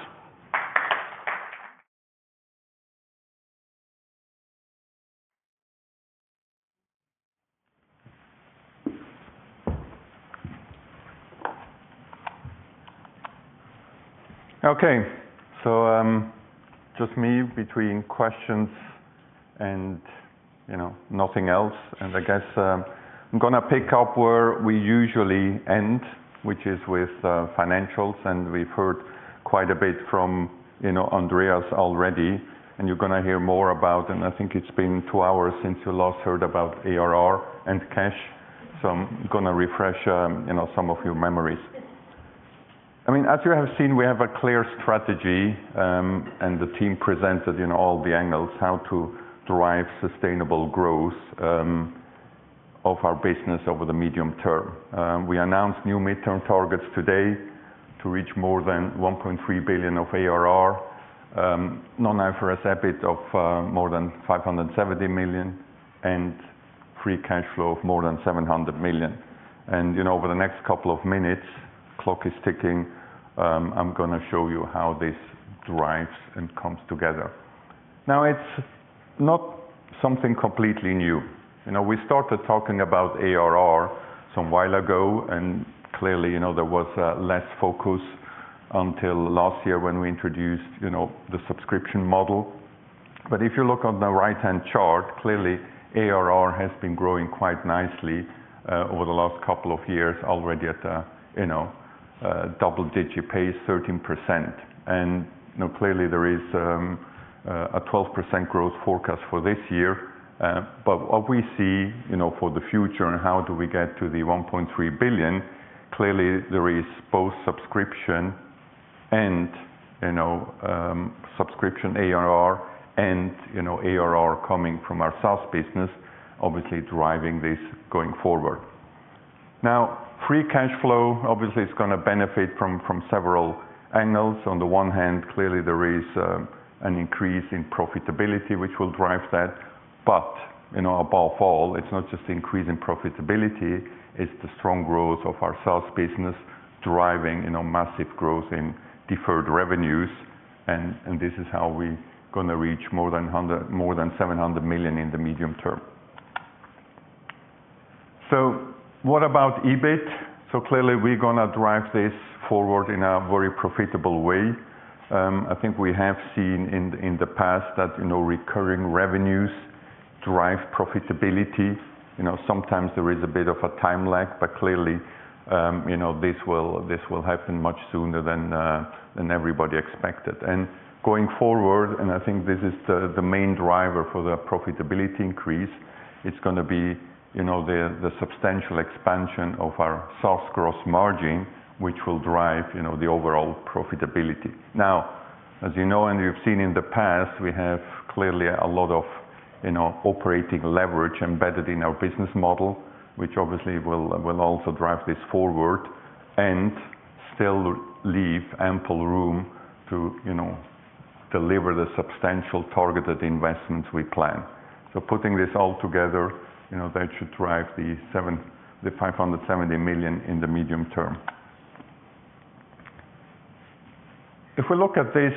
Okay. Just me between questions and, you know, nothing else. I guess, I'm gonna pick up where we usually end, which is with financials. We've heard quite a bit from, you know, Andreas already, and you're gonna hear more about, and I think it's been two hours since you last heard about ARR and cash. I'm gonna refresh, you know, some of your memories. I mean, as you have seen, we have a clear strategy, and the team presented in all the angles how to drive sustainable growth of our business over the medium term. We announced new midterm targets today to reach more than $1.3 billion of ARR, non-IFRS EBIT of more than $570 million, and free cash flow of more than $700 million. You know, over the next couple of minutes, clock is ticking, I'm gonna show you how this drives and comes together. Now, it's not something completely new. You know, we started talking about ARR some while ago, and clearly, you know, there was less focus until last year when we introduced, you know, the subscription model. If you look on the right-hand chart, clearly ARR has been growing quite nicely over the last couple of years already at, you know, double-digit pace, 13%. You know, clearly there is a 12% growth forecast for this year. What we see, you know, for the future and how do we get to the $1.3 billion, clearly there is both subscription and, you know, subscription ARR and, you know, ARR coming from our SaaS business obviously driving this going forward. Free cash flow obviously is gonna benefit from several angles. On the one hand, clearly there is an increase in profitability, which will drive that. You know, above all, it's not just the increase in profitability, it's the strong growth of our SaaS business driving, you know, massive growth in deferred revenues and this is how we're gonna reach more than $700 million in the medium term. What about EBIT? Clearly we're gonna drive this forward in a very profitable way. I think we have seen in the past that, you know, recurring revenues drive profitability. You know, sometimes there is a bit of a time lag. Clearly, you know, this will happen much sooner than everybody expected. Going forward, and I think this is the main driver for the profitability increase, it's gonna be, you know, the substantial expansion of our SaaS gross margin, which will drive, you know, the overall profitability. Now, as you know and you've seen in the past, we have clearly a lot of, you know, operating leverage embedded in our business model, which obviously will also drive this forward and still leave ample room to, you know, deliver the substantial targeted investments we plan. Putting this all together, you know, that should drive $570 million in the medium term. If we look at this,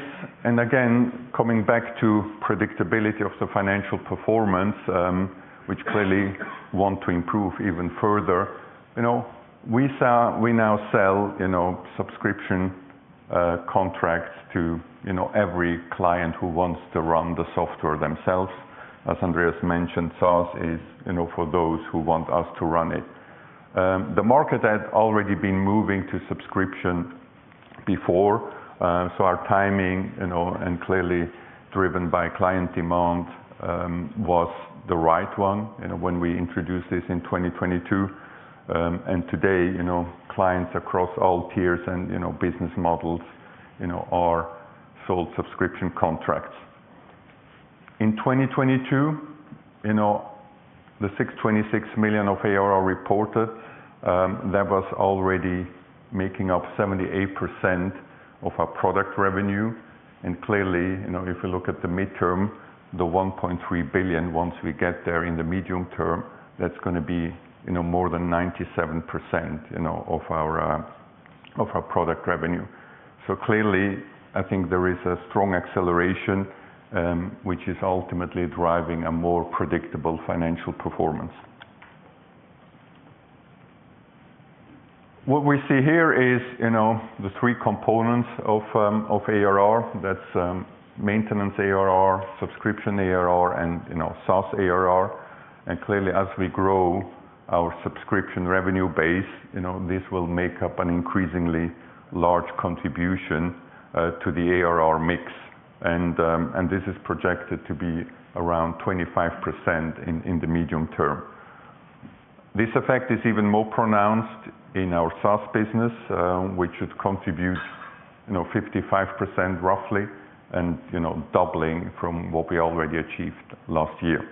and again, coming back to predictability of the financial performance, which clearly want to improve even further, you know, we now sell, you know, subscription contracts to, you know, every client who wants to run the software themselves. As Andreas mentioned, SaaS is, you know, for those who want us to run it. The market had already been moving to subscription before, our timing, you know, and clearly driven by client demand, was the right one, you know, when we introduced this in 2022. Today, you know, clients across all tiers and, you know, business models, you know, are sold subscription contracts. In 2022, you know, the $626 million of ARR reported, that was already making up 78% of our product revenue. Clearly, you know, if you look at the midterm, the $1.3 billion, once we get there in the medium term, that's gonna be, you know, more than 97%, you know, of our product revenue. Clearly, I think there is a strong acceleration, which is ultimately driving a more predictable financial performance. What we see here is, you know, the three components of ARR. That's maintenance ARR, subscription ARR, and, you know, SaaS ARR. Clearly, as we grow our subscription revenue base, you know, this will make up an increasingly large contribution to the ARR mix. And this is projected to be around 25% in the medium term. This effect is even more pronounced in our SaaS business, which should contribute, you know, 55% roughly, and, you know, doubling from what we already achieved last year.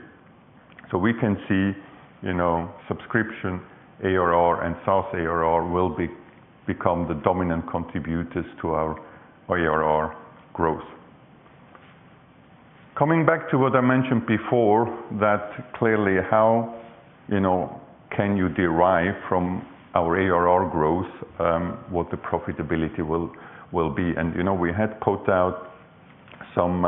We can see, you know, subscription ARR and SaaS ARR will become the dominant contributors to our ARR growth. Coming back to what I mentioned before, that clearly how, you know, can you derive from our ARR growth, what the profitability will be. We had put out some,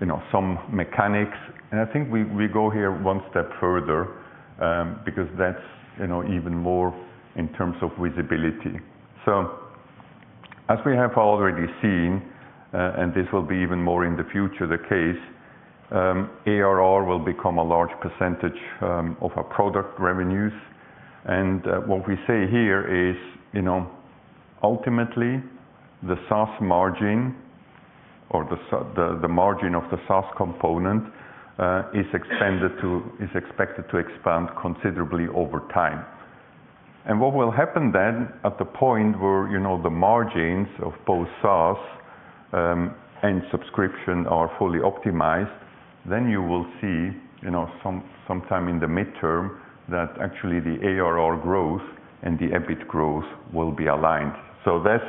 you know, some mechanics, and I think we go here one step further, because that's, you know, even more in terms of visibility. As we have already seen, and this will be even more in the future the case, ARR will become a large percentage of our product revenues. What we say here is, you know, ultimately the SaaS margin or the margin of the SaaS component is expected to expand considerably over time. What will happen then at the point where, you know, the margins of both SaaS and subscription are fully optimized, then you will see, you know, sometime in the midterm that actually the ARR growth and the EBIT growth will be aligned. This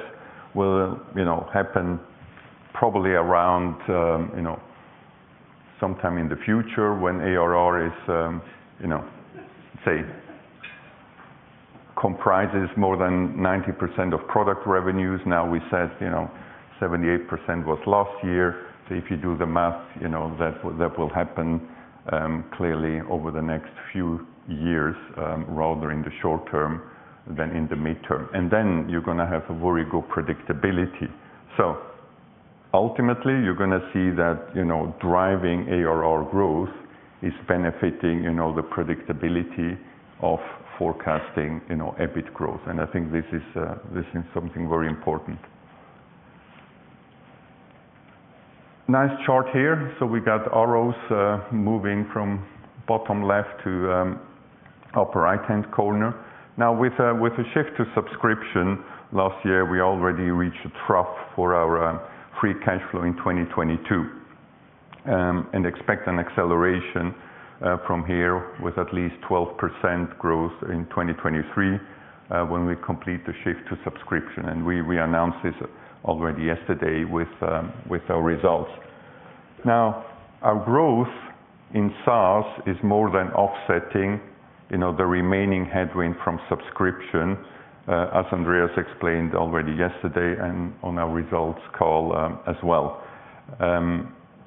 will, you know, happen probably around, you know, sometime in the future when ARR is, you know, say, comprises more than 90% of product revenues. We said, you know, 78% was last year. If you do the math, you know, that will, that will happen clearly over the next few years, rather in the short term than in the midterm. Then you're gonna have a very good predictability. Ultimately, you're gonna see that, you know, driving ARR growth is benefiting, you know, the predictability of forecasting, you know, EBIT growth. I think this is something very important. Nice chart here. We got arrows moving from bottom left to upper right-hand corner. Now, with a shift to subscription last year, we already reached a trough for our free cash flow in 2022, and expect an acceleration from here with at least 12% growth in 2023, when we complete the shift to subscription. We announced this already yesterday with our results. Now, our growth in SaaS is more than offsetting, you know, the remaining headwind from subscription, as Andreas explained already yesterday and on our results call, as well.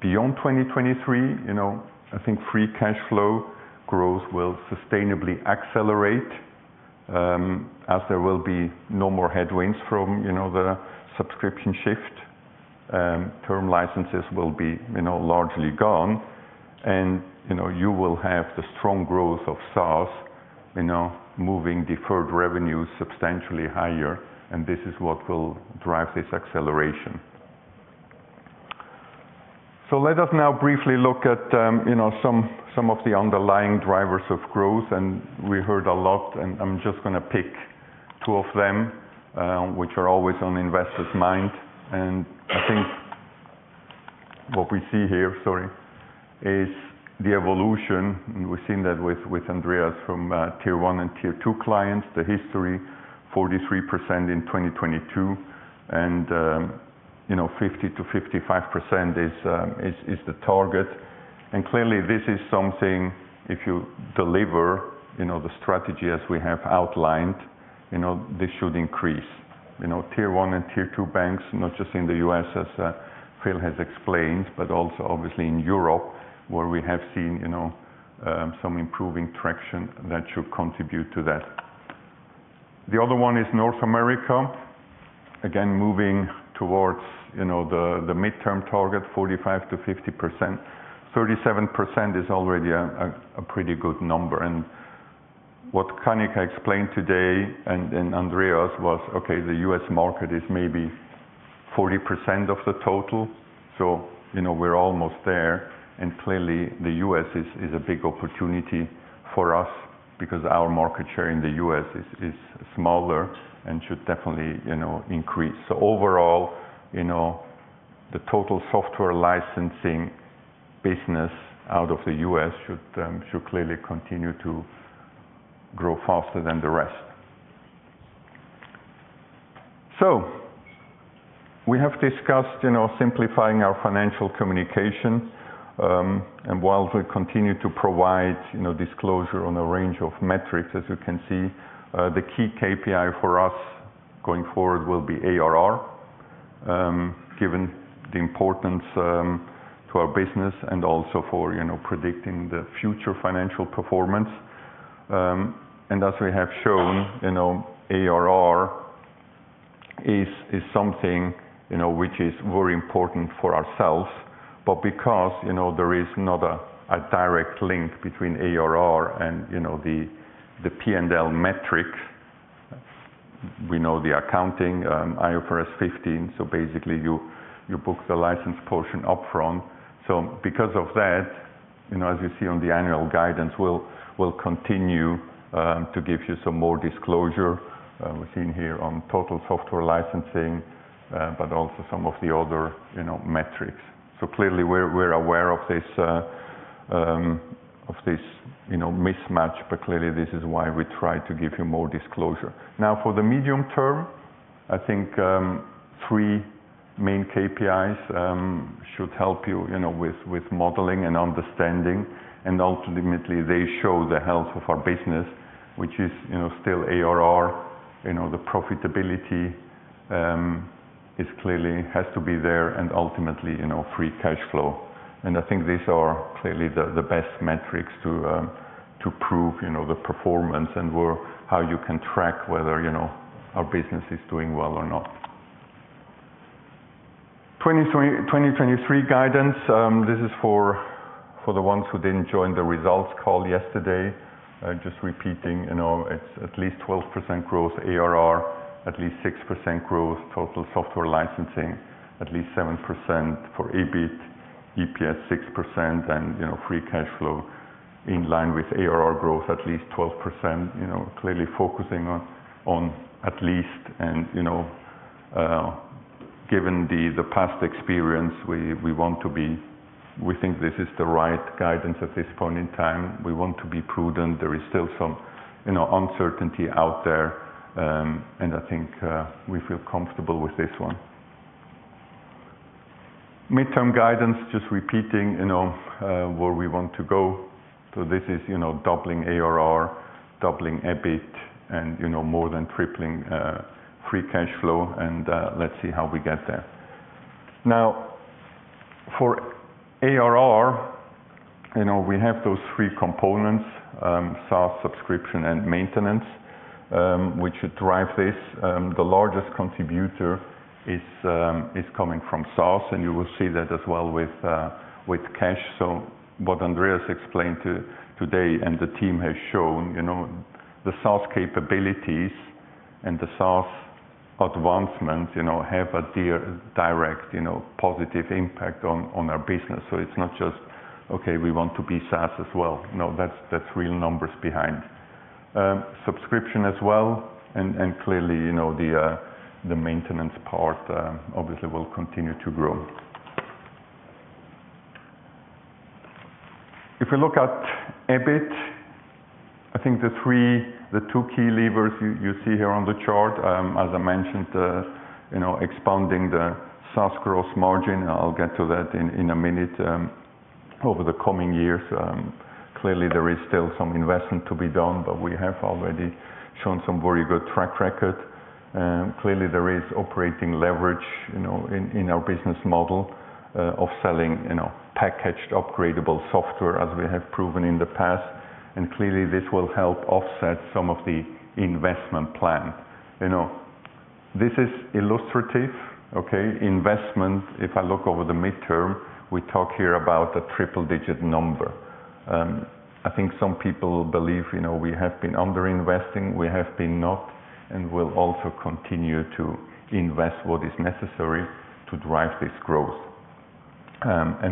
Beyond 2023, you know, I think free cash flow growth will sustainably accelerate, as there will be no more headwinds from, you know, the subscription shift. Term licenses will be, you know, largely gone and, you know, you will have the strong growth of SaaS, you know, moving deferred revenues substantially higher, and this is what will drive this acceleration. Let us now briefly look at, you know, some of the underlying drivers of growth. We heard a lot, and I'm just gonna pick two of them, which are always on investors' mind. I think what we see is the evolution, and we've seen that with Andreas from tier one and tier two clients. The history, 43% in 2022 and, you know, 50%-55% is the target. Clearly this is something if you deliver, you know, the strategy as we have outlined, you know, this should increase. You know, tier one and tier two banks, not just in the U.S. as Phil has explained, but also obviously in Europe, where we have seen, you know, some improving traction that should contribute to that. The other one is North America. Again, moving towards, you know, the midterm target, 45%-50%. 37% is already a pretty good number. What Kanika explained today and Andreas was, okay, the U.S. market is maybe 40% of the total. You know, we're almost there. Clearly the U.S. is a big opportunity for us because our market share in the U.S. is smaller and should definitely, you know, increase. Overall, you know, the total software licensing business out of the U.S. should clearly continue to grow faster than the rest. We have discussed, you know, simplifying our financial communication, and while we continue to provide, you know, disclosure on a range of metrics, as you can see, the key KPI for us going forward will be ARR. Given the importance to our business and also for, you know, predicting the future financial performance. As we have shown, you know, ARR is something, you know, which is very important for ourselves. Because, you know, there is not a direct link between ARR and, you know, the P&L metric, we know the accounting, IFRS 15. Basically, you book the license portion upfront. Because of that, you know, as you see on the annual guidance, we'll continue to give you some more disclosure, we've seen here on total software licensing, but also some of the other, you know, metrics. Clearly, we're aware of this, you know, mismatch, but clearly this is why we try to give you more disclosure. Now for the medium term, I think, three main KPIs should help you know, with modeling and understanding. Ultimately, they show the health of our business, which is, you know, still ARR. You know, the profitability is clearly has to be there and ultimately, you know, free cash flow. I think these are clearly the best metrics to prove, you know, the performance and how you can track whether, you know, our business is doing well or not. 2023 guidance, this is for the ones who didn't join the results call yesterday. Just repeating, you know, it's at least 12% growth ARR, at least 6% growth total software licensing, at least 7% for EBIT, EPS 6%, and, you know, free cash flow in line with ARR growth at least 12%. You know, clearly focusing on at least and, you know, given the past experience we want to be. We think this is the right guidance at this point in time. We want to be prudent. There is still some, you know, uncertainty out there. I think, we feel comfortable with this one. Midterm guidance, just repeating, you know, where we want to go. This is, you know, doubling ARR, doubling EBIT, and, you know, more than tripling free cash flow, and, let's see how we get there. For ARR, you know, we have those three components, SaaS, subscription, and maintenance, which drive this. The largest contributor is coming from SaaS, and you will see that as well with cash. What Andreas explained today and the team has shown, you know, the SaaS capabilities and the SaaS advancements, you know, have a direct, you know, positive impact on our business. It's not just, okay, we want to be SaaS as well. No, that's real numbers behind. Subscription as well, and clearly, you know, the maintenance part obviously will continue to grow. If we look at EBIT, I think the two key levers you see here on the chart, as I mentioned, you know, expanding the SaaS gross margin. I'll get to that in a minute. Over the coming years, clearly there is still some investment to be done, but we have already shown some very good track record. Clearly there is operating leverage, you know, in our business model of selling, you know, packaged upgradable software as we have proven in the past. Clearly this will help offset some of the investment plan. You know, this is illustrative, okay? Investment, if I look over the midterm, we talk here about a triple-digit number. I think some people believe, you know, we have been under-investing. We have been not, and we'll also continue to invest what is necessary to drive this growth.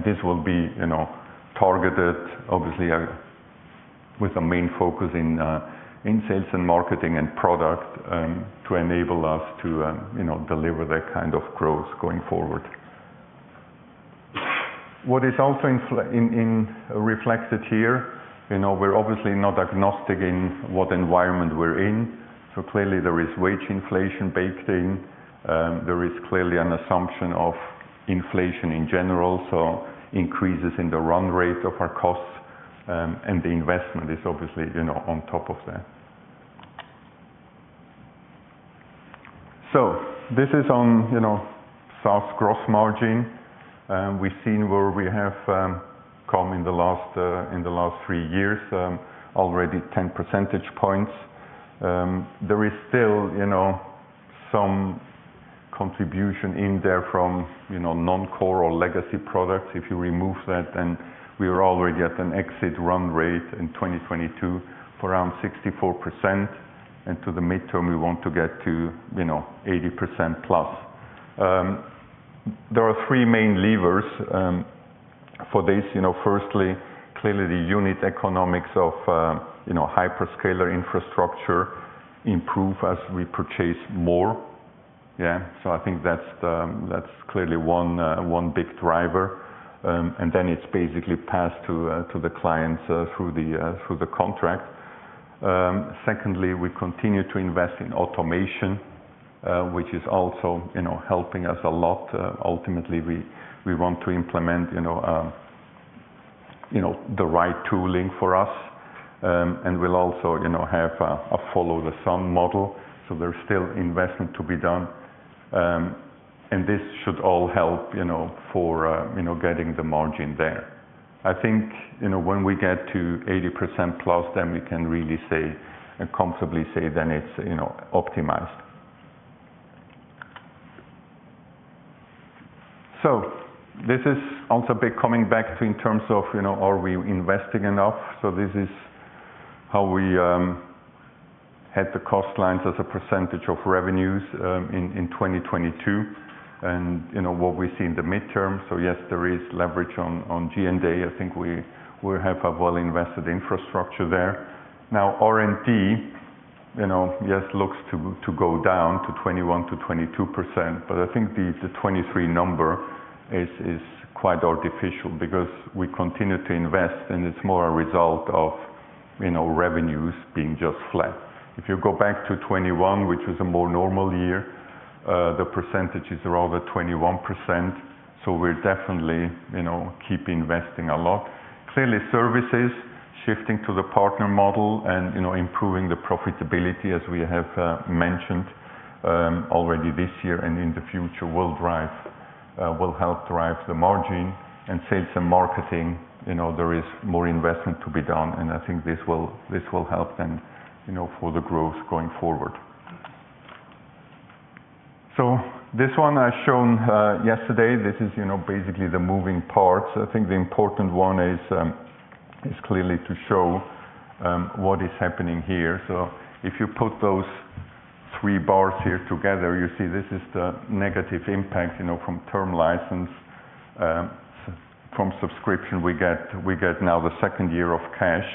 This will be, you know, targeted obviously, with a main focus in sales and marketing and product, to enable us to, you know, deliver that kind of growth going forward. What is also reflected here, you know, we're obviously not agnostic in what environment we're in. Clearly there is wage inflation baked in. There is clearly an assumption of inflation in general, so increases in the run rate of our costs, and the investment is obviously, you know, on top of that. This is on, you know, SaaS gross margin. We've seen where we have come in the last in the last three years, already 10 percentage points. There is still, you know, some contribution in there from, you know, non-core or legacy products. If you remove that, then we are already at an exit run rate in 2022 for around 64%. To the midterm, we want to get to, you know, 80%+. There are three main levers for this. You know, firstly, clearly the unit economics of, you know, hyperscaler infrastructure improve as we purchase more. Yeah. I think that's clearly one big driver. Then it's basically passed to the clients through the contract. Secondly, we continue to invest in automation, which is also, you know, helping us a lot. ultimately, we want to implement, you know, the right tooling for us. And we'll also, you know, have a follow the sun model. There's still investment to be done. And this should all help, you know, for, you know, getting the margin there. I think, you know, when we get to 80%+ then we can really say and comfortably say then it's, you know, optimized. This is also a bit coming back to in terms of, you know, are we investing enough? This is how we had the cost lines as a percentage of revenues in 2022 and, you know, what we see in the midterm. Yes, there is leverage on G&A. I think we have a well-invested infrastructure there. R&D, you know, yes, looks to go down to 21%-22%, but I think the 23 number is quite artificial because we continue to invest, and it's more a result of, you know, revenues being just flat. If you go back to 2021, which was a more normal year, the percentage is rather 21%. We're definitely, you know, keep investing a lot. Clearly services shifting to the partner model and, you know, improving the profitability as we have mentioned already this year and in the future will drive will help drive the margin. Sales and marketing, you know, there is more investment to be done, and I think this will help then, you know, for the growth going forward. This one I shown yesterday. This is, you know, basically the moving parts. I think the important one is clearly to show what is happening here. If you put those three bars here together, you see this is the negative impact, you know, from term license. From subscription, we get now the second year of cash,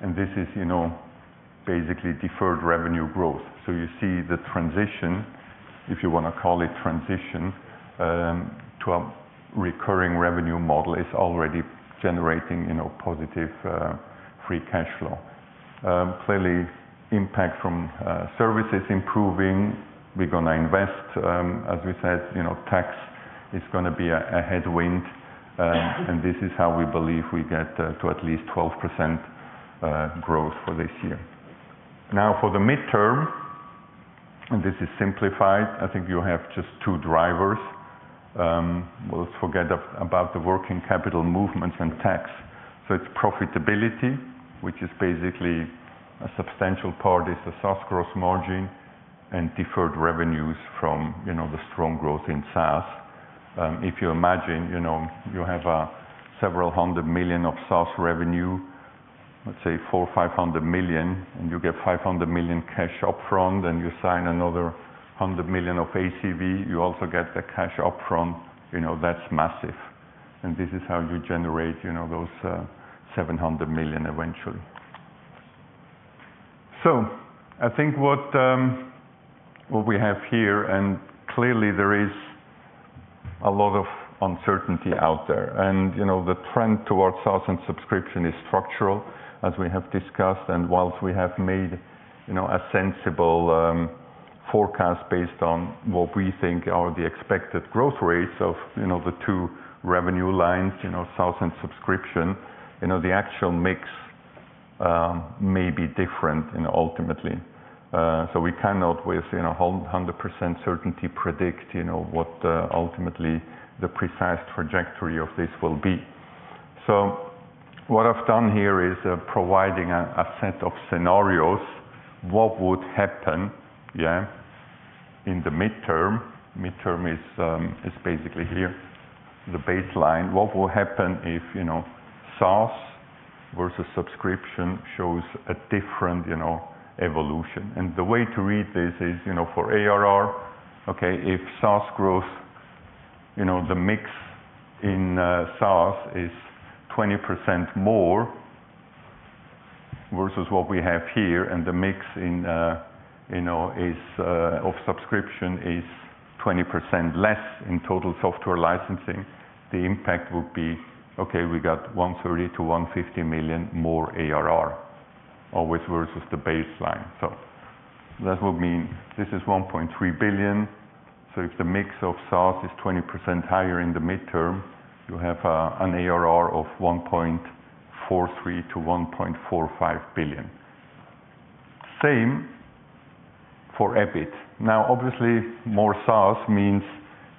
and this is, you know, basically deferred revenue growth. You see the transition, if you wanna call it transition, to a recurring revenue model is already generating, you know, positive free cash flow. Clearly impact from services improving. We're gonna invest as we said. You know, tax is gonna be a headwind. And this is how we believe we get to at least 12% growth for this year. For the midterm, and this is simplified, I think you have just two drivers. We'll forget about the working capital movements and tax. It's profitability, which is basically a substantial part is the SaaS gross margin and deferred revenues from, you know, the strong growth in SaaS. If you imagine, you know, you have a several hundred million of SaaS revenue, let's say $400 million-$500 million, and you get $500 million cash up front, and you sign another $100 million of ACV. You also get the cash up front. You know, that's massive. This is how you generate, you know, those $700 million eventually. I think what we have here, and clearly there is a lot of uncertainty out there, and, you know, the trend towards SaaS and subscription is structural, as we have discussed. Whilst we have made, you know, a sensible forecast based on what we think are the expected growth rates of, you know, the two revenue lines, you know, SaaS and subscription, you know, the actual mix may be different, you know, ultimately. So we cannot with, you know, 100% certainty predict, you know, what ultimately the precise trajectory of this will be. What I've done here is providing a set of scenarios. What would happen, yeah, in the midterm? Midterm is basically here, the baseline. What will happen if, you know, SaaS versus subscription shows a different, you know, evolution? The way to read this is, you know, for ARR, okay, if SaaS growth, you know, the mix in SaaS is 20% more versus what we have here, and the mix, you know, of subscription is 20% less in total software licensing, the impact would be, okay, we got $130 million-$150 million more ARR always versus the baseline. That would mean this is $1.3 billion. If the mix of SaaS is 20% higher in the midterm, you have an ARR of $1.43 billion-$1.45 billion. Same for EBIT. Now obviously more SaaS means,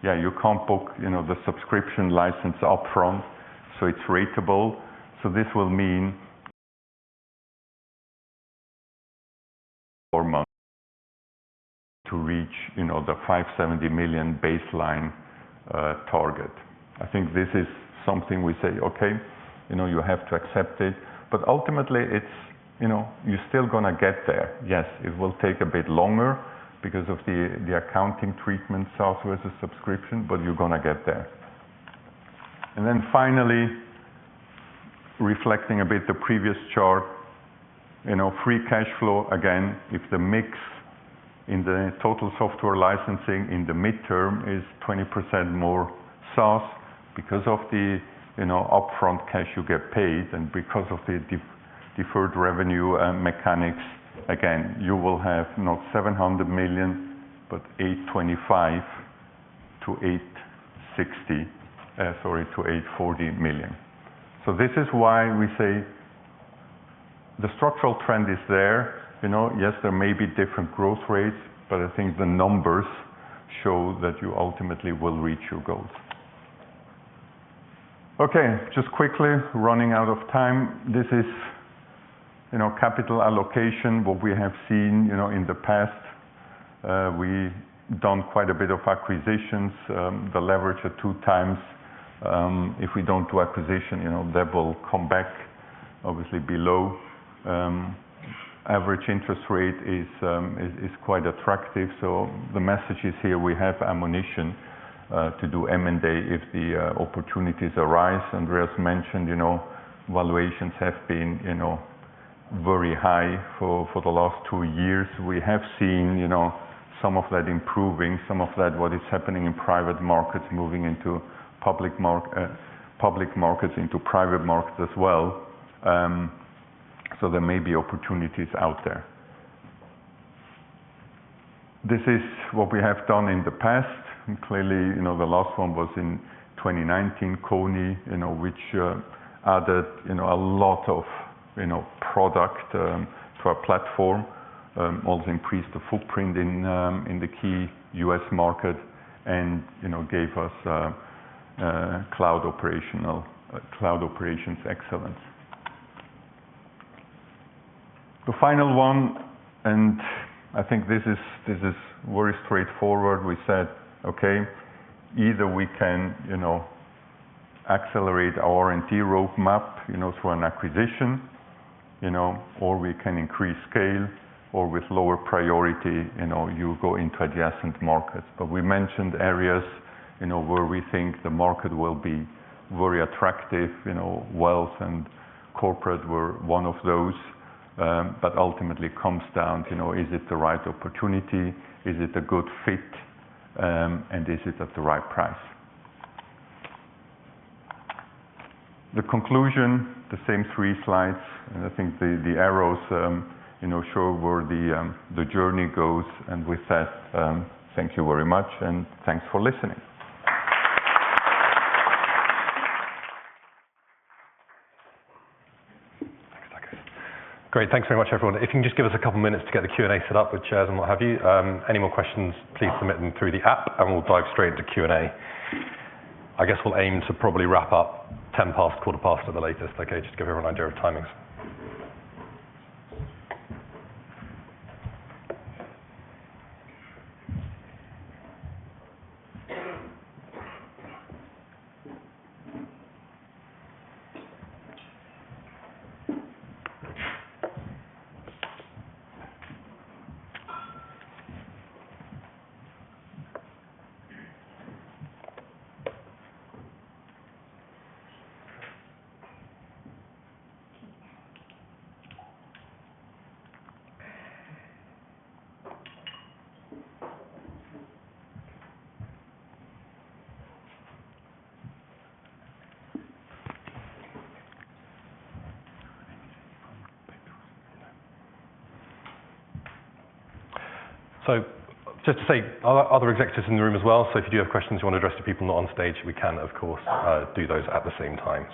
yeah, you can't book, you know, the subscription license up front, so it's ratable. This will mean four months to reach, you know, the $570 million baseline target. I think this is something we say, "Okay, you know, you have to accept it." Ultimately it's, you know, you're still gonna get there. Yes, it will take a bit longer because of the accounting treatment SaaS versus subscription, but you're gonna get there. Finally, reflecting a bit the previous chart, you know, free cash flow, again, if the mix in the total software licensing in the midterm is 20% more SaaS because of the, you know, upfront cash you get paid and because of the de-deferred revenue mechanics, again, you will have not $700 million, but $825 million-$860 million, sorry, to $840 million. This is why we say the structural trend is there. You know. Yes, there may be different growth rates, but I think the numbers show that you ultimately will reach your goals. Okay, just quickly, running out of time. This is, you know, capital allocation, what we have seen, you know, in the past. We've done quite a bit of acquisitions. The leverage at 2x, if we don't do acquisition, you know, that will come back obviously below. Average interest rate is quite attractive. The message is here we have ammunition to do M&A if the opportunities arise. Andreas mentioned, you know, valuations have been, you know, very high for the last two years. We have seen, you know, some of that improving, some of that what is happening in private markets moving into public markets into private markets as well. There may be opportunities out there. This is what we have done in the past. Clearly, you know, the last one was in 2019, Kony, you know, which added, you know, a lot of, you know, product to our platform. Also increased the footprint in the key U.S. market and, you know, gave us cloud operational cloud operations excellence. The final one, I think this is very straightforward. We said, okay, either we can, you know, accelerate our R&D roadmap, you know, through an acquisition, you know, or we can increase scale or with lower priority, you know, you go into adjacent markets. We mentioned areas, you know, where we think the market will be very attractive. You know, wealth and corporate were one of those, but ultimately comes down to, you know, is it the right opportunity? Is it a good fit? And is it at the right price? The conclusion, the same three slides, and I think the arrows, you know, show where the journey goes. With that, thank you very much and thanks for listening. Great. Thanks very much, everyone. If you can just give us a couple minutes to get the Q&A set up with chairs and what have you. Any more questions, please submit them through the app, and we'll dive straight into Q&A. I guess we'll aim to probably wrap up 10 past, quarter past at the latest, okay? Just to give everyone an idea of timings. Just to say, other executives in the room as well, if you do have questions you want to address to people not on stage, we can of course, do those at the same time.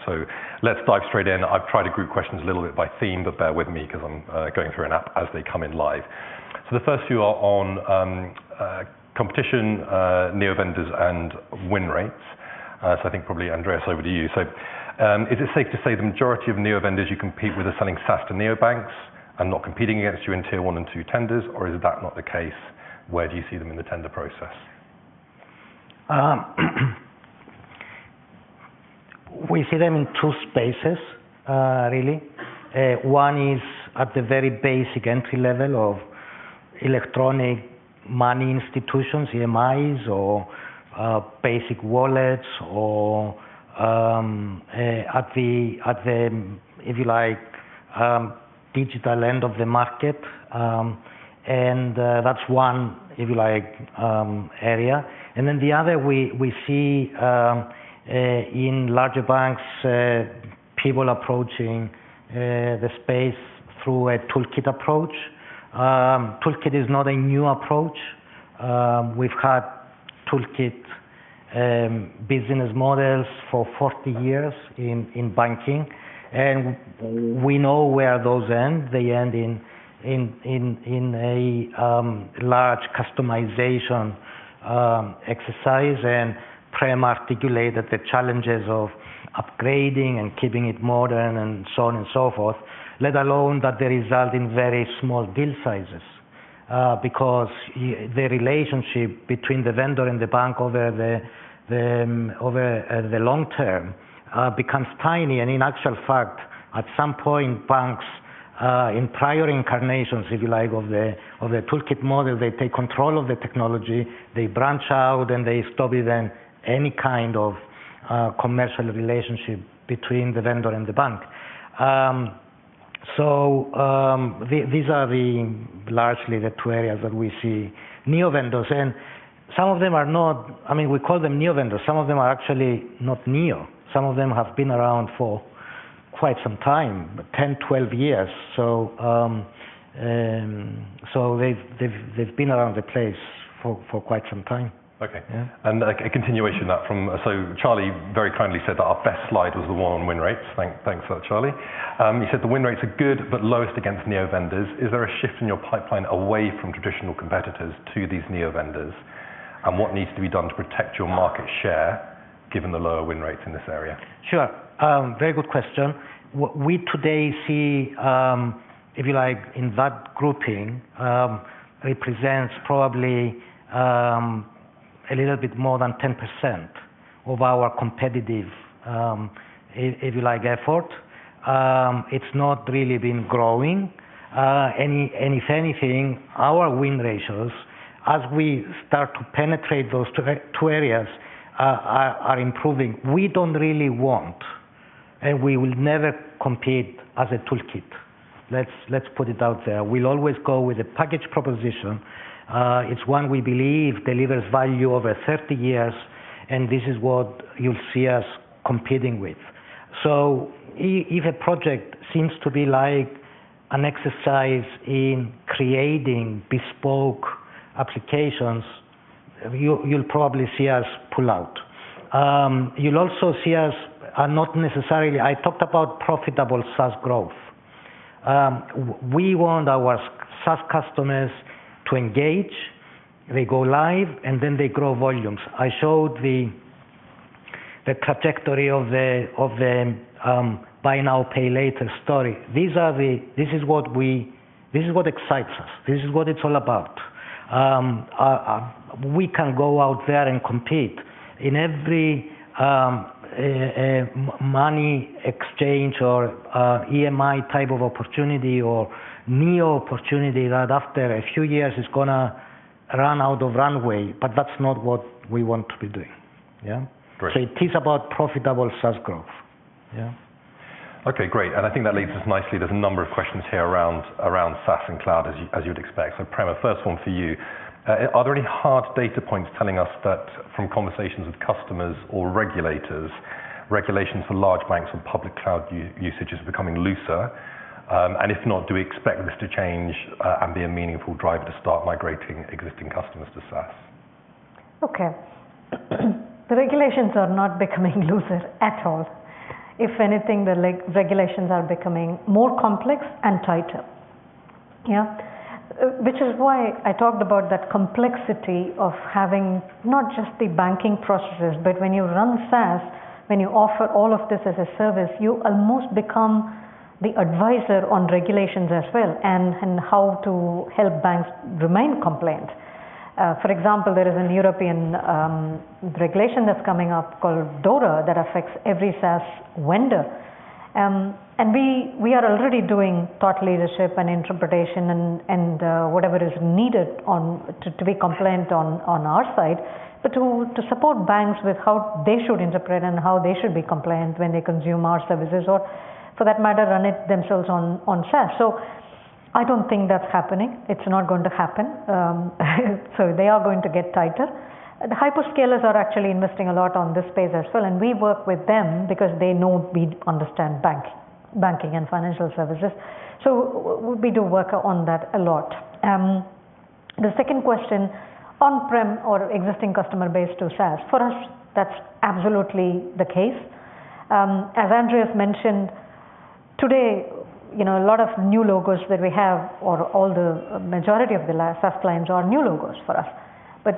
Let's dive straight in. I've tried to group questions a little bit by theme, but bear with me because I'm going through an app as they come in live. The first few are on competition, neo vendors and win rates. I think probably Andreas, over to you. Is it safe to say the majority of neo vendors you compete with are selling SaaS to neobanks, and not competing against you in tier one and two tenders, or is that not the case? Where do you see them in the tender process? We see them in two spaces, really. One is at the very basic entry level of electronic money institutions, EMIs or basic wallets or, at the, if you like, digital end of the market. That's one, if you like, area. Then the other we see in larger banks, people approaching the space through a toolkit approach. Toolkit is not a new approach. We've had toolkit business models for 40 years in banking, and we know where those end. They end in a large customization exercise and Prem articulated the challenges of upgrading and keeping it modern and so on and so forth, let alone that they result in very small deal sizes. Because the relationship between the vendor and the bank over the long term becomes tiny. In actual fact, at some point, banks in prior incarnations, if you like, of the toolkit model, they take control of the technology, they branch out, and they stop even any kind of commercial relationship between the vendor and the bank. So these are largely the two areas that we see neo vendors. Some of them are not... I mean, we call them neo vendors. Some of them are actually not neo. Some of them have been around for quite some time, 10, 12 years. They've been around the place for quite some time. Okay. Yeah. A continuation of that from... Charlie very kindly said that our best slide was the one on win rates. Thanks for that, Charlie. He said the win rates are good, but lowest against neo vendors. Is there a shift in your pipeline away from traditional competitors to these neo vendors? What needs to be done to protect your market share given the lower win rates in this area? Sure. Very good question. What we today see, if you like, in that grouping, represents probably a little bit more than 10% of our competitive, if you like, effort. It's not really been growing. And if anything, our win ratios, as we start to penetrate those two areas, are improving. We don't really want, and we will never compete as a toolkit. Let's put it out there. We'll always go with a package proposition. It's one we believe delivers value over 30 years, and this is what you'll see us competing with. If a project seems to be like an exercise in creating bespoke applications, you'll probably see us pull out. You'll also see us not necessarily. I talked about profitable SaaS growth. We want our SaaS customers to engage, they go live, and then they grow volumes. I showed the trajectory of the, of the buy-now-pay-later story. These are the... this is what we... this is what excites us. This is what it's all about. We can go out there and compete in every money exchange or EMI type of opportunity or neo opportunity that after a few years is gonna run out of runway, but that's not what we want to be doing. Yeah? Great. It is about profitable SaaS growth. Yeah. Okay, great. I think that leads us nicely. There's a number of questions here around SaaS and cloud, as you'd expect. Prema, first one for you. Are there any hard data points telling us that from conversations with customers or regulators, regulations for large banks and public cloud usage is becoming looser? If not, do we expect this to change and be a meaningful driver to start migrating existing customers to SaaS? Okay. The regulations are not becoming looser at all. If anything, the regulations are becoming more complex and tighter. Yeah. Which is why I talked about that complexity of having not just the banking processes, but when you run SaaS, when you offer all of this as a service, you almost become the advisor on regulations as well and how to help banks remain compliant. For example, there is an European regulation that's coming up called DORA that affects every SaaS vendor. We are already doing thought leadership and interpretation and whatever is needed on to be compliant on our side. But to support banks with how they should interpret and how they should be compliant when they consume our services or for that matter, run it themselves on SaaS. I don't think that's happening. It's not going to happen. They are going to get tighter. The hyperscalers are actually investing a lot on this space as well, and we work with them because they know we understand banking and financial services. We do work on that a lot. The second question, on-prem or existing customer base to SaaS. For us, that's absolutely the case. As Andreas mentioned, today, you know, a lot of new logos that we have or all the majority of the SaaS clients are new logos for us.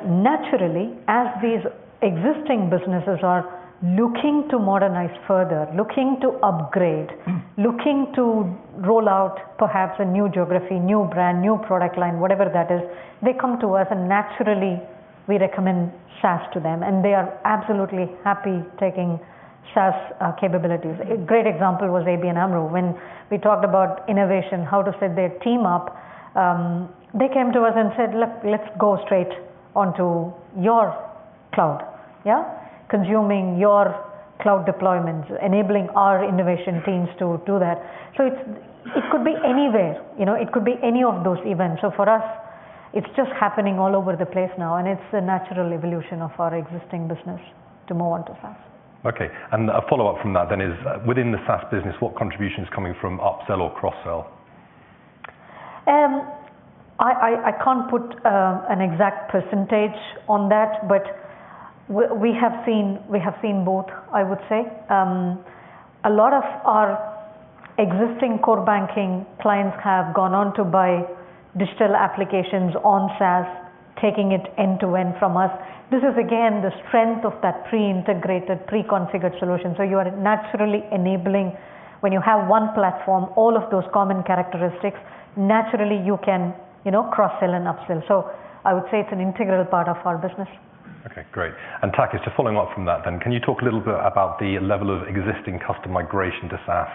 Naturally, as these existing businesses are looking to modernize further, looking to upgrade, looking to roll out perhaps a new geography, new brand, new product line, whatever that is, they come to us and naturally we recommend SaaS to them, and they are absolutely happy taking SaaS capabilities. A great example was ABN AMRO. We talked about innovation, how to set their team up, they came to us and said, "Look, let's go straight onto your cloud." Yeah? Consuming your cloud deployments, enabling our innovation teams to do that. It could be anywhere, you know, it could be any of those events. For us, it's just happening all over the place now, and it's the natural evolution of our existing business to move on to SaaS. Okay. A follow-up from that is, within the SaaS business, what contribution is coming from upsell or cross-sell? I can't put an exact percentage on that, but we have seen both, I would say. A lot of our existing core banking clients have gone on to buy digital applications on SaaS, taking it end-to-end from us. This is again, the strength of that pre-integrated, pre-configured solution. You are naturally enabling when you have one platform, all of those common characteristics, naturally you can, you know, cross-sell and upsell. I would say it's an integral part of our business. Okay, great. Takis, just following up from that then, can you talk a little bit about the level of existing customer migration to SaaS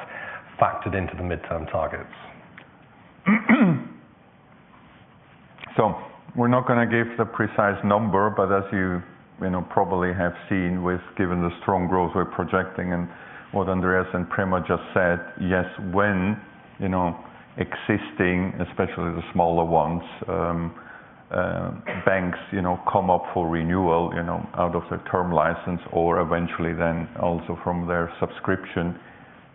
factored into the midterm targets? We're not gonna give the precise number, but as you know, probably have seen with given the strong growth we're projecting and what Andreas and Prema just said, yes, when, you know, existing, especially the smaller ones. Banks, you know, come up for renewal, you know, out of their term license or eventually then also from their subscription,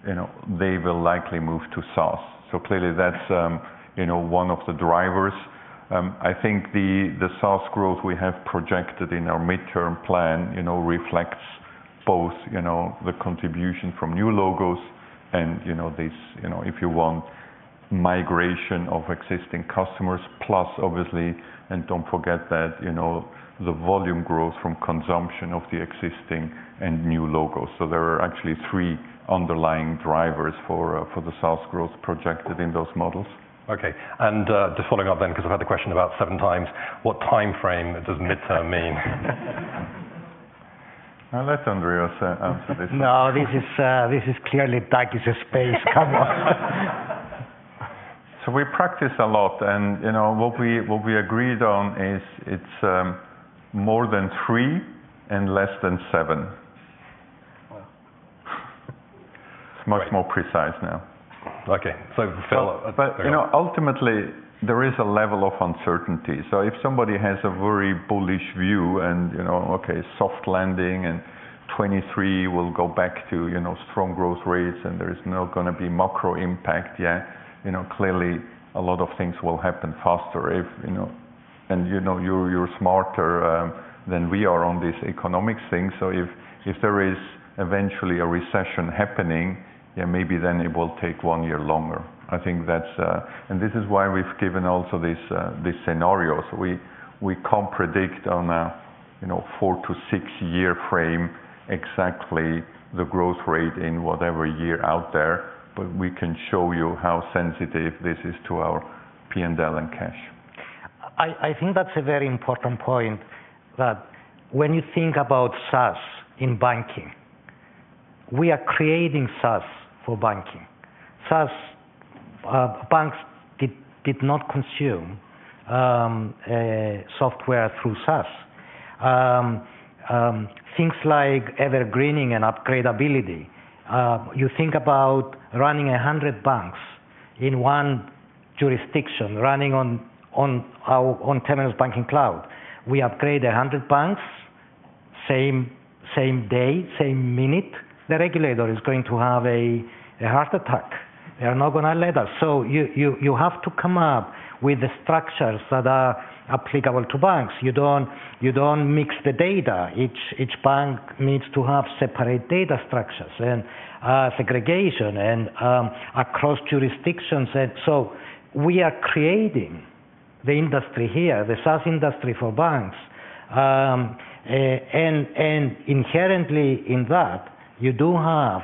you know, they will likely move to SaaS. Clearly that's, you know, one of the drivers. I think the SaaS growth we have projected in our midterm plan, you know, reflects both, you know, the contribution from new logos and, you know, this, you know, if you want migration of existing customers plus obviously, and don't forget that, you know, the volume growth from consumption of the existing and new logos. There are actually three underlying drivers for the SaaS growth projected in those models. Okay. just following up then 'cause I've had the question about seven times, what time frame does midterm mean? I'll let Andreas answer this one. No, this is, this is clearly Takis' space. Come on. We practice a lot and, you know, what we agreed on is it's more than three and less than seven. Wow. It's much more precise now. Okay. Ultimately, you know, there is a level of uncertainty. If somebody has a very bullish view and, you know, okay, soft landing and 23 we'll go back to, you know, strong growth rates and there is not gonna be macro impact, yeah, you know, clearly a lot of things will happen faster if, you know... You know, you're smarter than we are on these economic things. If there is eventually a recession happening, yeah, maybe then it will take one year longer. I think that's. This is why we've given also these scenarios. We can't predict on a, you know, 4-6 year frame exactly the growth rate in whatever year out there, but we can show you how sensitive this is to our P&L and cash. I think that's a very important point that when you think about SaaS in banking, we are creating SaaS for banking. SaaS banks did not consume software through SaaS. Things like evergreening and upgradeability. You think about running 100 banks in one jurisdiction running on our, on Temenos Banking Cloud. We upgrade 100 banks same day, same minute. The regulator is going to have a heart attack. They are not gonna let us. You have to come up with the structures that are applicable to banks. You don't mix the data. Each bank needs to have separate data structures and segregation and across jurisdictions. We are creating the industry here, the SaaS industry for banks. Inherently in that you do have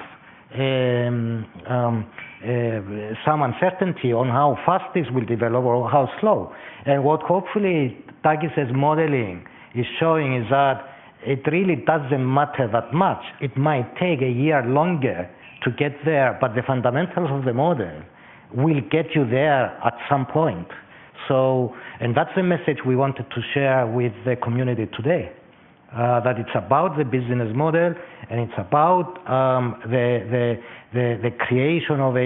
some uncertainty on how fast this will develop or how slow. What hopefully Takis' modeling is showing is that it really doesn't matter that much. It might take a year longer to get there, but the fundamentals of the model will get you there at some point. So. That's the message we wanted to share with the community today, that it's about the business model and it's about the creation of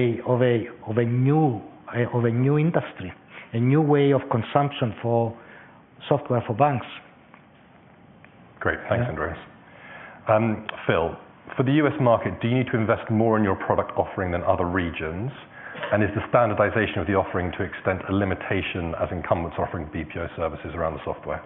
a new industry, a new way of consumption for software for banks. Great. Thanks, Andreas. Phil, for the U.S. market, do you need to invest more in your product offering than other regions? Is the standardization of the offering to extent a limitation as incumbents offering BPO services around the software?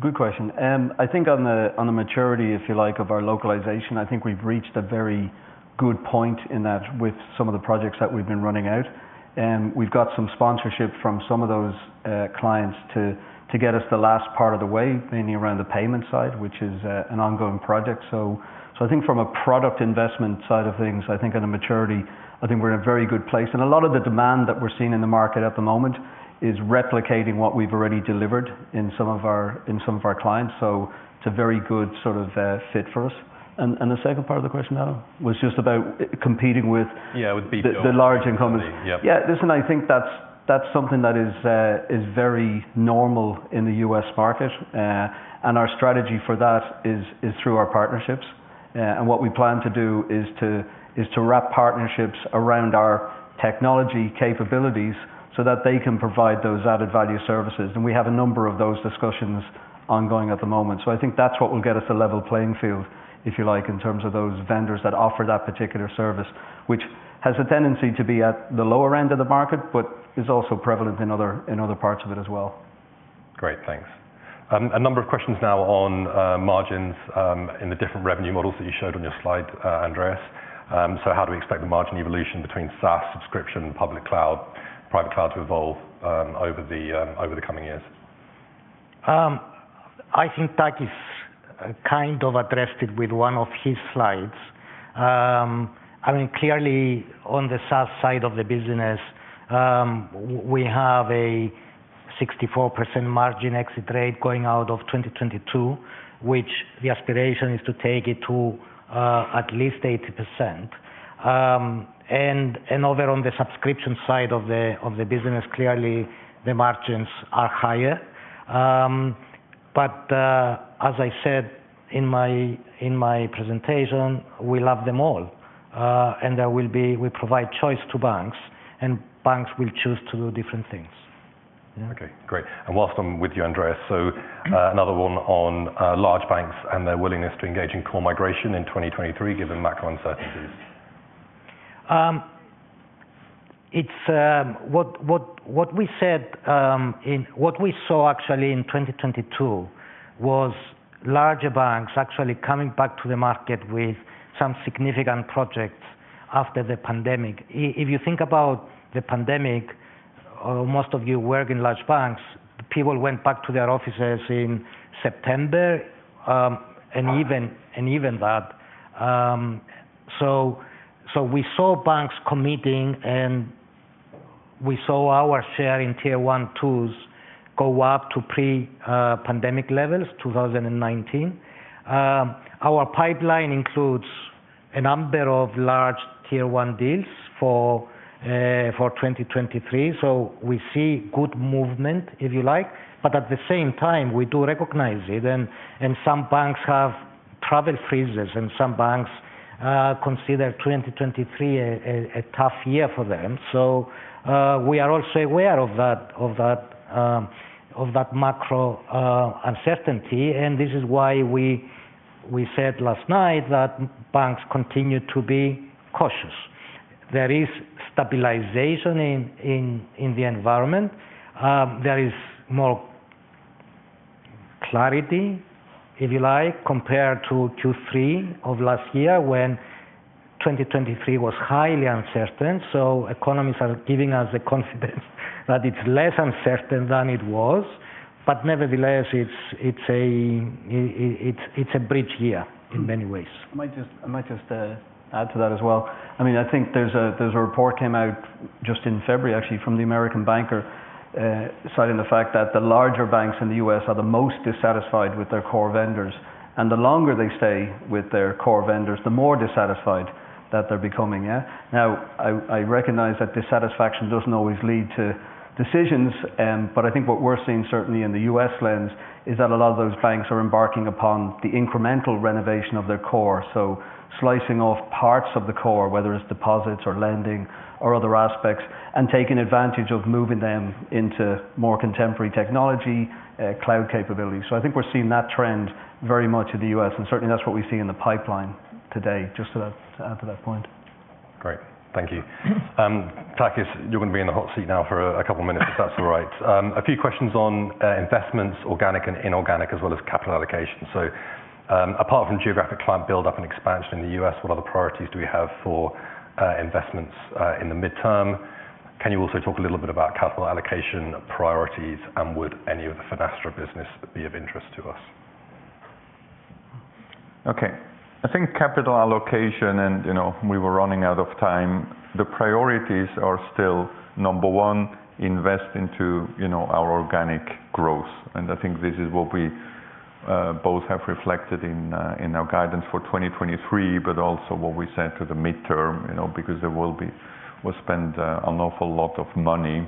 Good question. I think on the maturity, if you like, of our localization, I think we've reached a very good point in that with some of the projects that we've been running out. We've got some sponsorship from some of those clients to get us the last part of the way, mainly around the payment side, which is an ongoing project. I think from a product investment side of things, I think on a maturity, I think we're in a very good place. A lot of the demand that we're seeing in the market at the moment is replicating what we've already delivered in some of our, in some of our clients. It's a very good sort of fit for us. The second part of the question, Adam, was just about competing with- Yeah, with BPO. the large incumbents. Yeah. Yeah. Listen, I think that's something that is very normal in the U.S. market. Our strategy for that is through our partnerships. What we plan to do is to wrap partnerships around our technology capabilities so that they can provide those added value services. We have a number of those discussions ongoing at the moment. I think that's what will get us a level playing field, if you like, in terms of those vendors that offer that particular service, which has a tendency to be at the lower end of the market, but is also prevalent in other parts of it as well. Great. Thanks. A number of questions now on margins in the different revenue models that you showed on your slide, Andreas. How do we expect the margin evolution between SaaS, subscription, public cloud, private cloud to evolve over the coming years? I think Takis kind of addressed it with one of his slides. Clearly on the SaaS side of the business, we have a 64% margin exit rate going out of 2022, which the aspiration is to take it to at least 80%. Over on the subscription side of the business, clearly the margins are higher. As I said in my presentation, we love them all. We provide choice to banks. Banks will choose to do different things. Yeah. Okay, great. While I'm with you, Andreas, so, another one on, large banks and their willingness to engage in core migration in 2023, given macro uncertainties. It's what we said. What we saw actually in 2022 was larger banks actually coming back to the market with some significant projects after the pandemic. If you think about the pandemic, most of you work in large banks, people went back to their offices in September, and even that. We saw banks committing, and we saw our share in Tier one tools go up to pre-pandemic levels, 2019. Our pipeline includes a number of large Tier one deals for 2023. We see good movement, if you like. At the same time, we do recognize it and some banks have travel freezes and some banks consider 2023 a tough year for them. We are also aware of that macro uncertainty. This is why we said last night that banks continue to be cautious. There is stabilization in the environment. There is more clarity, if you like, compared to Q3 of last year when 2023 was highly uncertain. Economies are giving us the confidence that it's less uncertain than it was. Nevertheless, it's a bridge year in many ways. I might just add to that as well. I mean, I think there's a report came out just in February, actually, from the American Banker, citing the fact that the larger banks in the U.S. are the most dissatisfied with their core vendors. The longer they stay with their core vendors, the more dissatisfied that they're becoming, yeah? I recognize that dissatisfaction doesn't always lead to decisions. But I think what we're seeing, certainly in the U.S. lens, is that a lot of those banks are embarking upon the incremental renovation of their core. Slicing off parts of the core, whether it's deposits or lending or other aspects, and taking advantage of moving them into more contemporary technology, cloud capabilities. I think we're seeing that trend very much in the U.S., and certainly that's what we see in the pipeline today, just to add to that point. Great. Thank you. Takis, you're gonna be in the hot seat now for a couple minutes, if that's all right. A few questions on investments, organic and inorganic, as well as capital allocation. Apart from geographic client build-up and expansion in the U.S., what other priorities do we have for investments in the midterm? Can you also talk a little bit about capital allocation priorities, and would any of the Finastra business be of interest to us? Okay. I think capital allocation and, you know, we were running out of time, the priorities are still, number one, invest into, you know, our organic growth. I think this is what we both have reflected in our guidance for 2023, but also what we said to the midterm, you know, because we spend an awful lot of money,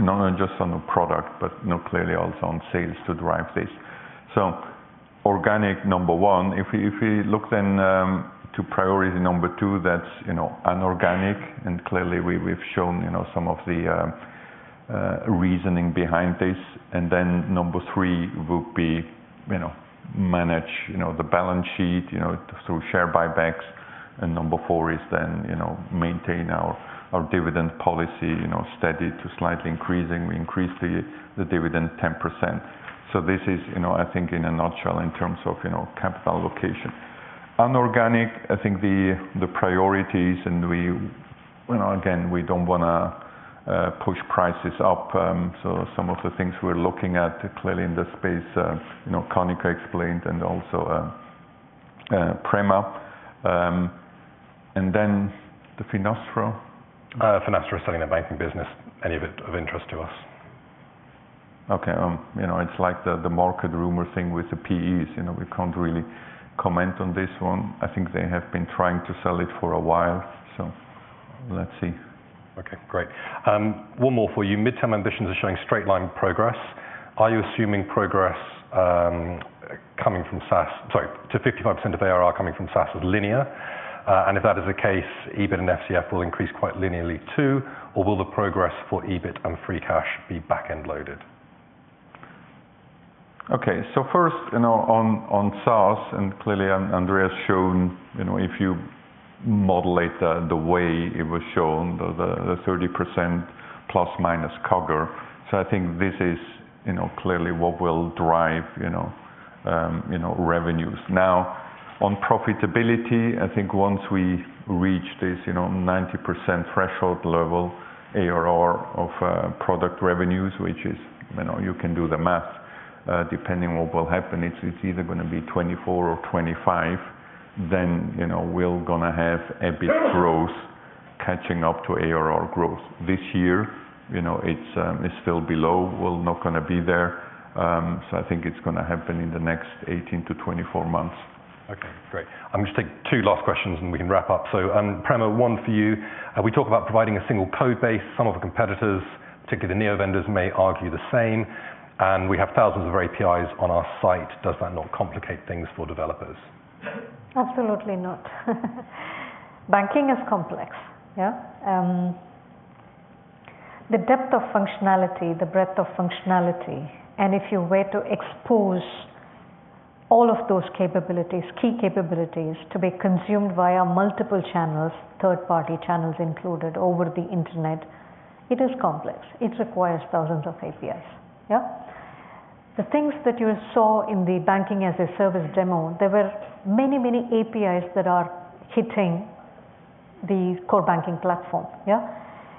not only just on the product, but clearly also on sales to drive this. Organic, number one. If we, if we look then to priority number two, that's, you know, inorganic, clearly we've shown, you know, some of the reasoning behind this. Number three would be, you know, manage, you know, the balance sheet, you know, through share buybacks. Number four is then, you know, maintain our dividend policy, you know, steady to slightly increasing. We increased the dividend 10%. This is, you know, I think in a nutshell, in terms of, you know, capital allocation. Inorganic, I think the priorities and we, you know, again, we don't wanna push prices up. Some of the things we're looking at clearly in the space, you know, Kanika explained and also Prema. Then the Finastra. Finastra is selling their banking business. Any of it of interest to us? Okay. you know, it's like the market rumor thing with the PEs. You know, we can't really comment on this one. I think they have been trying to sell it for a while, so let's see. Okay, great. One more for you. Midterm ambitions are showing straight line progress. Are you assuming progress coming from SaaS to 55% of ARR coming from SaaS is linear? If that is the case, EBIT and FCF will increase quite linearly too, or will the progress for EBIT and free cash be back-end loaded? Okay. First, you know, on SaaS, clearly Andreas shown, you know, if you modelate the way it was shown, the ±30% CAGR. I think this is, you know, clearly what will drive, you know, you know, revenues. On profitability, I think once we reach this, you know, 90% threshold level ARR of product revenues, which is, you know, you can do the math, depending what will happen. It's, it's either gonna be 2024 or 2025, you know, we're gonna have a bit growth catching up to ARR growth. This year, you know, it's still below. We're not gonna be there. I think it's gonna happen in the next 18-24 months. Okay, great. I'm just take two last questions, and we can wrap up. Prema, one for you. We talk about providing a single code base. Some of the competitors, particularly Neo vendors, may argue the same. We have thousands of APIs on our site. Does that not complicate things for developers? Absolutely not. Banking is complex, yeah? The depth of functionality, the breadth of functionality, if you were to expose all of those capabilities, key capabilities to be consumed via multiple channels, third-party channels included over the Internet, it is complex. It requires thousands of APIs. Yeah? The things that you saw in the Banking-as-a-Service demo, there were many, many APIs that are hitting the core banking platform. Yeah?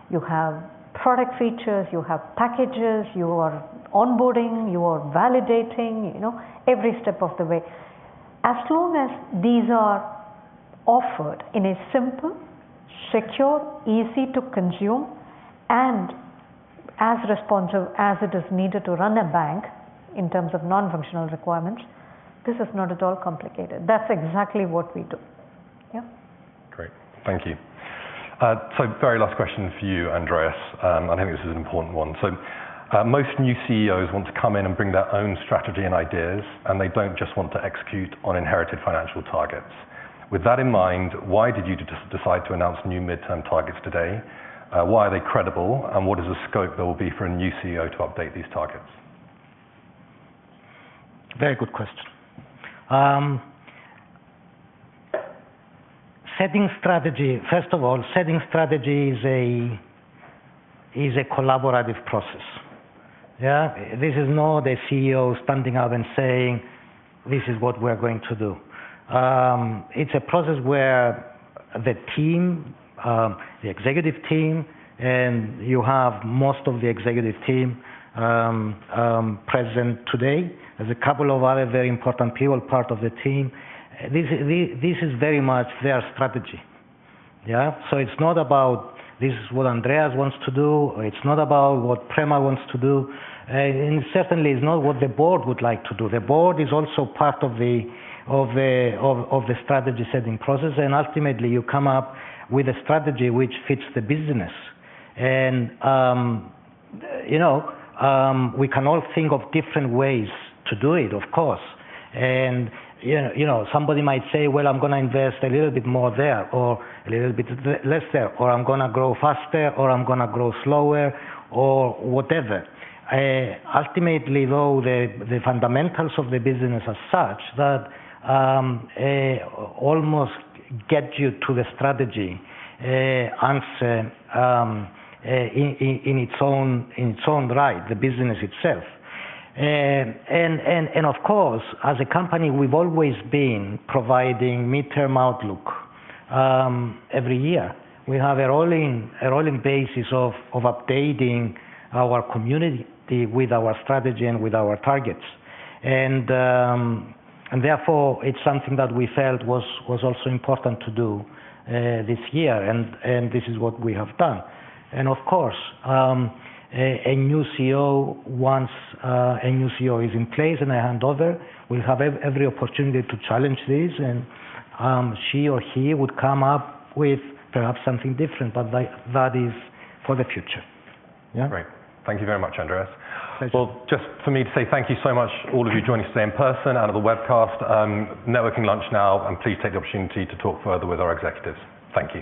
You have product features, you have packages, you are onboarding, you are validating, you know, every step of the way. As long as these are offered in a simple, secure, easy to consume and as responsive as it is needed to run a bank in terms of non-functional requirements, this is not at all complicated. That's exactly what we do. Yeah? Great. Thank you. Very last question for you, Andreas. I think this is an important one. Most new CEOs want to come in and bring their own strategy and ideas, and they don't just want to execute on inherited financial targets. With that in mind, why did you decide to announce new midterm targets today? Why are they credible? What is the scope there will be for a new CEO to update these targets? Very good question. First of all, setting strategy is a collaborative process. Yeah. This is not the CEO standing up and saying, "This is what we're going to do." It's a process where the team, the executive team, and you have most of the executive team, present today. There's a couple of other very important people, part of the team. This is very much their strategy. Yeah. It's not about this is what Andreas wants to do, or it's not about what Prema wants to do, and certainly is not what the board would like to do. The board is also part of the strategy-setting process, and ultimately you come up with a strategy which fits the business. You know, we can all think of different ways to do it, of course. You know, somebody might say, "Well, I'm gonna invest a little bit more there or a little bit less there, or I'm gonna grow faster, or I'm gonna grow slower or whatever." Ultimately, though, the fundamentals of the business are such that almost get you to the strategy answer in its own right, the business itself. Of course, as a company, we've always been providing midterm outlook every year. We have a rolling basis of updating our community with our strategy and with our targets. Therefore, it's something that we felt was also important to do this year and this is what we have done. Of course, a new CEO, once a new CEO is in place and a handover, will have every opportunity to challenge this and she or he would come up with perhaps something different, but that is for the future. Great. Thank you very much, Andreas. Pleasure. Just for me to say thank you so much all of you joining us today in person, out of the webcast. Networking lunch now. Please take the opportunity to talk further with our executives. Thank you.